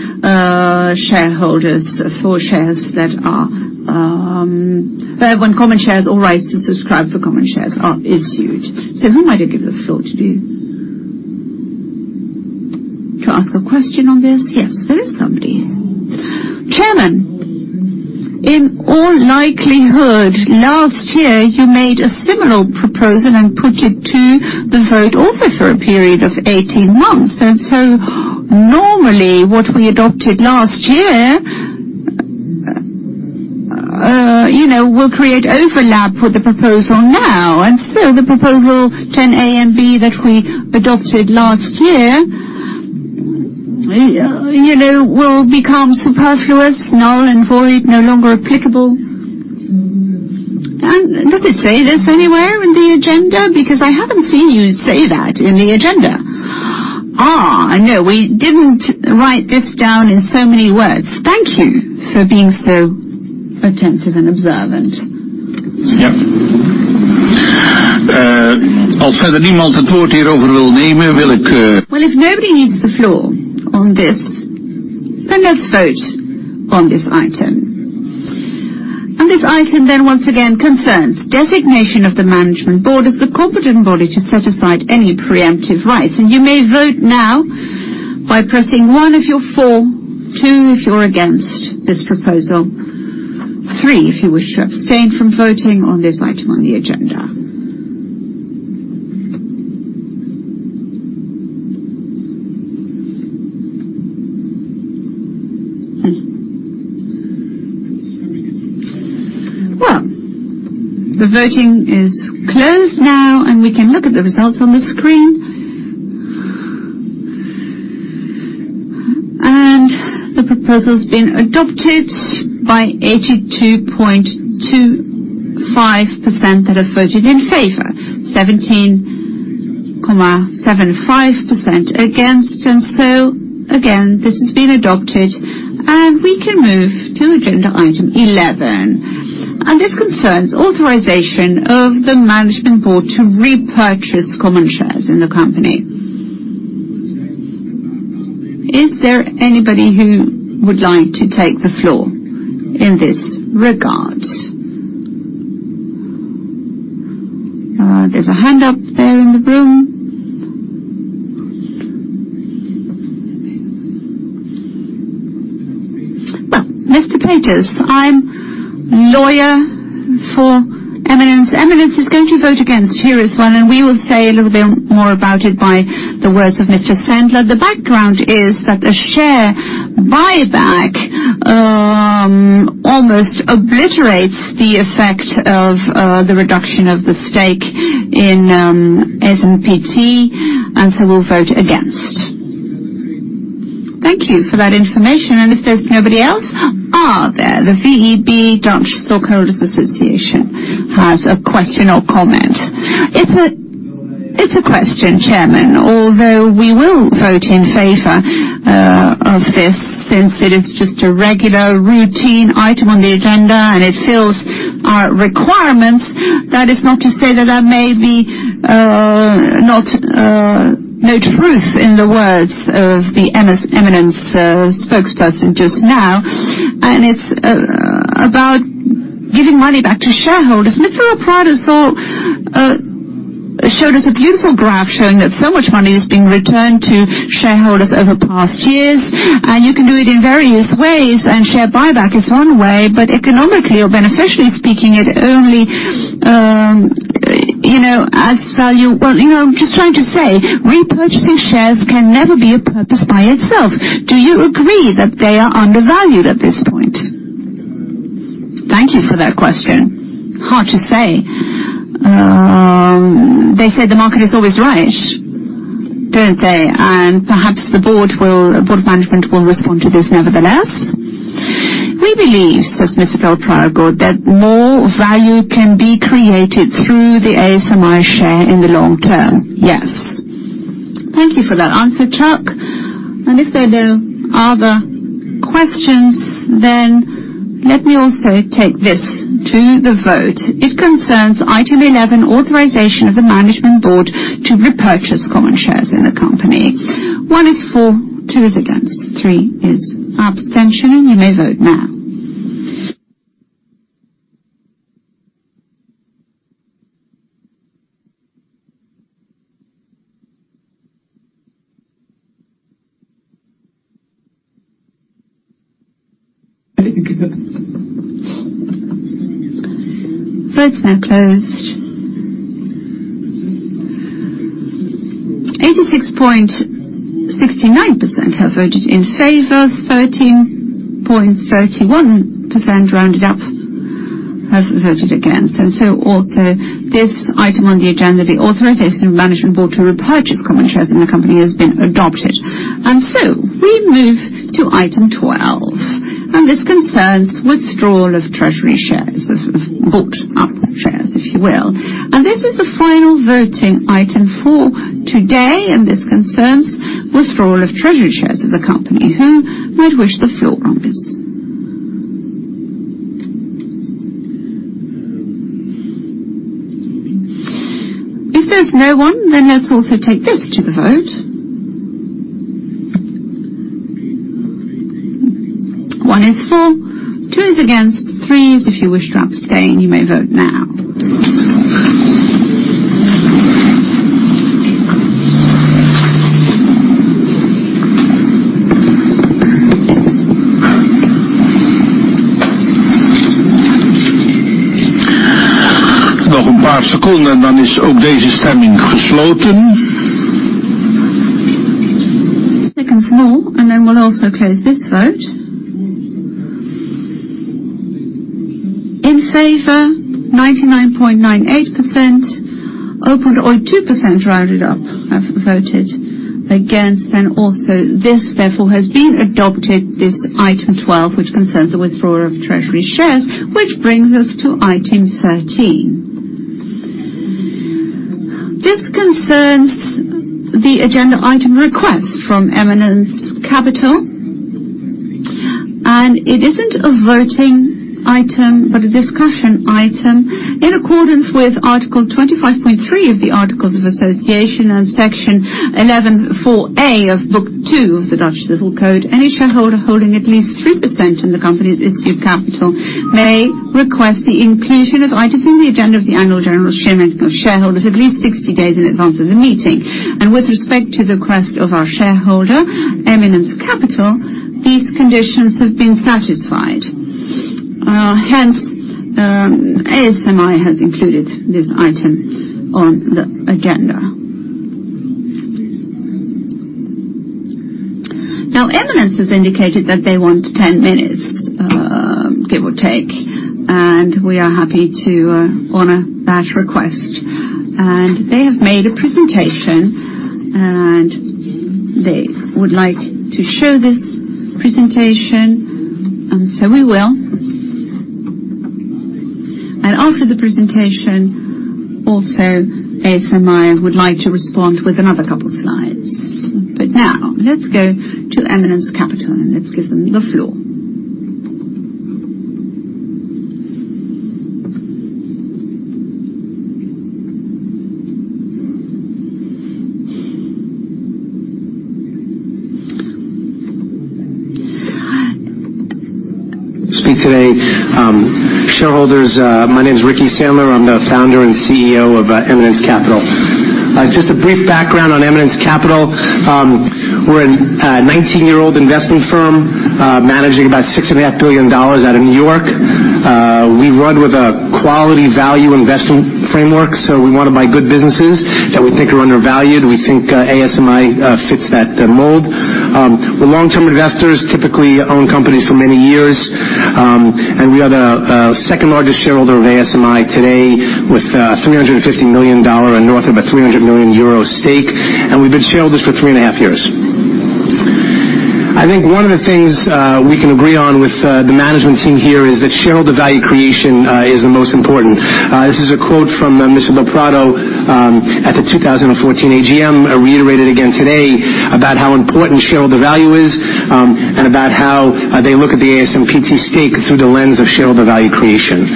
shareholders for shares that are, when common shares or rights to subscribe for common shares are issued. So who might I give the floor to, to ask a question on this? Yes, there is somebody. Chairman, in all likelihood, last year, you made a similar proposal and put it to the vote also for a period of 18 months. And so normally, what we adopted last year, you know, will create overlap with the proposal now. And so the proposal 10 A and B that we adopted last year, you know, will become superfluous, null and void, no longer applicable. And does it say this anywhere in the agenda? Because I haven't seen you say that in the agenda. Ah, no, we didn't write this down in so many words. Thank you for being so attentive and observant. Yeah. Uh, Well, if nobody needs the floor on this, then let's vote on this item. And this item then, once again, concerns designation of the management board as the competent body to set aside any preemptive rights. And you may vote now by pressing 1 if you're for, 2 if you're against this proposal, 3, if you wish to abstain from voting on this item on the agenda. Thank you. Well, the voting is closed now, and we can look at the results on the screen. And the proposal's been adopted by 82.25% that have voted in favor, 17.75% against. And so, again, this has been adopted, and we can move to agenda item 11. And this concerns authorization of the management board to repurchase common shares in the company. Is there anybody who would like to take the floor in this regard? There's a hand up there in the room. Well, Mr. Peters, I'm lawyer for Eminence. Eminence is going to vote against here as well, and we will say a little bit more about it by the words of Mr. Sandler. The background is that the share buyback almost obliterates the effect of the reduction of the stake in ASMPT, and so we'll vote against. Thank you for that information. And if there's nobody else... Ah, there, the VEB Dutch Stockholders Association has a question or comment. It's a question, Chairman. Although we will vote in favor of this, since it is just a regular routine item on the agenda, and it fills our requirements. That is not to say that there may be not no truth in the words of the Eminence spokesperson just now, and it's about giving money back to shareholders. Mr. del Prado has showed us a beautiful graph showing that so much money is being returned to shareholders over past years, and you can do it in various ways, and share buyback is one way, but economically or beneficially speaking, it only you know adds value. Well, you know, I'm just trying to say, repurchasing shares can never be a purpose by itself. Do you agree that they are undervalued at this point? Thank you for that question. Hard to say. They say the market is always right, don't they? And perhaps the board will, board of management will respond to this nevertheless. We believe, says Mr. Velpraat, that more value can be created through the ASMI share in the long term. Yes. Thank you for that answer, Chuck. And if there are no other questions, then let me also take this to the vote. It concerns item 11, authorization of the Management Board to repurchase common shares in the company. 1 is for, 2 is against, 3 is abstention, and you may vote now.... Votes now closed. 86.69% have voted in favor, 13.31%, rounded up, has voted against. And so also, this item on the agenda, the authorization of Management Board to repurchase common shares in the company, has been adopted. And so we move to item 12, and this concerns withdrawal of treasury shares, of, of bought up shares, if you will. And this is the final voting item for today, and this concerns withdrawal of treasury shares of the company. Who might wish the floor on this? If there's no one, then let's also take this to the vote. 1 is for, 2 is against, 3 is if you wish to abstain. You may vote now. Seconds more, and then we'll also close this vote. In favor, 99.98%, 0.02%, rounded up, have voted against. And also, this therefore has been adopted, this item 12, which concerns the withdrawal of treasury shares, which brings us to item 13. This concerns the agenda item request from Eminence Capital, and it isn't a voting item, but a discussion item. In accordance with Article 25.3 of the Articles of Association and Section 11.4A of Book 2 of the Dutch Civil Code, any shareholder holding at least 3% in the company's issued capital may request the inclusion of items in the agenda of the annual general shareholders, shareholders at least 60 days in advance of the meeting. With respect to the request of our shareholder, Eminence Capital, these conditions have been satisfied. Hence, ASMI has included this item on the agenda. Now, Eminence has indicated that they want 10 minutes, give or take, and we are happy to honor that request. They have made a presentation, and they would like to show this presentation, and so we will. After the presentation, also, ASMI would like to respond with another couple of slides. Now let's go to Eminence Capital, and let's give them the floor. ... Speak today. Shareholders, my name is Ricky Sandler. I'm the founder and CEO of Eminence Capital. Just a brief background on Eminence Capital. We're a 19-year-old investing firm, managing about $6.5 billion out of New York. We run with a quality value investment framework, so we want to buy good businesses that we think are undervalued. We think ASMI fits that mold. We're long-term investors, typically own companies for many years, and we are the second largest shareholder of ASMI today with $350 million and north of 300 million euro stake, and we've been shareholders for 3.5 years. I think one of the things we can agree on with the management team here is that shareholder value creation is the most important. This is a quote from Mr. del Prado at the 2014 AGM, reiterated again today about how important shareholder value is, and about how they look at the ASMPT stake through the lens of shareholder value creation.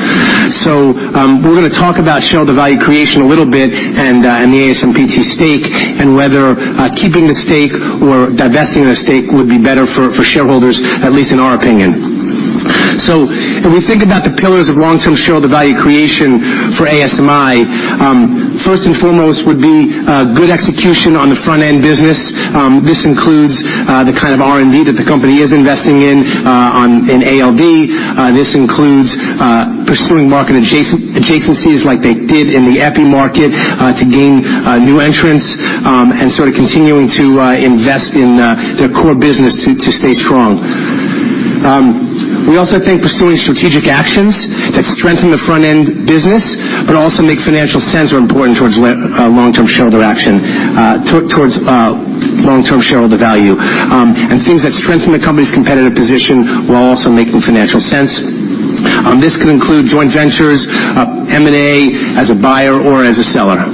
So, we're gonna talk about shareholder value creation a little bit, and the ASMPT stake, and whether keeping the stake or divesting the stake would be better for shareholders, at least in our opinion. So when we think about the pillars of long-term shareholder value creation for ASMI, first and foremost would be good execution on the front-end business. This includes the kind of R&D that the company is investing in, on, in ALD. This includes pursuing market adjacencies, like they did in the Epi market, to gain new entrants, and sort of continuing to invest in their core business to stay strong. We also think pursuing strategic actions that strengthen the front-end business but also make financial sense are important towards long-term shareholder value. And things that strengthen the company's competitive position while also making financial sense. This could include joint ventures, M&A, as a buyer or as a seller.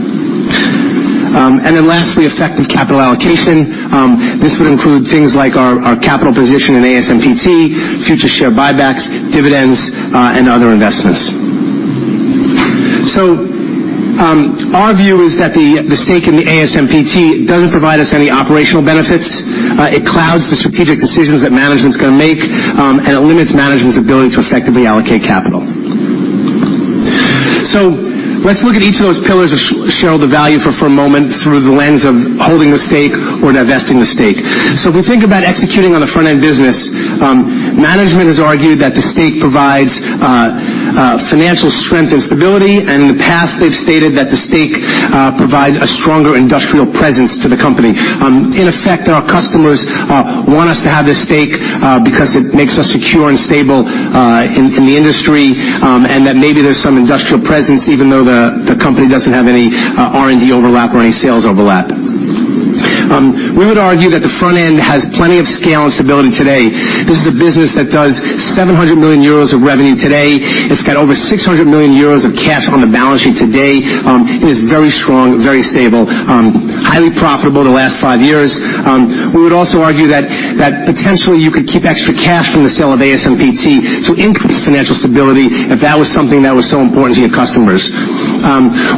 And then lastly, effective capital allocation. This would include things like our capital position in ASMPT, future share buybacks, dividends, and other investments. So, our view is that the stake in the ASMPT doesn't provide us any operational benefits, it clouds the strategic decisions that management's gonna make, and it limits management's ability to effectively allocate capital. So let's look at each of those pillars of shareholder value for a moment through the lens of holding the stake or divesting the stake. So if we think about executing on the front-end business, management has argued that the stake provides financial strength and stability, and in the past, they've stated that the stake provides a stronger industrial presence to the company. In effect, our customers want us to have this stake because it makes us secure and stable in the industry, and that maybe there's some industrial presence, even though the company doesn't have any R&D overlap or any sales overlap. We would argue that the front end has plenty of scale and stability today. This is a business that does 700 million euros of revenue today. It's got over 600 million euros of cash on the balance sheet today. It is very strong, very stable, highly profitable the last five years. We would also argue that potentially you could keep extra cash from the sale of ASMPT to increase financial stability if that was something that was so important to your customers.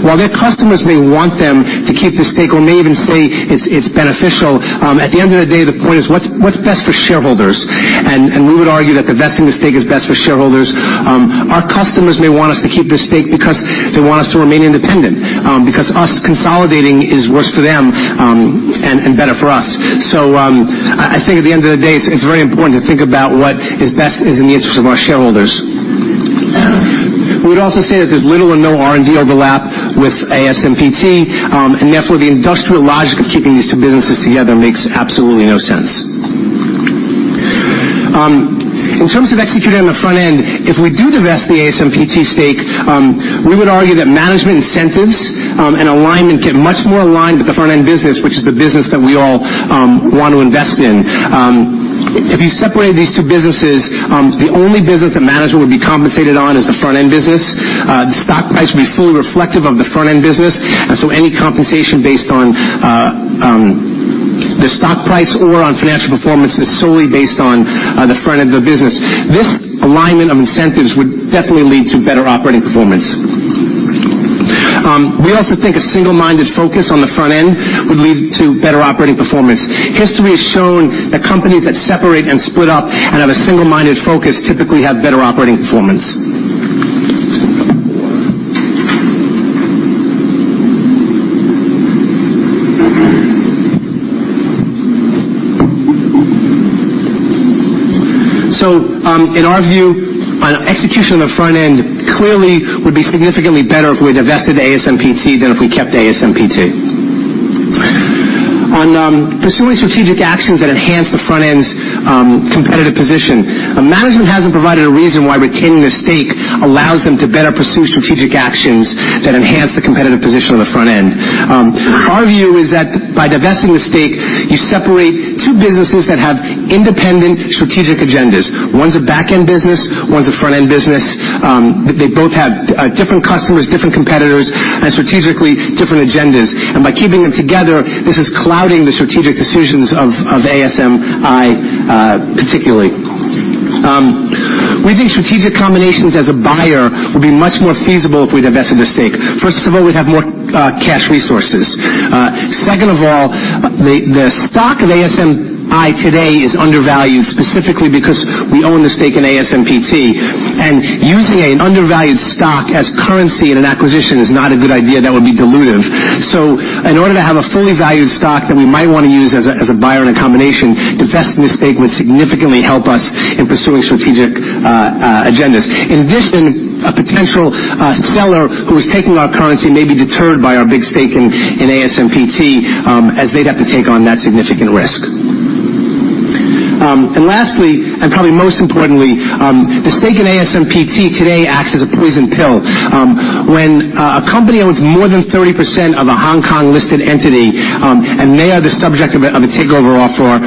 While their customers may want them to keep the stake or may even say it's beneficial, at the end of the day, the point is what's best for shareholders? And we would argue that divesting the stake is best for shareholders. Our customers may want us to keep the stake because they want us to remain independent, because us consolidating is worse for them, and better for us. So, I think at the end of the day, it's very important to think about what is best is in the interest of our shareholders. We'd also say that there's little or no R&D overlap with ASMPT, and therefore, the industrial logic of keeping these two businesses together makes absolutely no sense. In terms of executing on the front end, if we do divest the ASMPT stake, we would argue that management incentives, and alignment get much more aligned with the front-end business, which is the business that we all want to invest in. If you separate these two businesses, the only business that management would be compensated on is the front-end business. The stock price will be fully reflective of the front-end business, and so any compensation based on, the stock price or on financial performance is solely based on, the front end of the business. This alignment of incentives would definitely lead to better operating performance. We also think a single-minded focus on the front end would lead to better operating performance. History has shown that companies that separate and split up and have a single-minded focus typically have better operating performance. So, in our view, on execution on the front end, clearly would be significantly better if we had divested ASMPT than if we kept ASMPT. On pursuing strategic actions that enhance the front end's competitive position, management hasn't provided a reason why retaining the stake allows them to better pursue strategic actions that enhance the competitive position on the front end. Our view is that by divesting the stake, you separate two businesses that have independent strategic agendas. One's a back-end business, one's a front-end business. They both have different customers, different competitors, and strategically different agendas. And by keeping them together, this is clouding the strategic decisions of ASMI, particularly. We think strategic combinations as a buyer would be much more feasible if we divested the stake. First of all, we'd have more cash resources. Second of all, the stock of ASMI today is undervalued, specifically because we own the stake in ASMPT, and using an undervalued stock as currency in an acquisition is not a good idea. That would be dilutive. So in order to have a fully valued stock that we might want to use as a buyer in a combination, divesting the stake would significantly help us in pursuing strategic agendas. In addition, a potential seller who is taking our currency may be deterred by our big stake in ASMPT, as they'd have to take on that significant risk. And lastly, and probably most importantly, the stake in ASMPT today acts as a poison pill. When a company owns more than 30% of a Hong Kong-listed entity, and they are the subject of a takeover offer,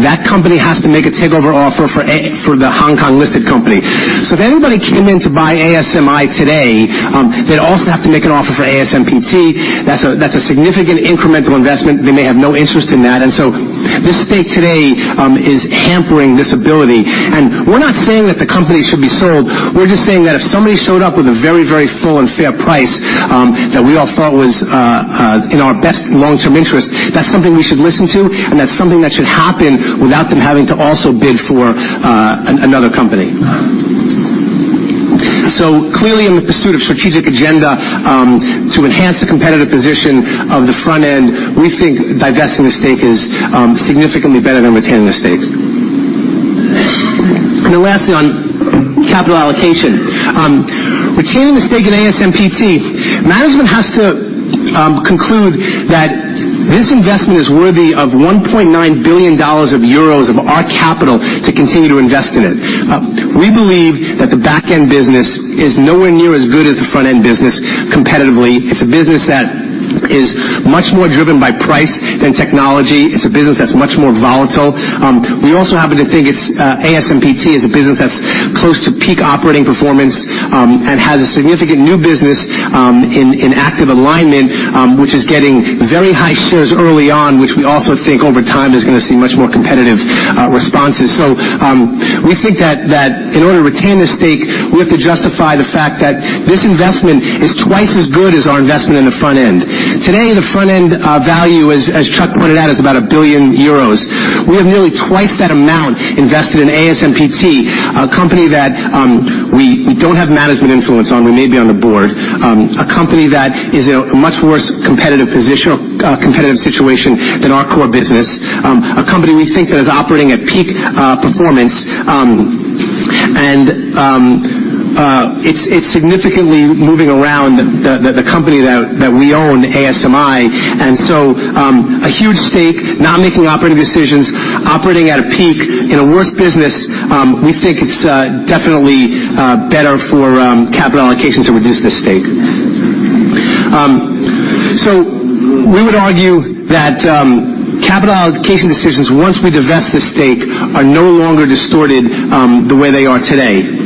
that company has to make a takeover offer for the Hong Kong-listed company. So if anybody came in to buy ASMI today, they'd also have to make an offer for ASMPT. That's a significant incremental investment. They may have no interest in that, and so this stake today is hampering this ability. And we're not saying that the company should be sold. We're just saying that if somebody showed up with a very, very full and fair price, that we all thought was, in our best long-term interest, that's something we should listen to, and that's something that should happen without them having to also bid for, another company. So clearly, in the pursuit of strategic agenda, to enhance the competitive position of the front end, we think divesting the stake is, significantly better than retaining the stake. And lastly, on capital allocation. Retaining the stake in ASMPT, management has to, conclude that this investment is worthy of 1.9 billion euros of our capital to continue to invest in it. We believe that the back-end business is nowhere near as good as the front-end business competitively. It's a business that is much more driven by price than technology. It's a business that's much more volatile. We also happen to think it's ASMPT is a business that's close to peak operating performance, and has a significant new business in active alignment, which is getting very high shares early on, which we also think over time is gonna see much more competitive responses. So we think that in order to retain the stake, we have to justify the fact that this investment is twice as good as our investment in the front end. Today, the front-end value as Chuck pointed out is about 1 billion euros. We have nearly twice that amount invested in ASMPT, a company that we don't have management influence on, we may be on the board. A company that is in a much worse competitive position or, competitive situation than our core business. A company we think that is operating at peak performance, and it's significantly moving around the company that we own, ASMI. A huge stake, not making operating decisions, operating at a peak in a worse business, we think it's definitely better for capital allocation to reduce the stake. So we would argue that capital allocation decisions, once we divest the stake, are no longer distorted, the way they are today.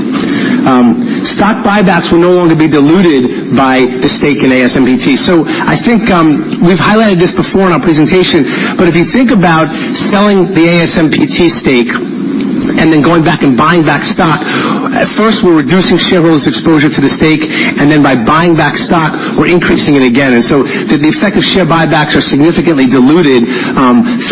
Stock buybacks will no longer be diluted by the stake in ASMPT. So I think, we've highlighted this before in our presentation, but if you think about selling the ASMPT stake and then going back and buying back stock, at first we're reducing shareholders' exposure to the stake, and then by buying back stock, we're increasing it again. And so the effective share buybacks are significantly diluted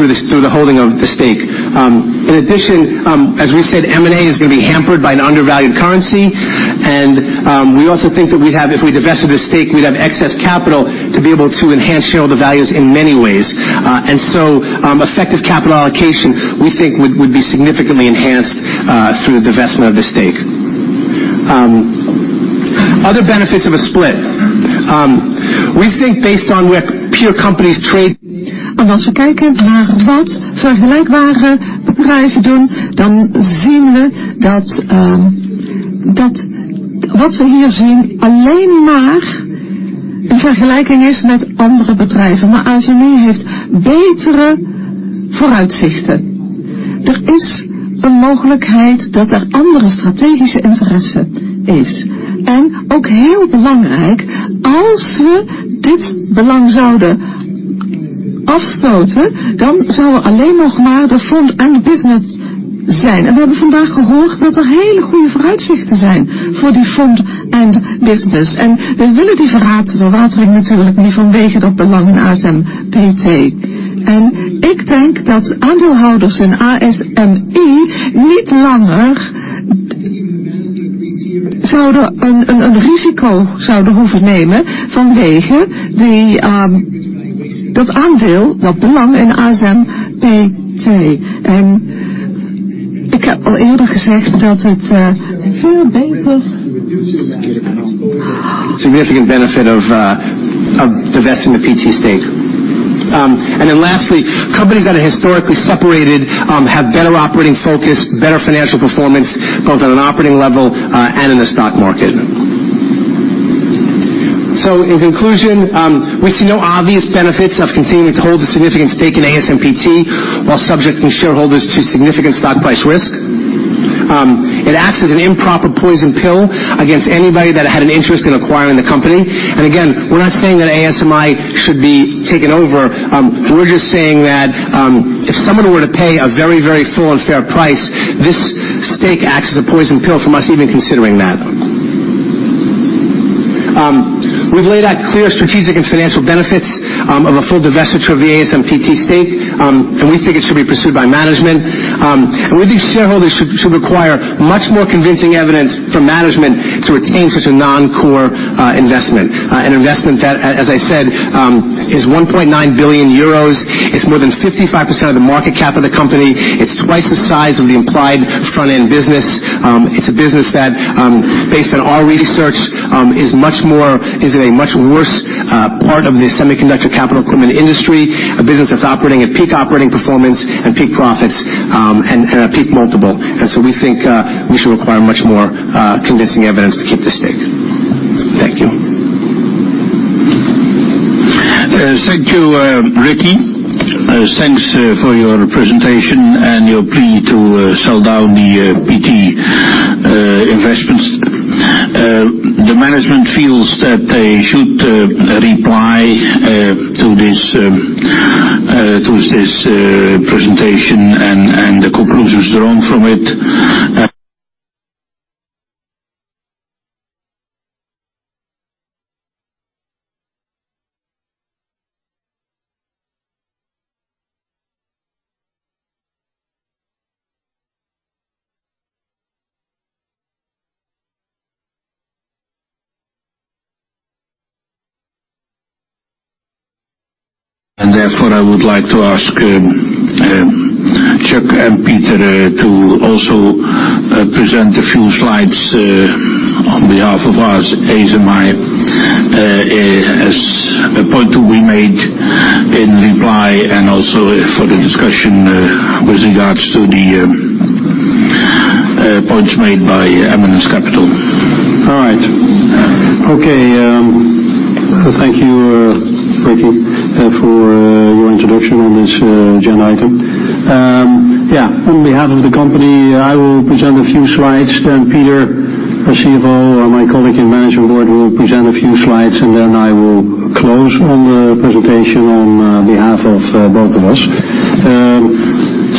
through the holding of the stake. In addition, as we said, M&A is going to be hampered by an undervalued currency, and we also think that we'd have, if we divested the stake, we'd have excess capital to be able to enhance shareholder values in many ways. And so, effective capital allocation, we think would be significantly enhanced through the divestment of the stake. Other benefits of a split. We think based on where peer companies trade- And as we front-end business. (Dutch Interpreter Audio Track) Significant benefit of divesting the ASMPT stake. And then lastly, companies that are historically separated have better operating focus, better financial performance, both on an operating level and in the stock market. So in conclusion, we see no obvious benefits of continuing to hold a significant stake in ASMPT while subjecting shareholders to significant stock price risk. It acts as an improper poison pill against anybody that had an interest in acquiring the company. And again, we're not saying that ASMI should be taken over. We're just saying that, if someone were to pay a very, very full and fair price, this stake acts as a poison pill from us even considering that. We've laid out clear strategic and financial benefits of a full divestiture of the ASMPT stake, and we think it should be pursued by management. And we think shareholders should, should require much more convincing evidence from management to retain such a non-core, investment. An investment that, as, as I said, is 1.9 billion euros, it's more than 55% of the market cap of the company, it's twice the size of the implied front-end business. It's a business that, based on our research, is much more, is in a much worse, part of the semiconductor capital equipment industry, a business that's operating at peak operating performance and peak profits, and, and a peak multiple. And so we think, we should require much more, convincing evidence to keep the stake. Thank you. Thank you, Ricky. Thanks for your presentation and your plea to sell down the ASMPT investments. The management feels that they should reply to this presentation and the conclusions drawn from it. And therefore, I would like to ask Chuck and Peter to also present a few slides on behalf of us, ASMI, as a point to be made in reply and also for the discussion with regards to the points made by Eminence Capital. All right. Okay, thank you, Ricky, for your introduction on this agenda item. Yeah, on behalf of the company, I will present a few slides, then Peter van Bommel, my colleague in management board, will present a few slides, and then I will close on the presentation on behalf of both of us.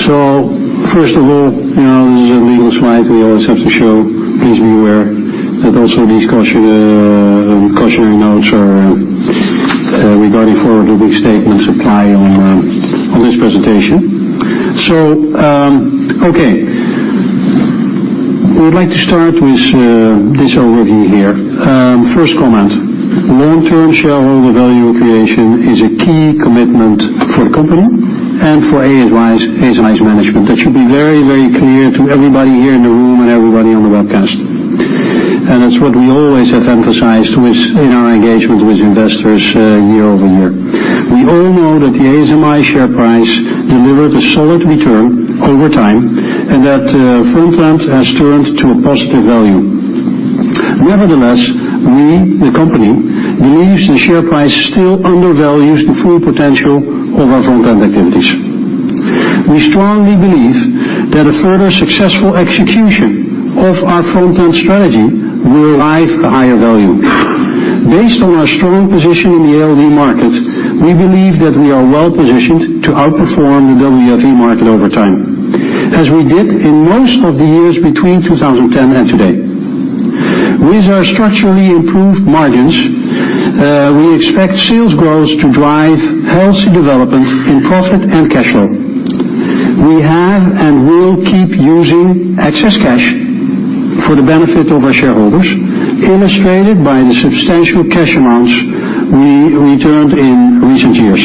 So first of all, you know, this is a legal slide we always have to show. Please be aware that also these cautionary notes are regarding forward-looking statements apply on this presentation. So, okay. We would like to start with this overview here. First comment, long-term shareholder value creation is a key commitment for the company and for ASMI's management. That should be very, very clear to everybody here in the room and everybody on the webcast. That's what we always have emphasized with, in our engagement with investors, year over year. We all know that the ASMI share price delivered a solid return over time, and that Front-End has turned to a positive value. Nevertheless, we, the company, believes the share price still undervalues the full potential of our Front-End activities. We strongly believe that a further successful execution of our Front-End strategy will drive a higher value. Based on our strong position in the ALD market, we believe that we are well-positioned to outperform the WFE market over time, as we did in most of the years between 2010 and today. With our structurally improved margins, we expect sales growth to drive healthy development in profit and cash flow. We have and will keep using excess cash for the benefit of our shareholders, illustrated by the substantial cash amounts we returned in recent years.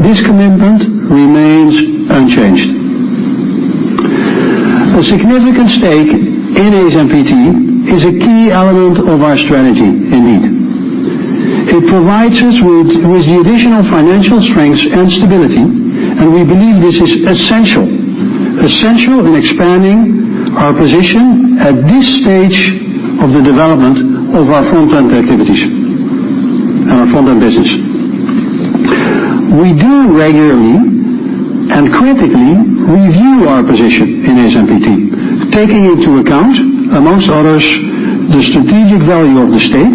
This commitment remains unchanged. A significant stake in ASMPT is a key element of our strategy, indeed. It provides us with the additional financial strength and stability, and we believe this is essential in expanding our position at this stage of the development of our Front-End activities and our Front-End business. We do regularly and critically review our position in ASMPT, taking into account, amongst others, the strategic value of the stake,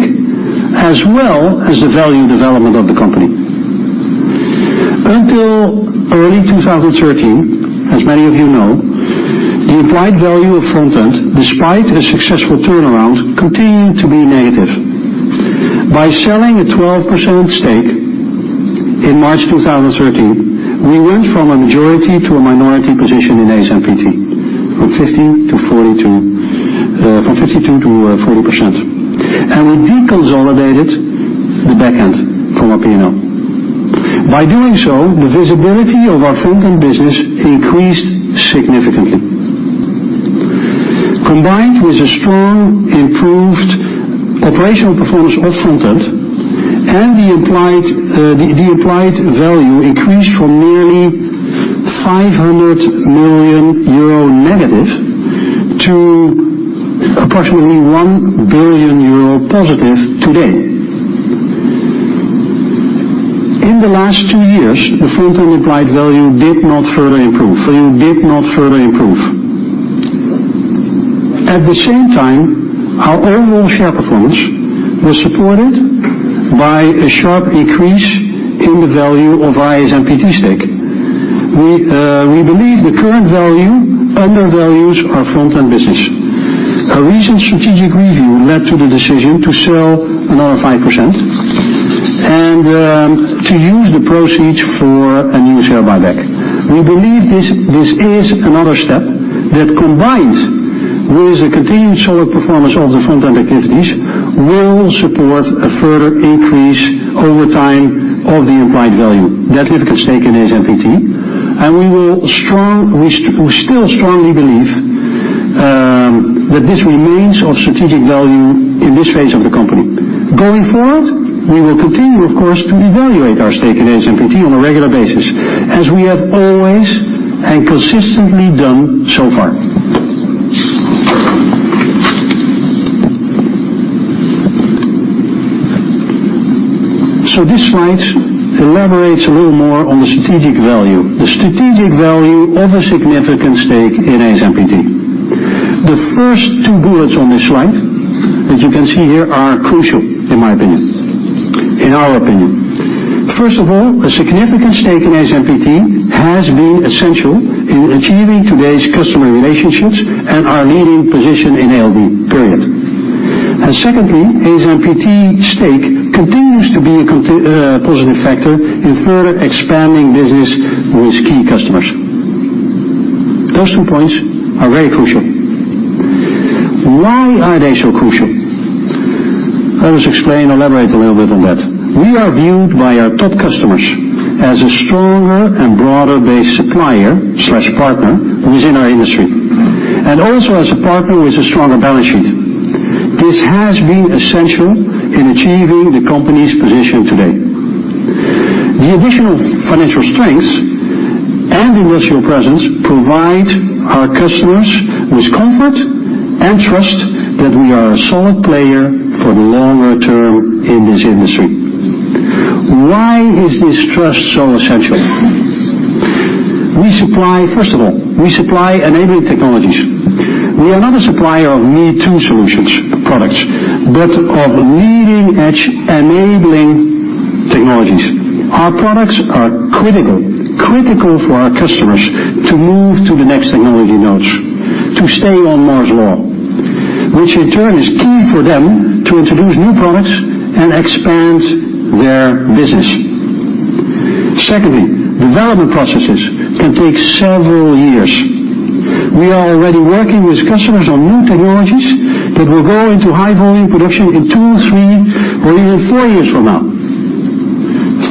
as well as the value development of the company. Until early 2013, as many of you know, the implied value of Front-End, despite a successful turnaround, continued to be negative. By selling a 12% stake in March 2013, we went from a majority to a minority position in ASMPT, from 50 to 42, from 52 to 40%, and we deconsolidated the back-end from our P&L. By doing so, the visibility of our front-end business increased significantly. Combined with a strong, improved operational performance of front-end and the implied, the, the implied value increased from nearly 500 million euro negative to approximately 1 billion euro positive today. In the last two years, the front-end implied value did not further improve, value did not further improve. At the same time, our overall share performance was supported by a sharp increase in the value of our ASMPT stake. We, we believe the current value undervalues our front-end business. A recent strategic review led to the decision to sell another 5% and to use the proceeds for a new share buyback. We believe this is another step that, combined with the continued solid performance of the front-end activities, will support a further increase over time of the implied value that we can stake in ASMPT, and we still strongly believe that this remains of strategic value in this phase of the company. Going forward, we will continue, of course, to evaluate our stake in ASMPT on a regular basis, as we have always and consistently done so far. So this slide elaborates a little more on the strategic value, the strategic value of a significant stake in ASMPT. The first two bullets on this slide, as you can see here, are crucial, in my opinion, in our opinion. First of all, a significant stake in ASMPT has been essential in achieving today's customer relationships and our leading position in ALD. And secondly, ASMPT stake continues to be a positive factor in further expanding business with key customers. Those two points are very crucial. Why are they so crucial? Let us explain, elaborate a little bit on that. We are viewed by our top customers as a stronger and broader-based supplier/partner within our industry, and also as a partner with a stronger balance sheet. This has been essential in achieving the company's position today. The additional financial strengths and industrial presence provide our customers with comfort and trust that we are a solid player for the longer term in this industry. Why is this trust so essential? We supply, first of all, we supply enabling technologies. We are not a supplier of me-too solutions, products, but of leading-edge enabling technologies. Our products are critical, critical for our customers to move to the next technology nodes, to stay on Moore's Law, which in turn is key for them to introduce new products and expand their business. Secondly, development processes can take several years. We are already working with customers on new technologies that will go into high-volume production in 2, 3, or even 4 years from now.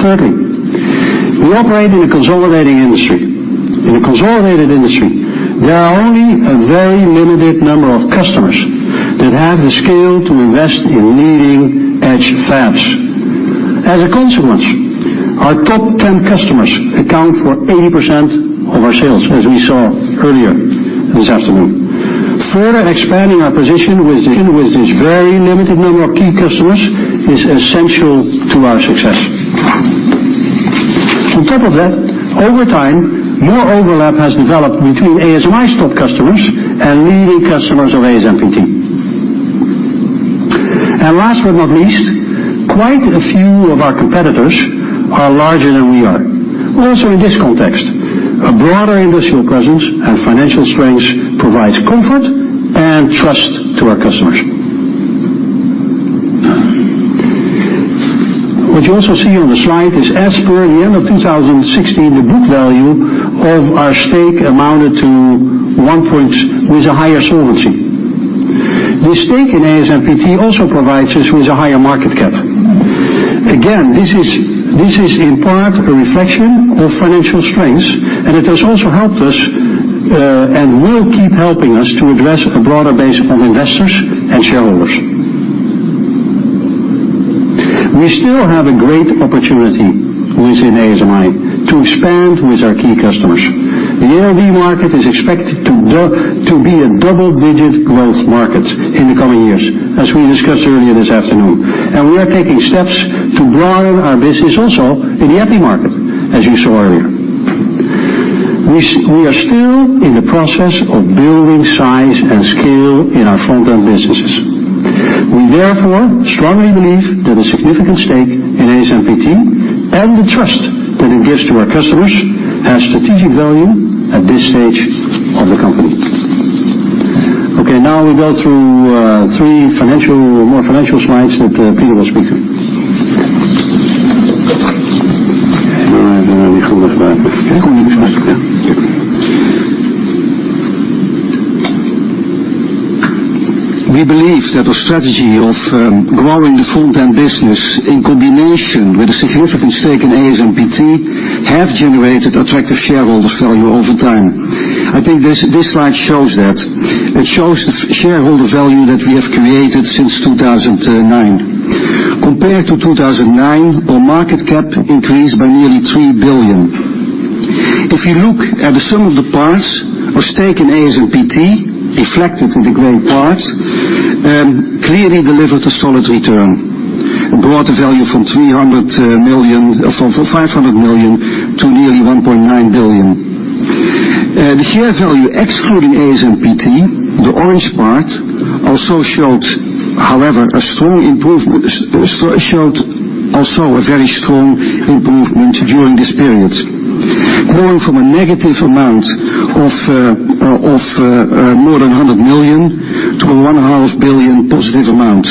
Thirdly-... We operate in a consolidating industry. In a consolidated industry, there are only a very limited number of customers that have the scale to invest in leading-edge fabs. As a consequence, our top 10 customers account for 80% of our sales, as we saw earlier this afternoon. Further expanding our position with this very limited number of key customers is essential to our success. On top of that, over time, more overlap has developed between ASMI's top customers and leading customers of ASMPT. And last but not least, quite a few of our competitors are larger than we are. Also, in this context, a broader industrial presence and financial strength provides comfort and trust to our customers. What you also see on the slide is as per the end of 2016, the book value of our stake amounted to 1 (garbled) with a higher solvency. The stake in ASMPT also provides us with a higher market cap. Again, this is, this is in part a reflection of financial strengths, and it has also helped us and will keep helping us to address a broader base of investors and shareholders. We still have a great opportunity within ASMI to expand with our key customers. The ALD market is expected to be a double-digit growth market in the coming years, as we discussed earlier this afternoon, and we are taking steps to broaden our business also in the EPI market, as you saw earlier. We are still in the process of building size and scale in our front-end businesses. We therefore strongly believe that a significant stake in ASMPT, and the trust that it gives to our customers, has strategic value at this stage of the company. Okay, now we go through, three financial-- more financial slides that, Peter will speak to. We believe that the strategy of, growing the front-end business, in combination with a significant stake in ASMPT, have generated attractive shareholder value over time. I think this, this slide shows that. It shows the shareholder value that we have created since 2009. Compared to 2009, our market cap increased by nearly 3 billion. If you look at the sum of the parts, our stake in ASMPT, reflected in the gray part, clearly delivered a solid return and brought the value from 300 million... from 500 million to nearly 1.9 billion. The share value, excluding ASMPT, the orange part, also showed, however, a strong improvement, showed also a very strong improvement during this period, going from a negative amount of more than 100 million to a 1.5 billion positive amount.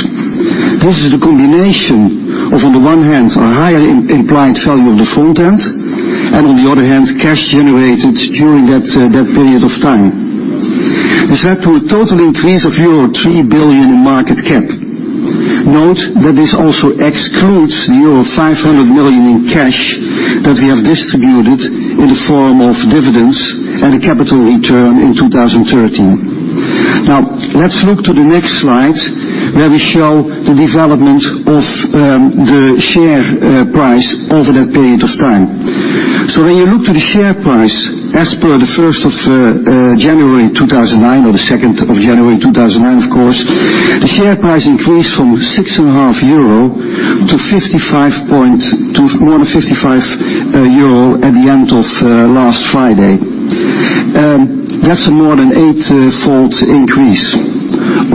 This is a combination of, on the one hand, a higher implied value of the front end, and on the other hand, cash generated during that period of time. This led to a total increase of euro 3 billion in market cap. Note that this also excludes the euro 500 million in cash that we have distributed in the form of dividends and a capital return in 2013. Now, let's look to the next slide, where we show the development of the share price over that period of time. So when you look to the share price as per the first of January 2009, or the second of January 2009, of course, the share price increased from 6.5 euro to more than 55 euro at the end of last Friday. That's a more than eightfold increase.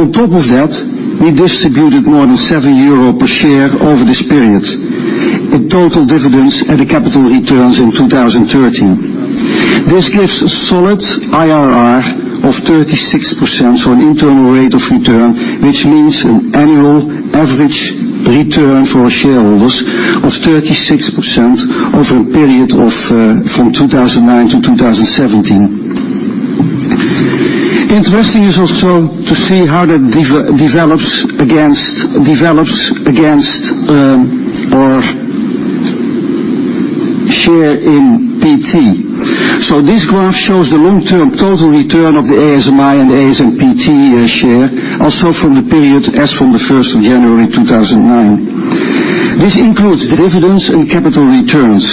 On top of that, we distributed more than 7 euro per share over this period, in total dividends and the capital returns in 2013. This gives a solid IRR of 36% for an internal rate of return, which means an annual average return for our shareholders of 36% over a period of from 2009 to 2017. Interesting is also to see how that develops against our share in PT. So this graph shows the long-term total return of the ASMI and ASMPT share, also from the period as from January 1, 2009. This includes dividends and capital returns.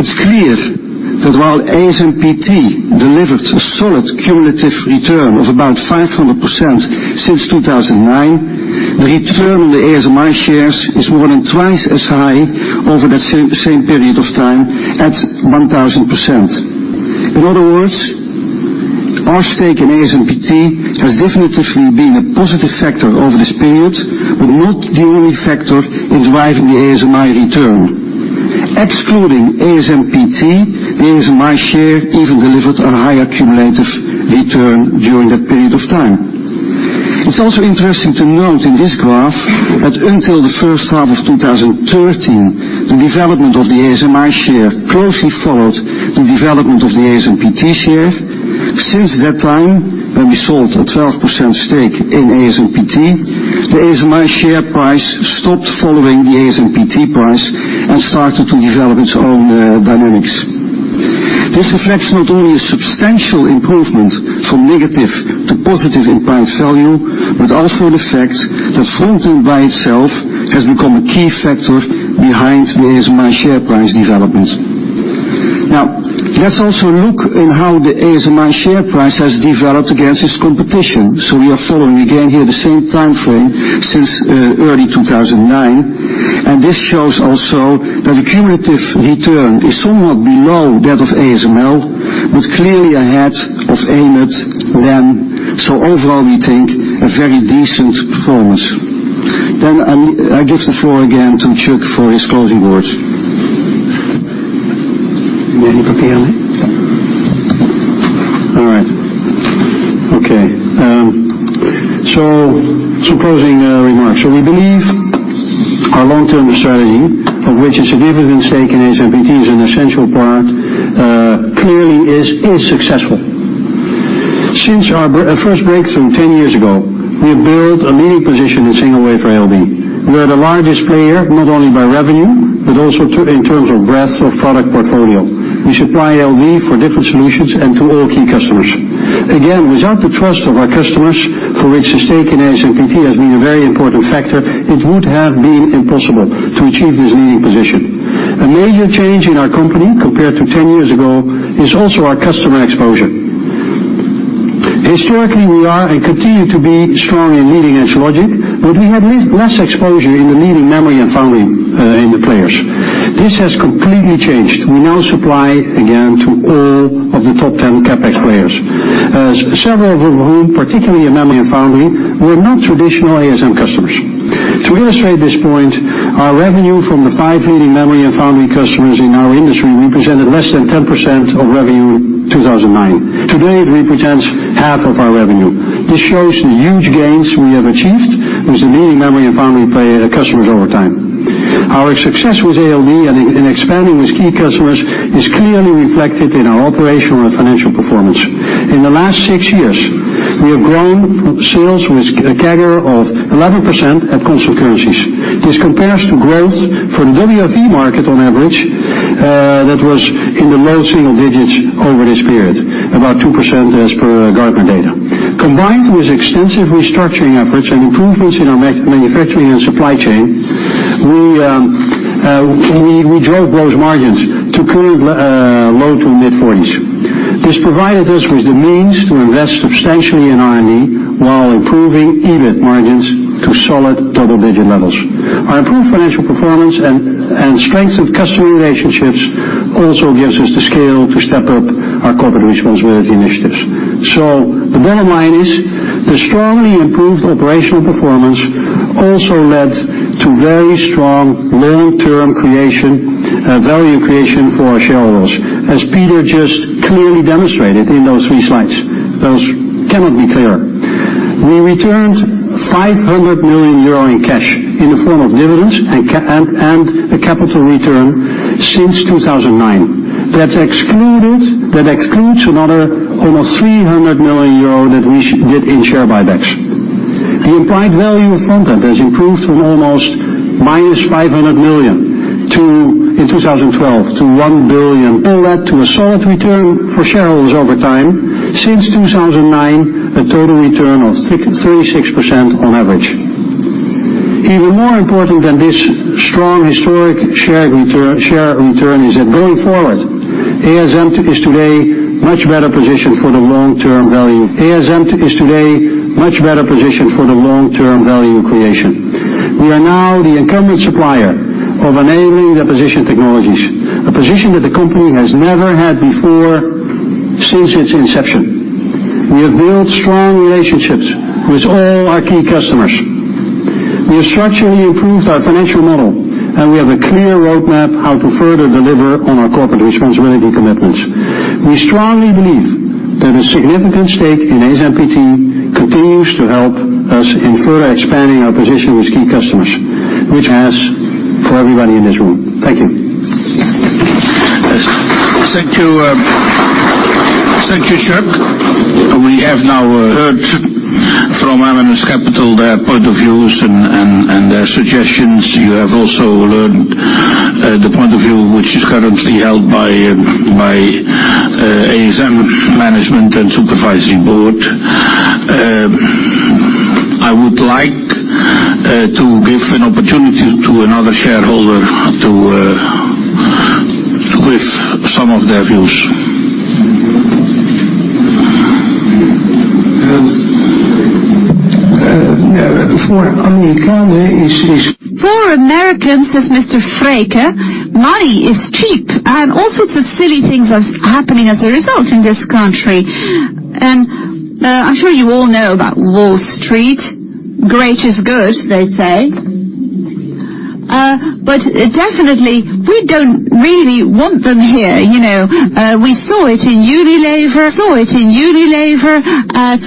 It's clear that while ASMPT delivered a solid cumulative return of about 500% since 2009, the return on the ASMI shares is more than twice as high over that same period of time, at 1,000%. In other words, our stake in ASMPT has definitely been a positive factor over this period, but not the only factor in driving the ASMI return. Excluding ASMPT, the ASMI share even delivered a higher cumulative return during that period of time. It's also interesting to note in this graph that until the first half of 2013, the development of the ASMI share closely followed the development of the ASMPT share.... Since that time, when we sold a 12% stake in ASMPT, the ASMI share price stopped following the ASMPT price and started to develop its own, dynamics. This reflects not only a substantial improvement from negative to positive in price value, but also the fact that Front-end by itself has become a key factor behind the ASMI share price development. Now, let's also look in how the ASMI share price has developed against its competition. So we are following again here the same time frame since early 2009, and this shows also that the cumulative return is somewhat below that of ASML, but clearly ahead of AMAT then. So overall, we think a very decent performance. Then, I give the floor again to Chuck for his closing words. All right. Okay, so some closing remarks. So we believe our long-term strategy, of which a significant stake in ASMPT is an essential part, clearly is successful. Since our first breakthrough 10 years ago, we have built a leading position in single wafer ALD. We are the largest player, not only by revenue, but also in terms of breadth of product portfolio. We supply ALD for different solutions and to all key customers. Again, without the trust of our customers, for which the stake in ASMPT has been a very important factor, it would have been impossible to achieve this leading position. A major change in our company, compared to 10 years ago, is also our customer exposure. Historically, we are and continue to be strong in leading edge logic, but we have less exposure in the leading memory and foundry in the players. This has completely changed. We now supply again to all of the top 10 CapEx players, several of whom, particularly in memory and foundry, were not traditional ASM customers. To illustrate this point, our revenue from the five leading memory and foundry customers in our industry represented less than 10% of revenue in 2009. Today, it represents half of our revenue. This shows the huge gains we have achieved with the leading memory and foundry play, customers over time. Our success with ALD and in expanding with key customers is clearly reflected in our operational and financial performance. In the last six years, we have grown sales with a CAGR of 11% at constant currencies. This compares to growth for the WFE market on average, that was in the low single digits over this period, about 2% as per Gartner data. Combined with extensive restructuring efforts and improvements in our manufacturing and supply chain, we drove those margins to current low to mid-40s. This provided us with the means to invest substantially in R&D, while improving EBIT margins to solid double-digit levels. Our improved financial performance and strengthened customer relationships also gives us the scale to step up our corporate responsibility initiatives. So the bottom line is, the strongly improved operational performance also led to very strong long-term value creation for our shareholders, as Peter just clearly demonstrated in those three slides. That cannot be clearer. We returned 500 million euro in cash in the form of dividends and a capital return since 2009. That excludes another almost 300 million euro that we did in share buybacks. The implied value of Front-end has improved from almost -500 million to, in 2012, to 1 billion. All that to a solid return for shareholders over time. Since 2009, a total return of 36% on average. Even more important than this strong historic share return, share return is that going forward, ASM is today much better positioned for the long-term value. ASM is today much better positioned for the long-term value creation. We are now the incumbent supplier of enabling deposition technologies, a position that the company has never had before since its inception. We have built strong relationships with all our key customers. We have structurally improved our financial model, and we have a clear roadmap how to further deliver on our corporate responsibility commitments. We strongly believe that a significant stake in ASMPT continues to help us in further expanding our position with key customers, which asks for everybody in this room. Thank you. Thank you, thank you, Chuck. We have now heard from Eminence Capital, their points of view and their suggestions. You have also learned the point of view which is currently held by ASM management and Supervisory Board. I would like to give an opportunity to another shareholder to give some of their views. Yeah, for Americans, it's- For Americans, says Mr. Frake, money is cheap, and all sorts of silly things are happening as a result in this country. And, I'm sure you all know about Wall Street. Great is good, they say.... But definitely, we don't really want them here, you know? We saw it in Unilever, saw it in Unilever, at,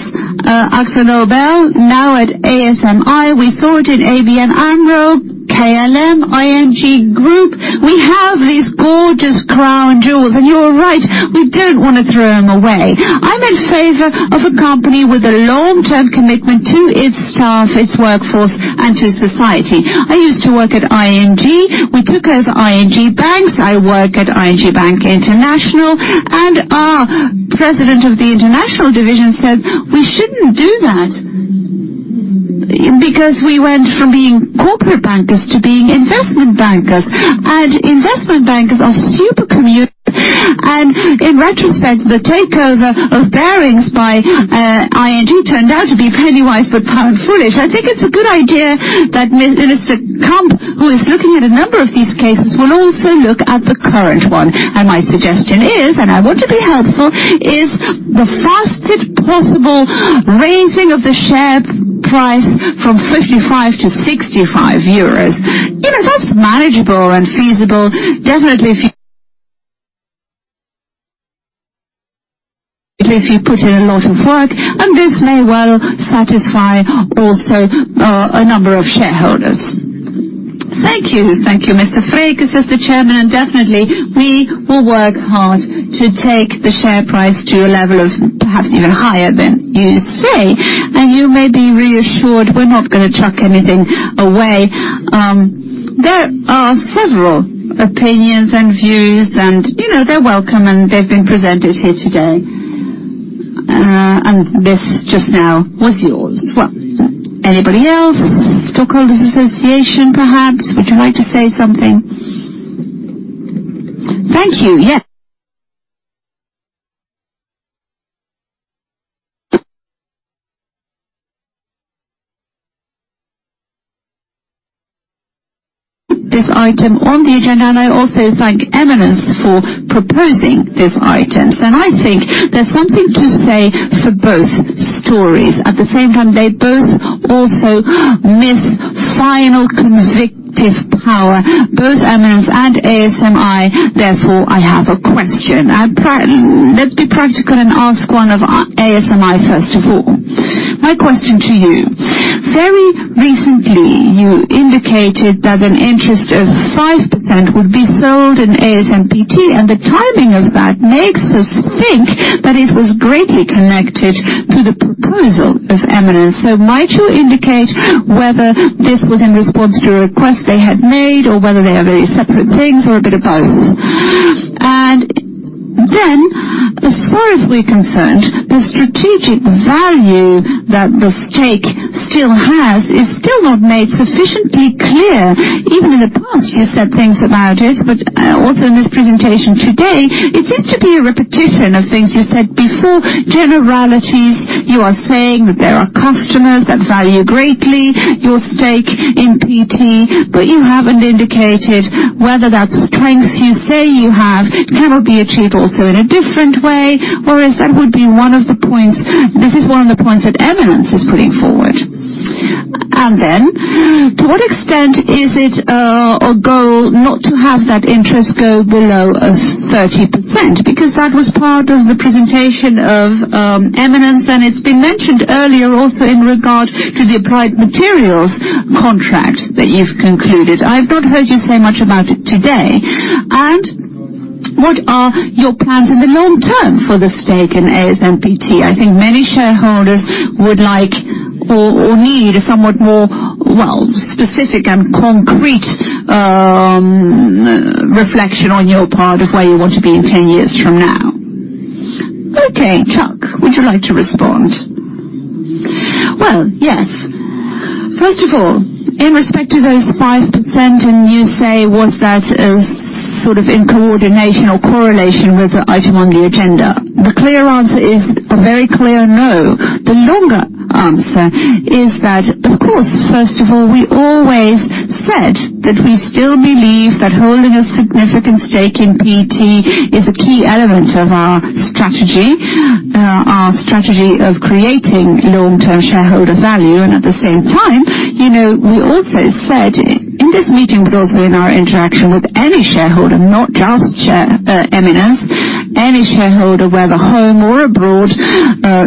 AkzoNobel, now at ASMI. We saw it in ABN AMRO, KLM, ING Group. We have these gorgeous crown jewels, and you are right, we don't want to throw them away. I'm in favor of a company with a long-term commitment to its staff, its workforce, and to society. I used to work at ING. We took over ING banks. I work at ING Bank International, and our president of the international division said we shouldn't do that because we went from being corporate bankers to being investment bankers, and investment bankers are super competitive. In retrospect, the takeover of Barings by ING turned out to be penny-wise but pound foolish. I think it's a good idea that Minister Kamp, who is looking at a number of these cases, will also look at the current one. My suggestion is, and I want to be helpful, the fastest possible raising of the share price from 55 to 65 euros. You know, that's manageable and feasible. Definitely, if you... If you put in a lot of work, and this may well satisfy also a number of shareholders. Thank you. Thank you, Mr. Frijkes, as the chairman, and definitely we will work hard to take the share price to a level of perhaps even higher than you say, and you may be reassured we're not gonna chuck anything away. There are several opinions and views, and, you know, they're welcome, and they've been presented here today. And this just now was yours. Well, anybody else? Stockholders association, perhaps, would you like to say something? Thank you. Yes. This item on the agenda, and I also thank Eminence for proposing this item. And I think there's something to say for both stories. At the same time, they both also miss final convincing power, both Eminence and ASMI. Therefore, I have a question. Let's be practical and ask one of our ASMI, first of all. My question to you: Very recently, you indicated that an interest of 5% would be sold in ASMPT, and the timing of that makes us think that it was greatly connected to the proposal of Eminence. So might you indicate whether this was in response to a request they had made, or whether they are very separate things or a bit of both? And then, as far as we're concerned, the strategic value that the stake still has is still not made sufficiently clear. Even in the past, you said things about it, but also in this presentation today, it seems to be a repetition of things you said before, generalities. You are saying that there are customers that value greatly your stake in ASMPT, but you haven't indicated whether that strength you say you have cannot be achieved also in a different way, or is that would be one of the points. This is one of the points that Eminence is putting forward. And then, to what extent is it a goal not to have that interest go below 30%? Because that was part of the presentation of Eminence, and it's been mentioned earlier also in regard to the Applied Materials contract that you've concluded. I've not heard you say much about it today. And what are your plans in the long term for the stake in ASMPT? I think many shareholders would like or, or need a somewhat more, well, specific and concrete, reflection on your part of where you want to be in 10 years from now. Okay, Chuck, would you like to respond? Well, yes. First of all, in respect to those 5%, and you say, was that, sort of in coordination or correlation with the item on the agenda? The clear answer is a very clear no. The longer answer is that, of course, first of all, we always said that we still believe that holding a significant stake in PT is a key element of our strategy, our strategy of creating long-term shareholder value. At the same time, you know, we also said in this meeting, but also in our interaction with any shareholder, not just chair, Eminence, any shareholder, whether home or abroad,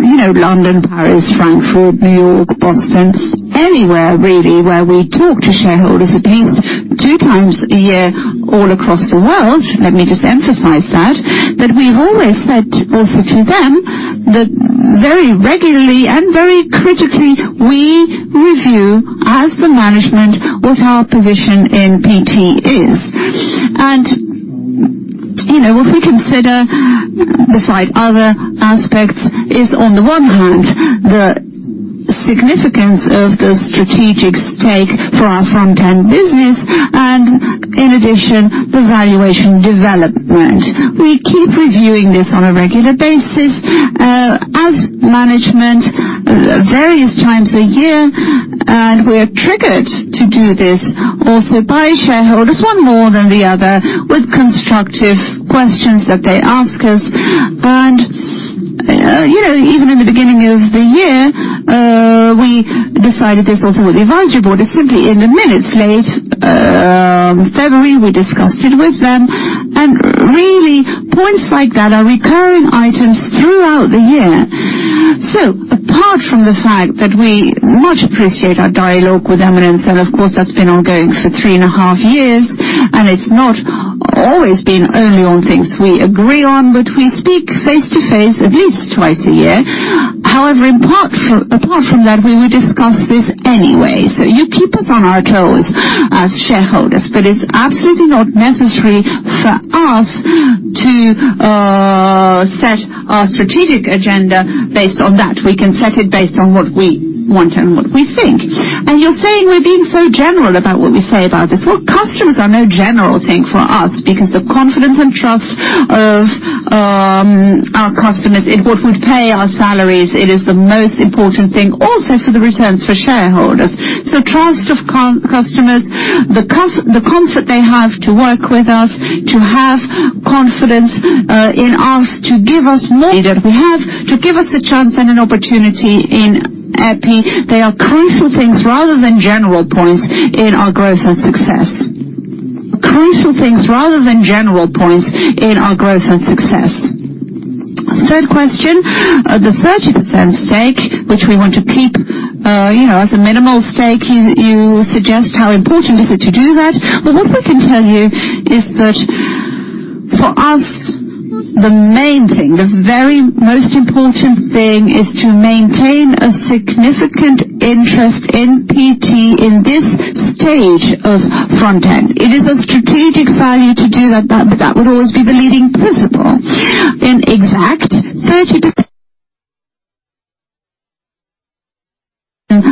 you know, London, Paris, Frankfurt, New York, Boston, anywhere really where we talk to shareholders at least two times a year, all across the world. Let me just emphasize that, that we've always said also to them that very regularly and very critically, we review, as the management, what our position in PT is. And, you know, what we consider, besides other aspects, is, on the one hand, the significance of the strategic stake for our front-end business and in addition, the valuation development. We keep reviewing this on a regular basis, as management various times a year, and we're triggered to do this also by shareholders, one more than the other, with constructive questions that they ask us. You know, even in the beginning of the year, we decided this also with the advisory board, it's simply in the minutes late February, we discussed it with them, and really, points like that are recurring items throughout the year. So apart from the fact that we much appreciate our dialogue with Eminence, and of course, that's been ongoing for three and a half years, and it's not always been only on things we agree on, but we speak face-to-face at least twice a year. However, apart from that, we will discuss this anyway. So you keep us on our toes as shareholders, but it's absolutely not necessary for us to set our strategic agenda based on that. We can set it based on what we want and what we think. You're saying we're being so general about what we say about this. Well, customers are no general thing for us, because the confidence and trust of our customers is what would pay our salaries. It is the most important thing, also for the returns for shareholders. So trust of customers, the comfort they have to work with us, to have confidence in us, to give us more than we have, to give us a chance and an opportunity in EPI, they are crucial things rather than general points in our growth and success. Third question, the 30% stake, which we want to keep, you know, as a minimal stake, you suggest, how important is it to do that? Well, what we can tell you is that for us, the main thing, the very most important thing, is to maintain a significant interest in ASMPT in this stage of front-end. It is a strategic value to do that, but that would always be the leading principle. It's not exactly 30%,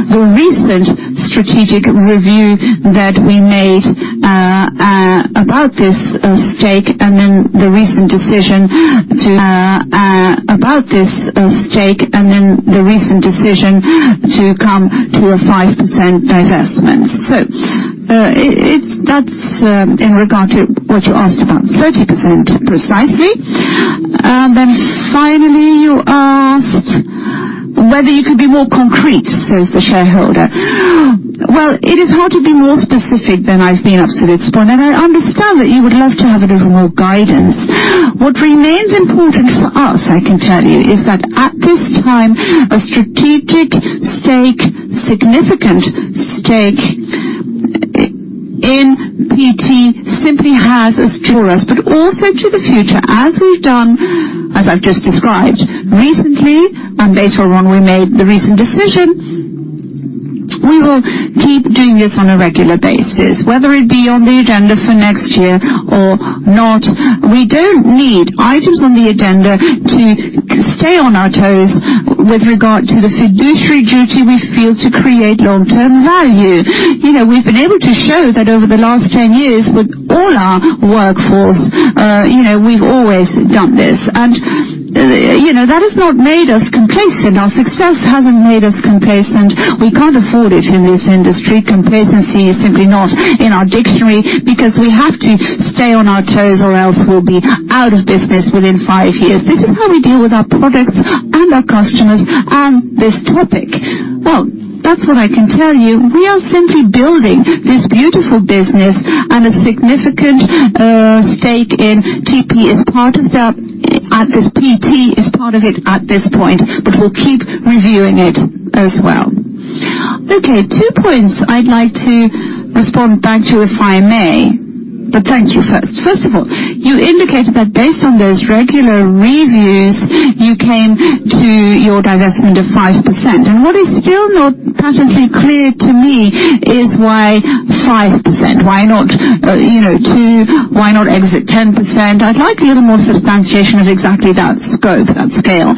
the recent strategic review that we made about this stake and the recent decision to come to a 5% divestment. So, that's in regard to what you asked about, 30%, precisely. Then finally, you asked whether you could be more concrete, says the shareholder. Well, it is hard to be more specific than I've been up to this point, and I understand that you would love to have a little more guidance. What remains important for us, I can tell you, is that at this time, a strategic stake, significant stake in ASMPT simply has a purpose, but also to the future, as we've done, as I've just described, recently, and based on when we made the recent decision, we will keep doing this on a regular basis. Whether it be on the agenda for next year or not, we don't need items on the agenda to stay on our toes with regard to the fiduciary duty we feel to create long-term value. You know, we've been able to show that over the last 10 years, with all our workforce, you know, we've always done this. You know, that has not made us complacent. Our success hasn't made us complacent. We can't afford it in this industry. Complacency is simply not in our dictionary because we have to stay on our toes, or else we'll be out of business within five years. This is how we deal with our products and our customers and this topic. Well, that's what I can tell you. We are simply building this beautiful business, and a significant stake in TP is part of that, as TP is part of it at this point, but we'll keep reviewing it as well. Okay, two points I'd like to respond back to, if I may, but thank you first. First of all, you indicated that based on those regular reviews, you came to your divestment of 5%. What is still not patently clear to me is why 5%? Why not, you know, why not exit 10%? I'd like a little more substantiation of exactly that scope, that scale.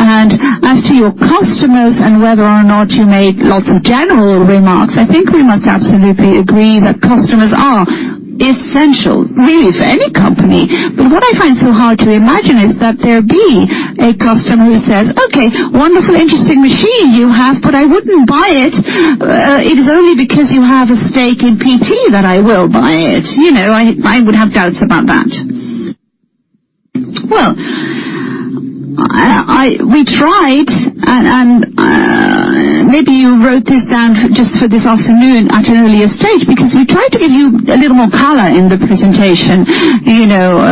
And as to your customers and whether or not you made lots of general remarks, I think we must absolutely agree that customers are essential, really, for any company. But what I find so hard to imagine is that there be a customer who says: "Okay, wonderful, interesting machine you have, but I wouldn't buy it. It is only because you have a stake in PT that I will buy it." You know, I would have doubts about that. Well, I... We tried, and, and, maybe you wrote this down just for this afternoon at an earlier stage, because we tried to give you a little more color in the presentation, you know,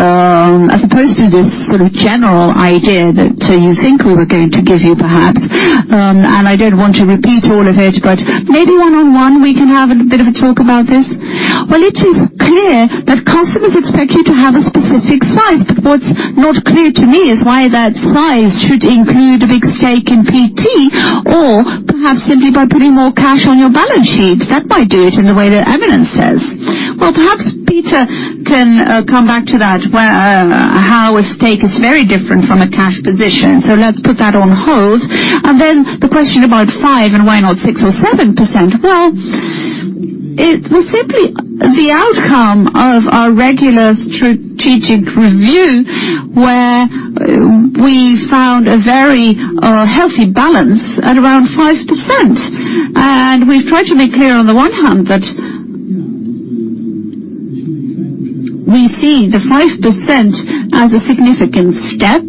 as opposed to this sort of general idea that you think we were going to give you, perhaps. And I don't want to repeat all of it, but maybe one-on-one, we can have a bit of a talk about this. Well, it is clear that customers expect you to have a specific size, but what's not clear to me is why that size should include a big stake in PT, or perhaps simply by putting more cash on your balance sheet, that might do it in the way that Eminence says. Well, perhaps Peter can come back to that, where how a stake is very different from a cash position. So let's put that on hold. Then the question about 5, and why not 6 or 7%? Well, it was simply the outcome of our regular strategic review, where we found a very healthy balance at around 5%. We've tried to be clear on the one hand that. We see the 5% as a significant step,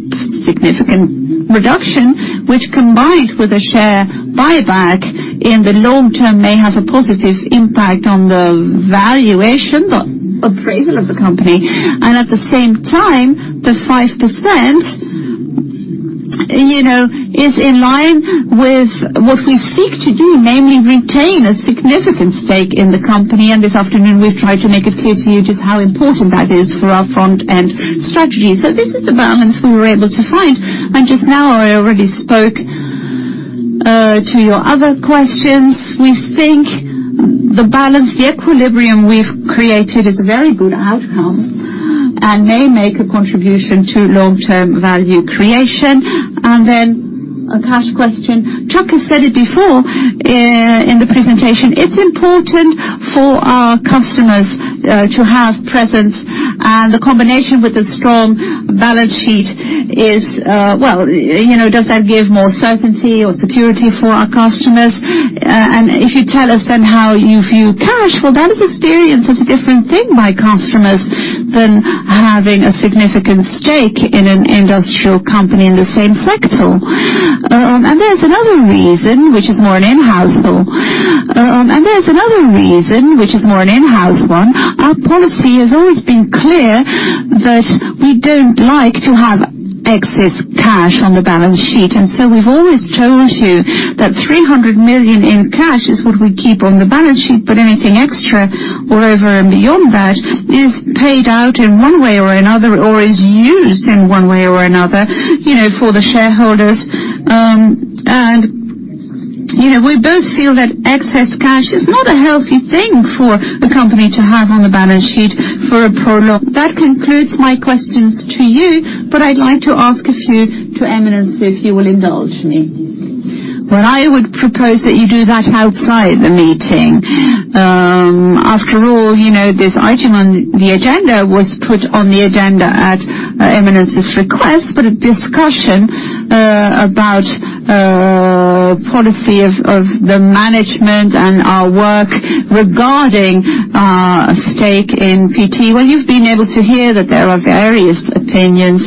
significant reduction, which combined with a share buyback in the long term, may have a positive impact on the valuation, the appraisal of the company. At the same time, the 5%, you know, is in line with what we seek to do, namely, retain a significant stake in the company. This afternoon, we've tried to make it clear to you just how important that is for our front-end strategy. So this is the balance we were able to find, and just now, I already spoke to your other questions. We think the balance, the equilibrium we've created is a very good outcome, and may make a contribution to long-term value creation. Then a cash question. Chuck has said it before, in the presentation, it's important for our customers to have presence, and the combination with a strong balance sheet is, well, you know, does that give more certainty or security for our customers? And if you tell us then how you view cash, well, that is experienced as a different thing by customers than having a significant stake in an industrial company in the same sector. And there's another reason which is more an in-house one. Our policy has always been clear that we don't like to have excess cash on the balance sheet, and so we've always told you that 300 million in cash is what we keep on the balance sheet, but anything extra or over and beyond that is paid out in one way or another, or is used in one way or another, you know, for the shareholders. And you know, we both feel that excess cash is not a healthy thing for a company to have on the balance sheet for a prolonged- That concludes my questions to you, but I'd like to ask a few to Eminence, if you will indulge me. Well, I would propose that you do that outside the meeting. After all, you know, this item on the agenda was put on the agenda at Eminence's request, but a discussion about policy of the management and our work regarding our stake in ASMPT. Well, you've been able to hear that there are various opinions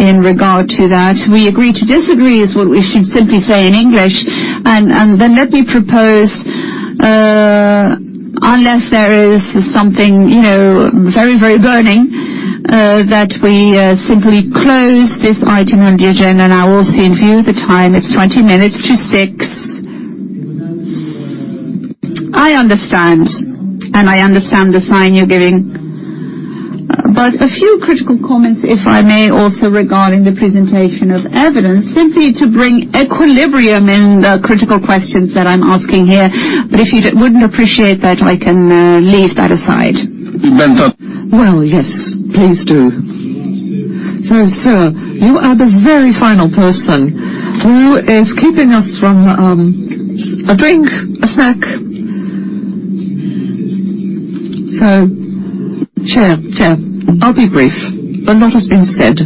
in regard to that. We agree to disagree, is what we should simply say in English. And then let me propose, unless there is something, you know, very, very burning, that we simply close this item on the agenda, and I also view the time, it's 5:40 P.M. I understand, and I understand the sign you're giving, but a few critical comments, if I may, also, regarding the presentation of evidence, simply to bring equilibrium in the critical questions that I'm asking here, but if you wouldn't appreciate that, I can leave that aside. Well, yes, please do. So, sir, you are the very final person who is keeping us from a drink, a snack. So, Chair, Chair, I'll be brief. A lot has been said,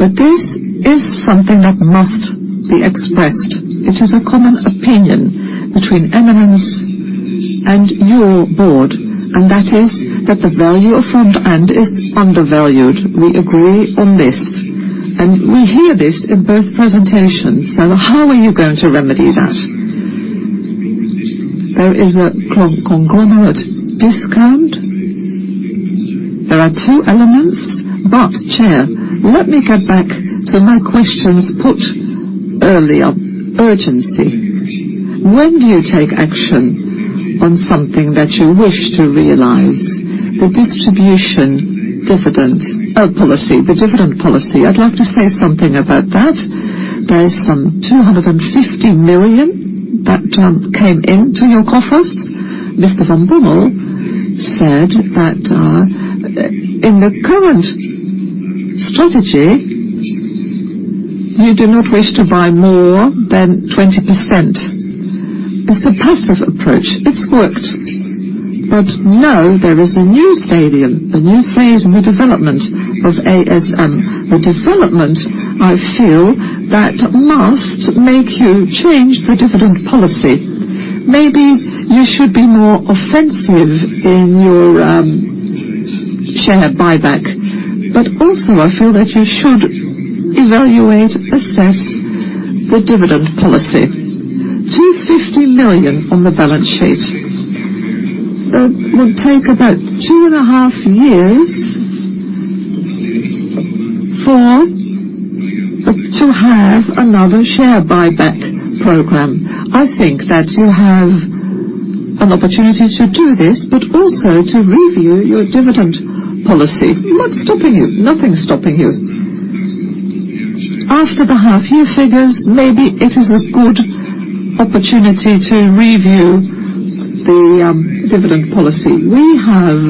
but this is something that must be expressed. It is a common opinion between Eminence and your board, and that is that the value of Front End is undervalued. We agree on this, and we hear this in both presentations. So how are you going to remedy that? There is a conglomerate discount. There are two elements, but, Chair, let me get back to my questions put earlier. Urgency. When do you take action on something that you wish to realize? The distribution dividend policy, the dividend policy. I'd like to say something about that. There is 250 million that came into your coffers. Mr. van Bommel said that in the current strategy, you do not wish to buy more than 20%. It's a passive approach. It's worked, but now there is a new stadium, a new phase in the development of ASM. The development, I feel, that must make you change the dividend policy. Maybe you should be more offensive in your share buyback, but also I feel that you should evaluate, assess the dividend policy. 250 million on the balance sheet. That would take about 2.5 years to have another share buyback program. I think that you have an opportunity to do this, but also to review your dividend policy. What's stopping you? Nothing's stopping you. After the half-year figures, maybe it is a good opportunity to review the dividend policy. We have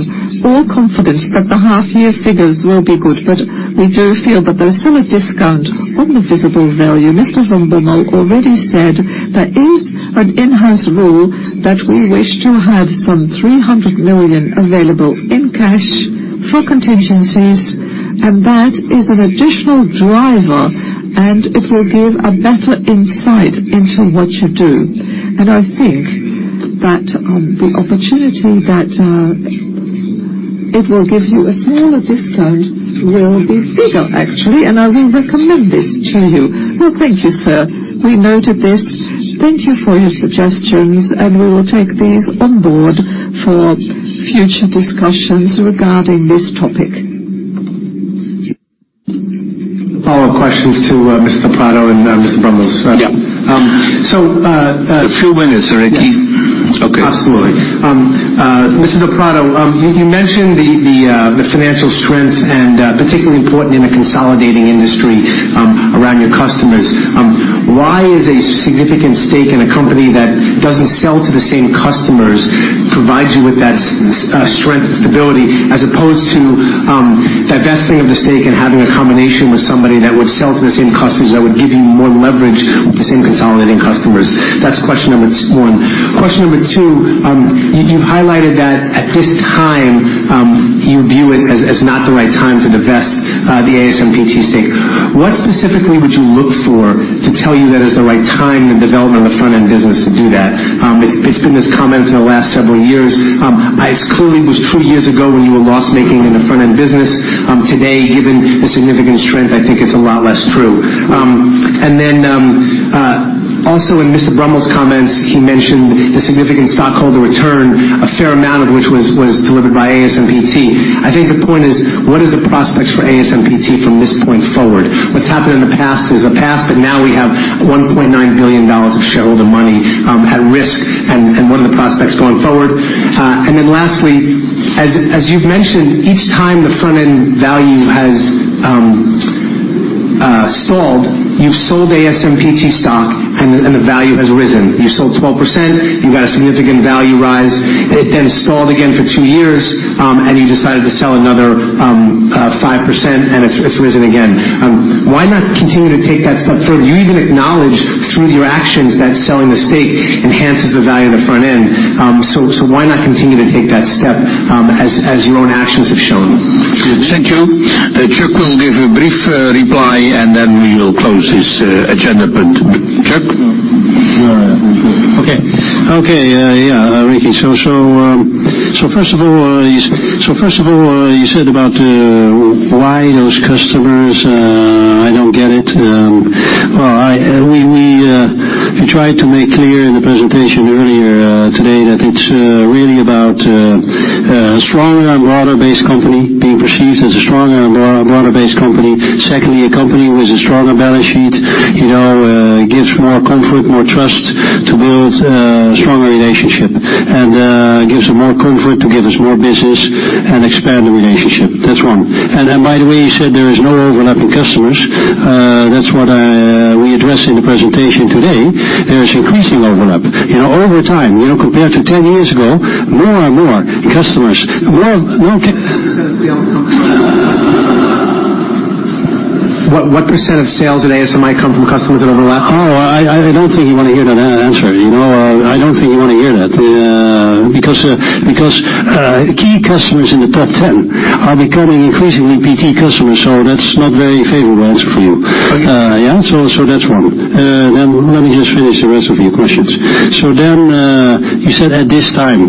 all confidence that the half-year figures will be good, but we do feel that there is still a discount on the visible value. Mr. van Bommel already said there is an in-house rule that we wish to have some 300 million available in cash for contingencies, and that is an additional driver, and it will give a better insight into what you do. And I think that the opportunity that ...it will give you a smaller discount, will be bigger actually, and I will recommend this to you. Well, thank you, sir. We noted this. Thank you for your suggestions, and we will take these on board for future discussions regarding this topic. Follow-up questions to Mr. del Prado and Mr. van Bommel. Yeah. So, A few minutes, all right, Ricky? Yes. Okay. Absolutely. Mr. Prado, you mentioned the financial strength and particularly important in a consolidating industry around your customers. Why is a significant stake in a company that doesn't sell to the same customers provide you with that strength, stability, as opposed to divesting of the stake and having a combination with somebody that would sell to the same customers that would give you more leverage with the same consolidating customers? That's question number one. Question number two, you've highlighted that at this time you view it as not the right time to divest the ASMPT stake. What specifically would you look for to tell you that it's the right time in the development of the front-end business to do that? It's been this comment in the last several years. It clearly was true years ago when you were loss-making in the front-end business. Today, given the significant strength, I think it's a lot less true. And then, also in Mr. Brummel's comments, he mentioned the significant stockholder return, a fair amount of which was delivered by ASMPT. I think the point is, what is the prospects for ASMPT from this point forward? What's happened in the past is the past, but now we have $1.9 billion of shareholder money at risk, and what are the prospects going forward? And then lastly, as you've mentioned, each time the front-end value has stalled, you've sold ASMPT stock and the value has risen. You sold 12%, you got a significant value rise. It then stalled again for two years, and you decided to sell another 5%, and it's, it's risen again. Why not continue to take that step further? You even acknowledged through your actions that selling the stake enhances the value of the front end. So, so why not continue to take that step, as, as your own actions have shown? Thank you. Geert will give a brief reply, and then we will close this agenda point. Geert? All right. Okay. Okay, yeah, Ricky, so, so, so first of all, you said about why those customers. I don't get it. Well, we tried to make clear in the presentation earlier today that it's really about a stronger and broader-based company, being perceived as a stronger and broader-based company. Secondly, a company with a stronger balance sheet, you know, gives more comfort, more trust to build stronger relationship. And gives them more comfort to give us more business and expand the relationship. That's one. And by the way, you said there is no overlap in customers. That's what we addressed in the presentation today. There is increasing overlap. You know, over time, you know, compared to 10 years ago, more and more customers, more, more- What % of sales at ASMI come from customers that overlap? Oh, I don't think you want to hear that answer. You know, I don't think you want to hear that, because key customers in the top ten are becoming increasingly PT customers, so that's not very favorable answer for you. Okay. Yeah, so, so that's one. Then let me just finish the rest of your questions. So then, you said, at this time.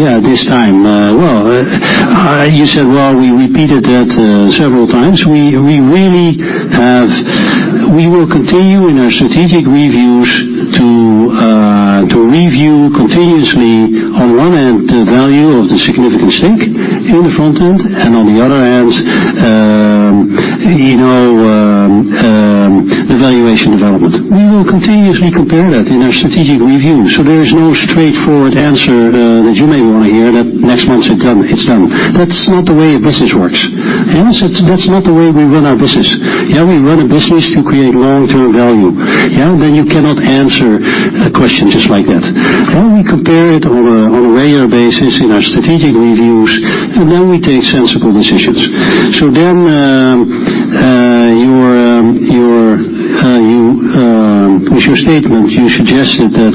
Yeah, at this time. Well, you said, well, we repeated that several times. We really have -- we will continue in our strategic reviews to review continuously on one hand, the value of the significant stake in the front end, and on the other hand, you know, the valuation development. We will continuously compare that in our strategic review, so there is no straightforward answer that you may want to hear, that next month's it done, it's done. That's not the way a business works. Yes, that's not the way we run our business. Yeah, we run a business to create long-term value. Yeah, then you cannot answer a question just like that. Then we compare it on a regular basis in our strategic reviews, and then we take sensible decisions. So then, with your statement, you suggested that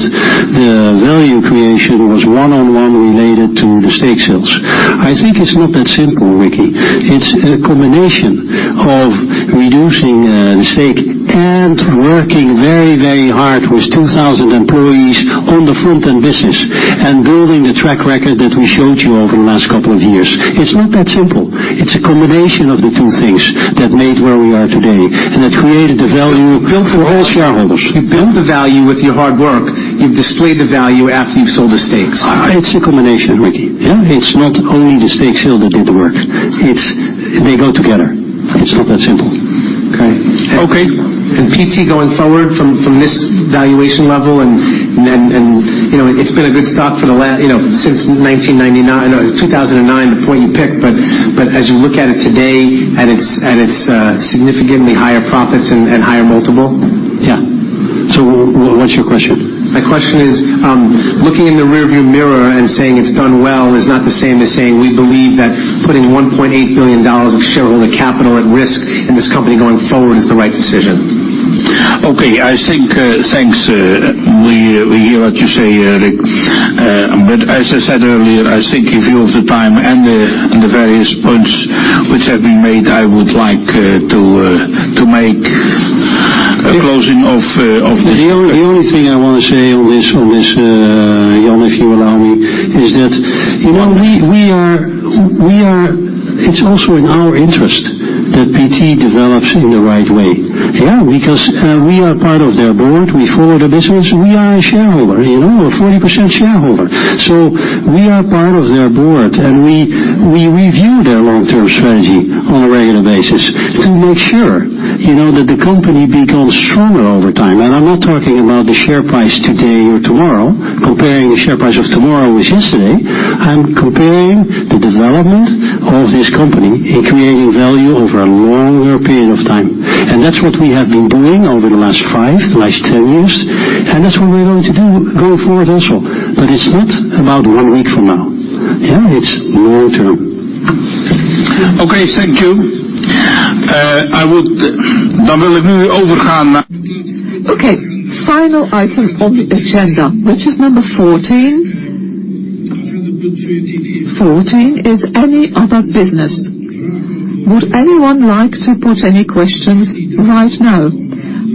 the value creation was one-on-one related to the stake sales. I think it's not that simple, Ricky. It's a combination of reducing the stake and working very, very hard with 2,000 employees on the front-end business and building the track record that we showed you over the last couple of years. It's not that simple. It's a combination of the two things that made where we are today, and that created the value for all shareholders. You built the value with your hard work. You've displayed the value after you've sold the stakes. It's a combination, Ricky. Yeah, it's not only the stake sale that did the work. It's, they go together. It's not that simple. Okay. Okay. PT, going forward from this valuation level, and then, you know, it's been a good stock for the last, you know, since 1999. I know it's 2009, the point you picked, but as you look at it today, at its significantly higher profits and higher multiple? Yeah. So, what's your question? My question is, looking in the rearview mirror and saying it's done well is not the same as saying we believe that putting $1.8 billion of shareholder capital at risk in this company going forward is the right decision. Okay, I think, thanks, we hear what you say, Rick. But as I said earlier, I think in view of the time and the various points which have been made, I would like to make-... A closing of The only thing I want to say on this, Jan, if you allow me, is that, you know, we are. It's also in our interest that PT develops in the right way. Yeah, because, we are part of their board. We follow the business. We are a shareholder, you know, a 40% shareholder. So we are part of their board, and we review their long-term strategy on a regular basis to make sure, you know, that the company becomes stronger over time. And I'm not talking about the share price today or tomorrow, comparing the share price of tomorrow with yesterday. I'm comparing the development of this company in creating value over a longer period of time, and that's what we have been doing over the last 5, the last 10 years, and that's what we're going to do going forward also. But it's not about 1 week from now, yeah? It's long term. Okay, thank you. I would, Okay, final item on the agenda, which is number 14. 14, is any other business. Would anyone like to put any questions right now?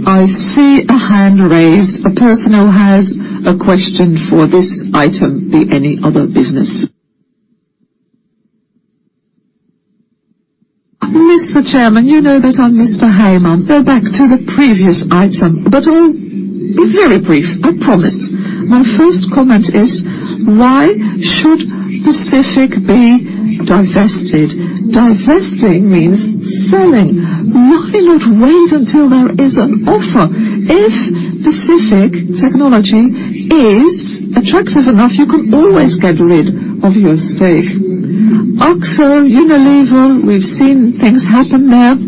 I see a hand raised. A person who has a question for this item, the any other business. Mr. Chairman, you know that I'm Mr. Heyman. Go back to the previous item, but I'll be very brief, I promise. My first comment is, why should Pacific be divested? Divesting means selling. Why not wait until there is an offer? If Pacific Technology is attractive enough, you can always get rid of your stake. Akzo, Unilever, we've seen things happen there.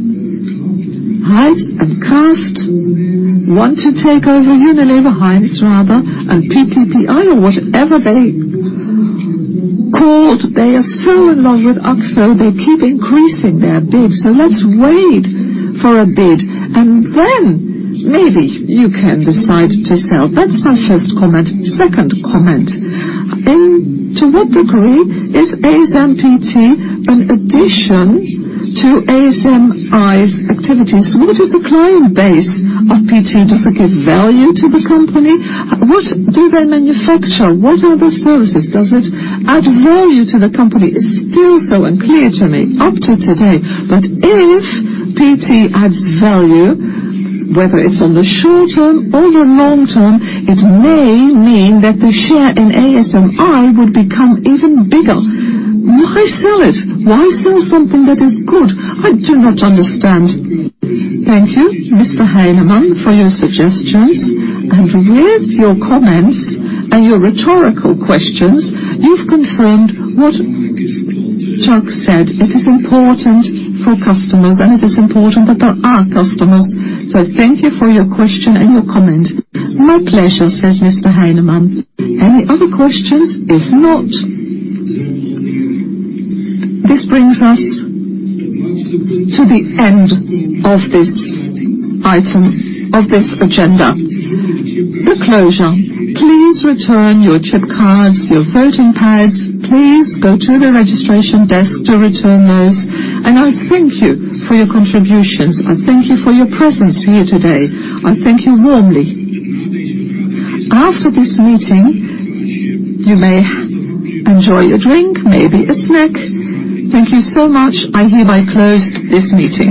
Heinz and Kraft want to take over Unilever, Heinz rather, and PPG or whatever they called, they are so in love with Akzo, they keep increasing their bid. So let's wait for a bid, and then maybe you can decide to sell. That's my first comment. Second comment, and to what degree is ASMPT an addition to ASMI's activities? What is the client base of PT? Does it give value to the company? What do they manufacture? What are the services? Does it add value to the company? It's still so unclear to me up to today. But if PT adds value, whether it's on the short term or the long term, it may mean that the share in ASMI would become even bigger. Why sell it? Why sell something that is good? I do not understand. Thank you, Mr. Heyman, for your suggestions, and with your comments and your rhetorical questions, you've confirmed what Chuck said. It is important for customers, and it is important that there are customers. So thank you for your question and your comment. My pleasure, says Mr. Heyman. Any other questions? If not, this brings us to the end of this item, of this agenda. The closure. Please return your chip cards, your voting pads. Please go to the registration desk to return those, and I thank you for your contributions. I thank you for your presence here today. I thank you warmly. After this meeting, you may enjoy a drink, maybe a snack. Thank you so much. I hereby close this meeting.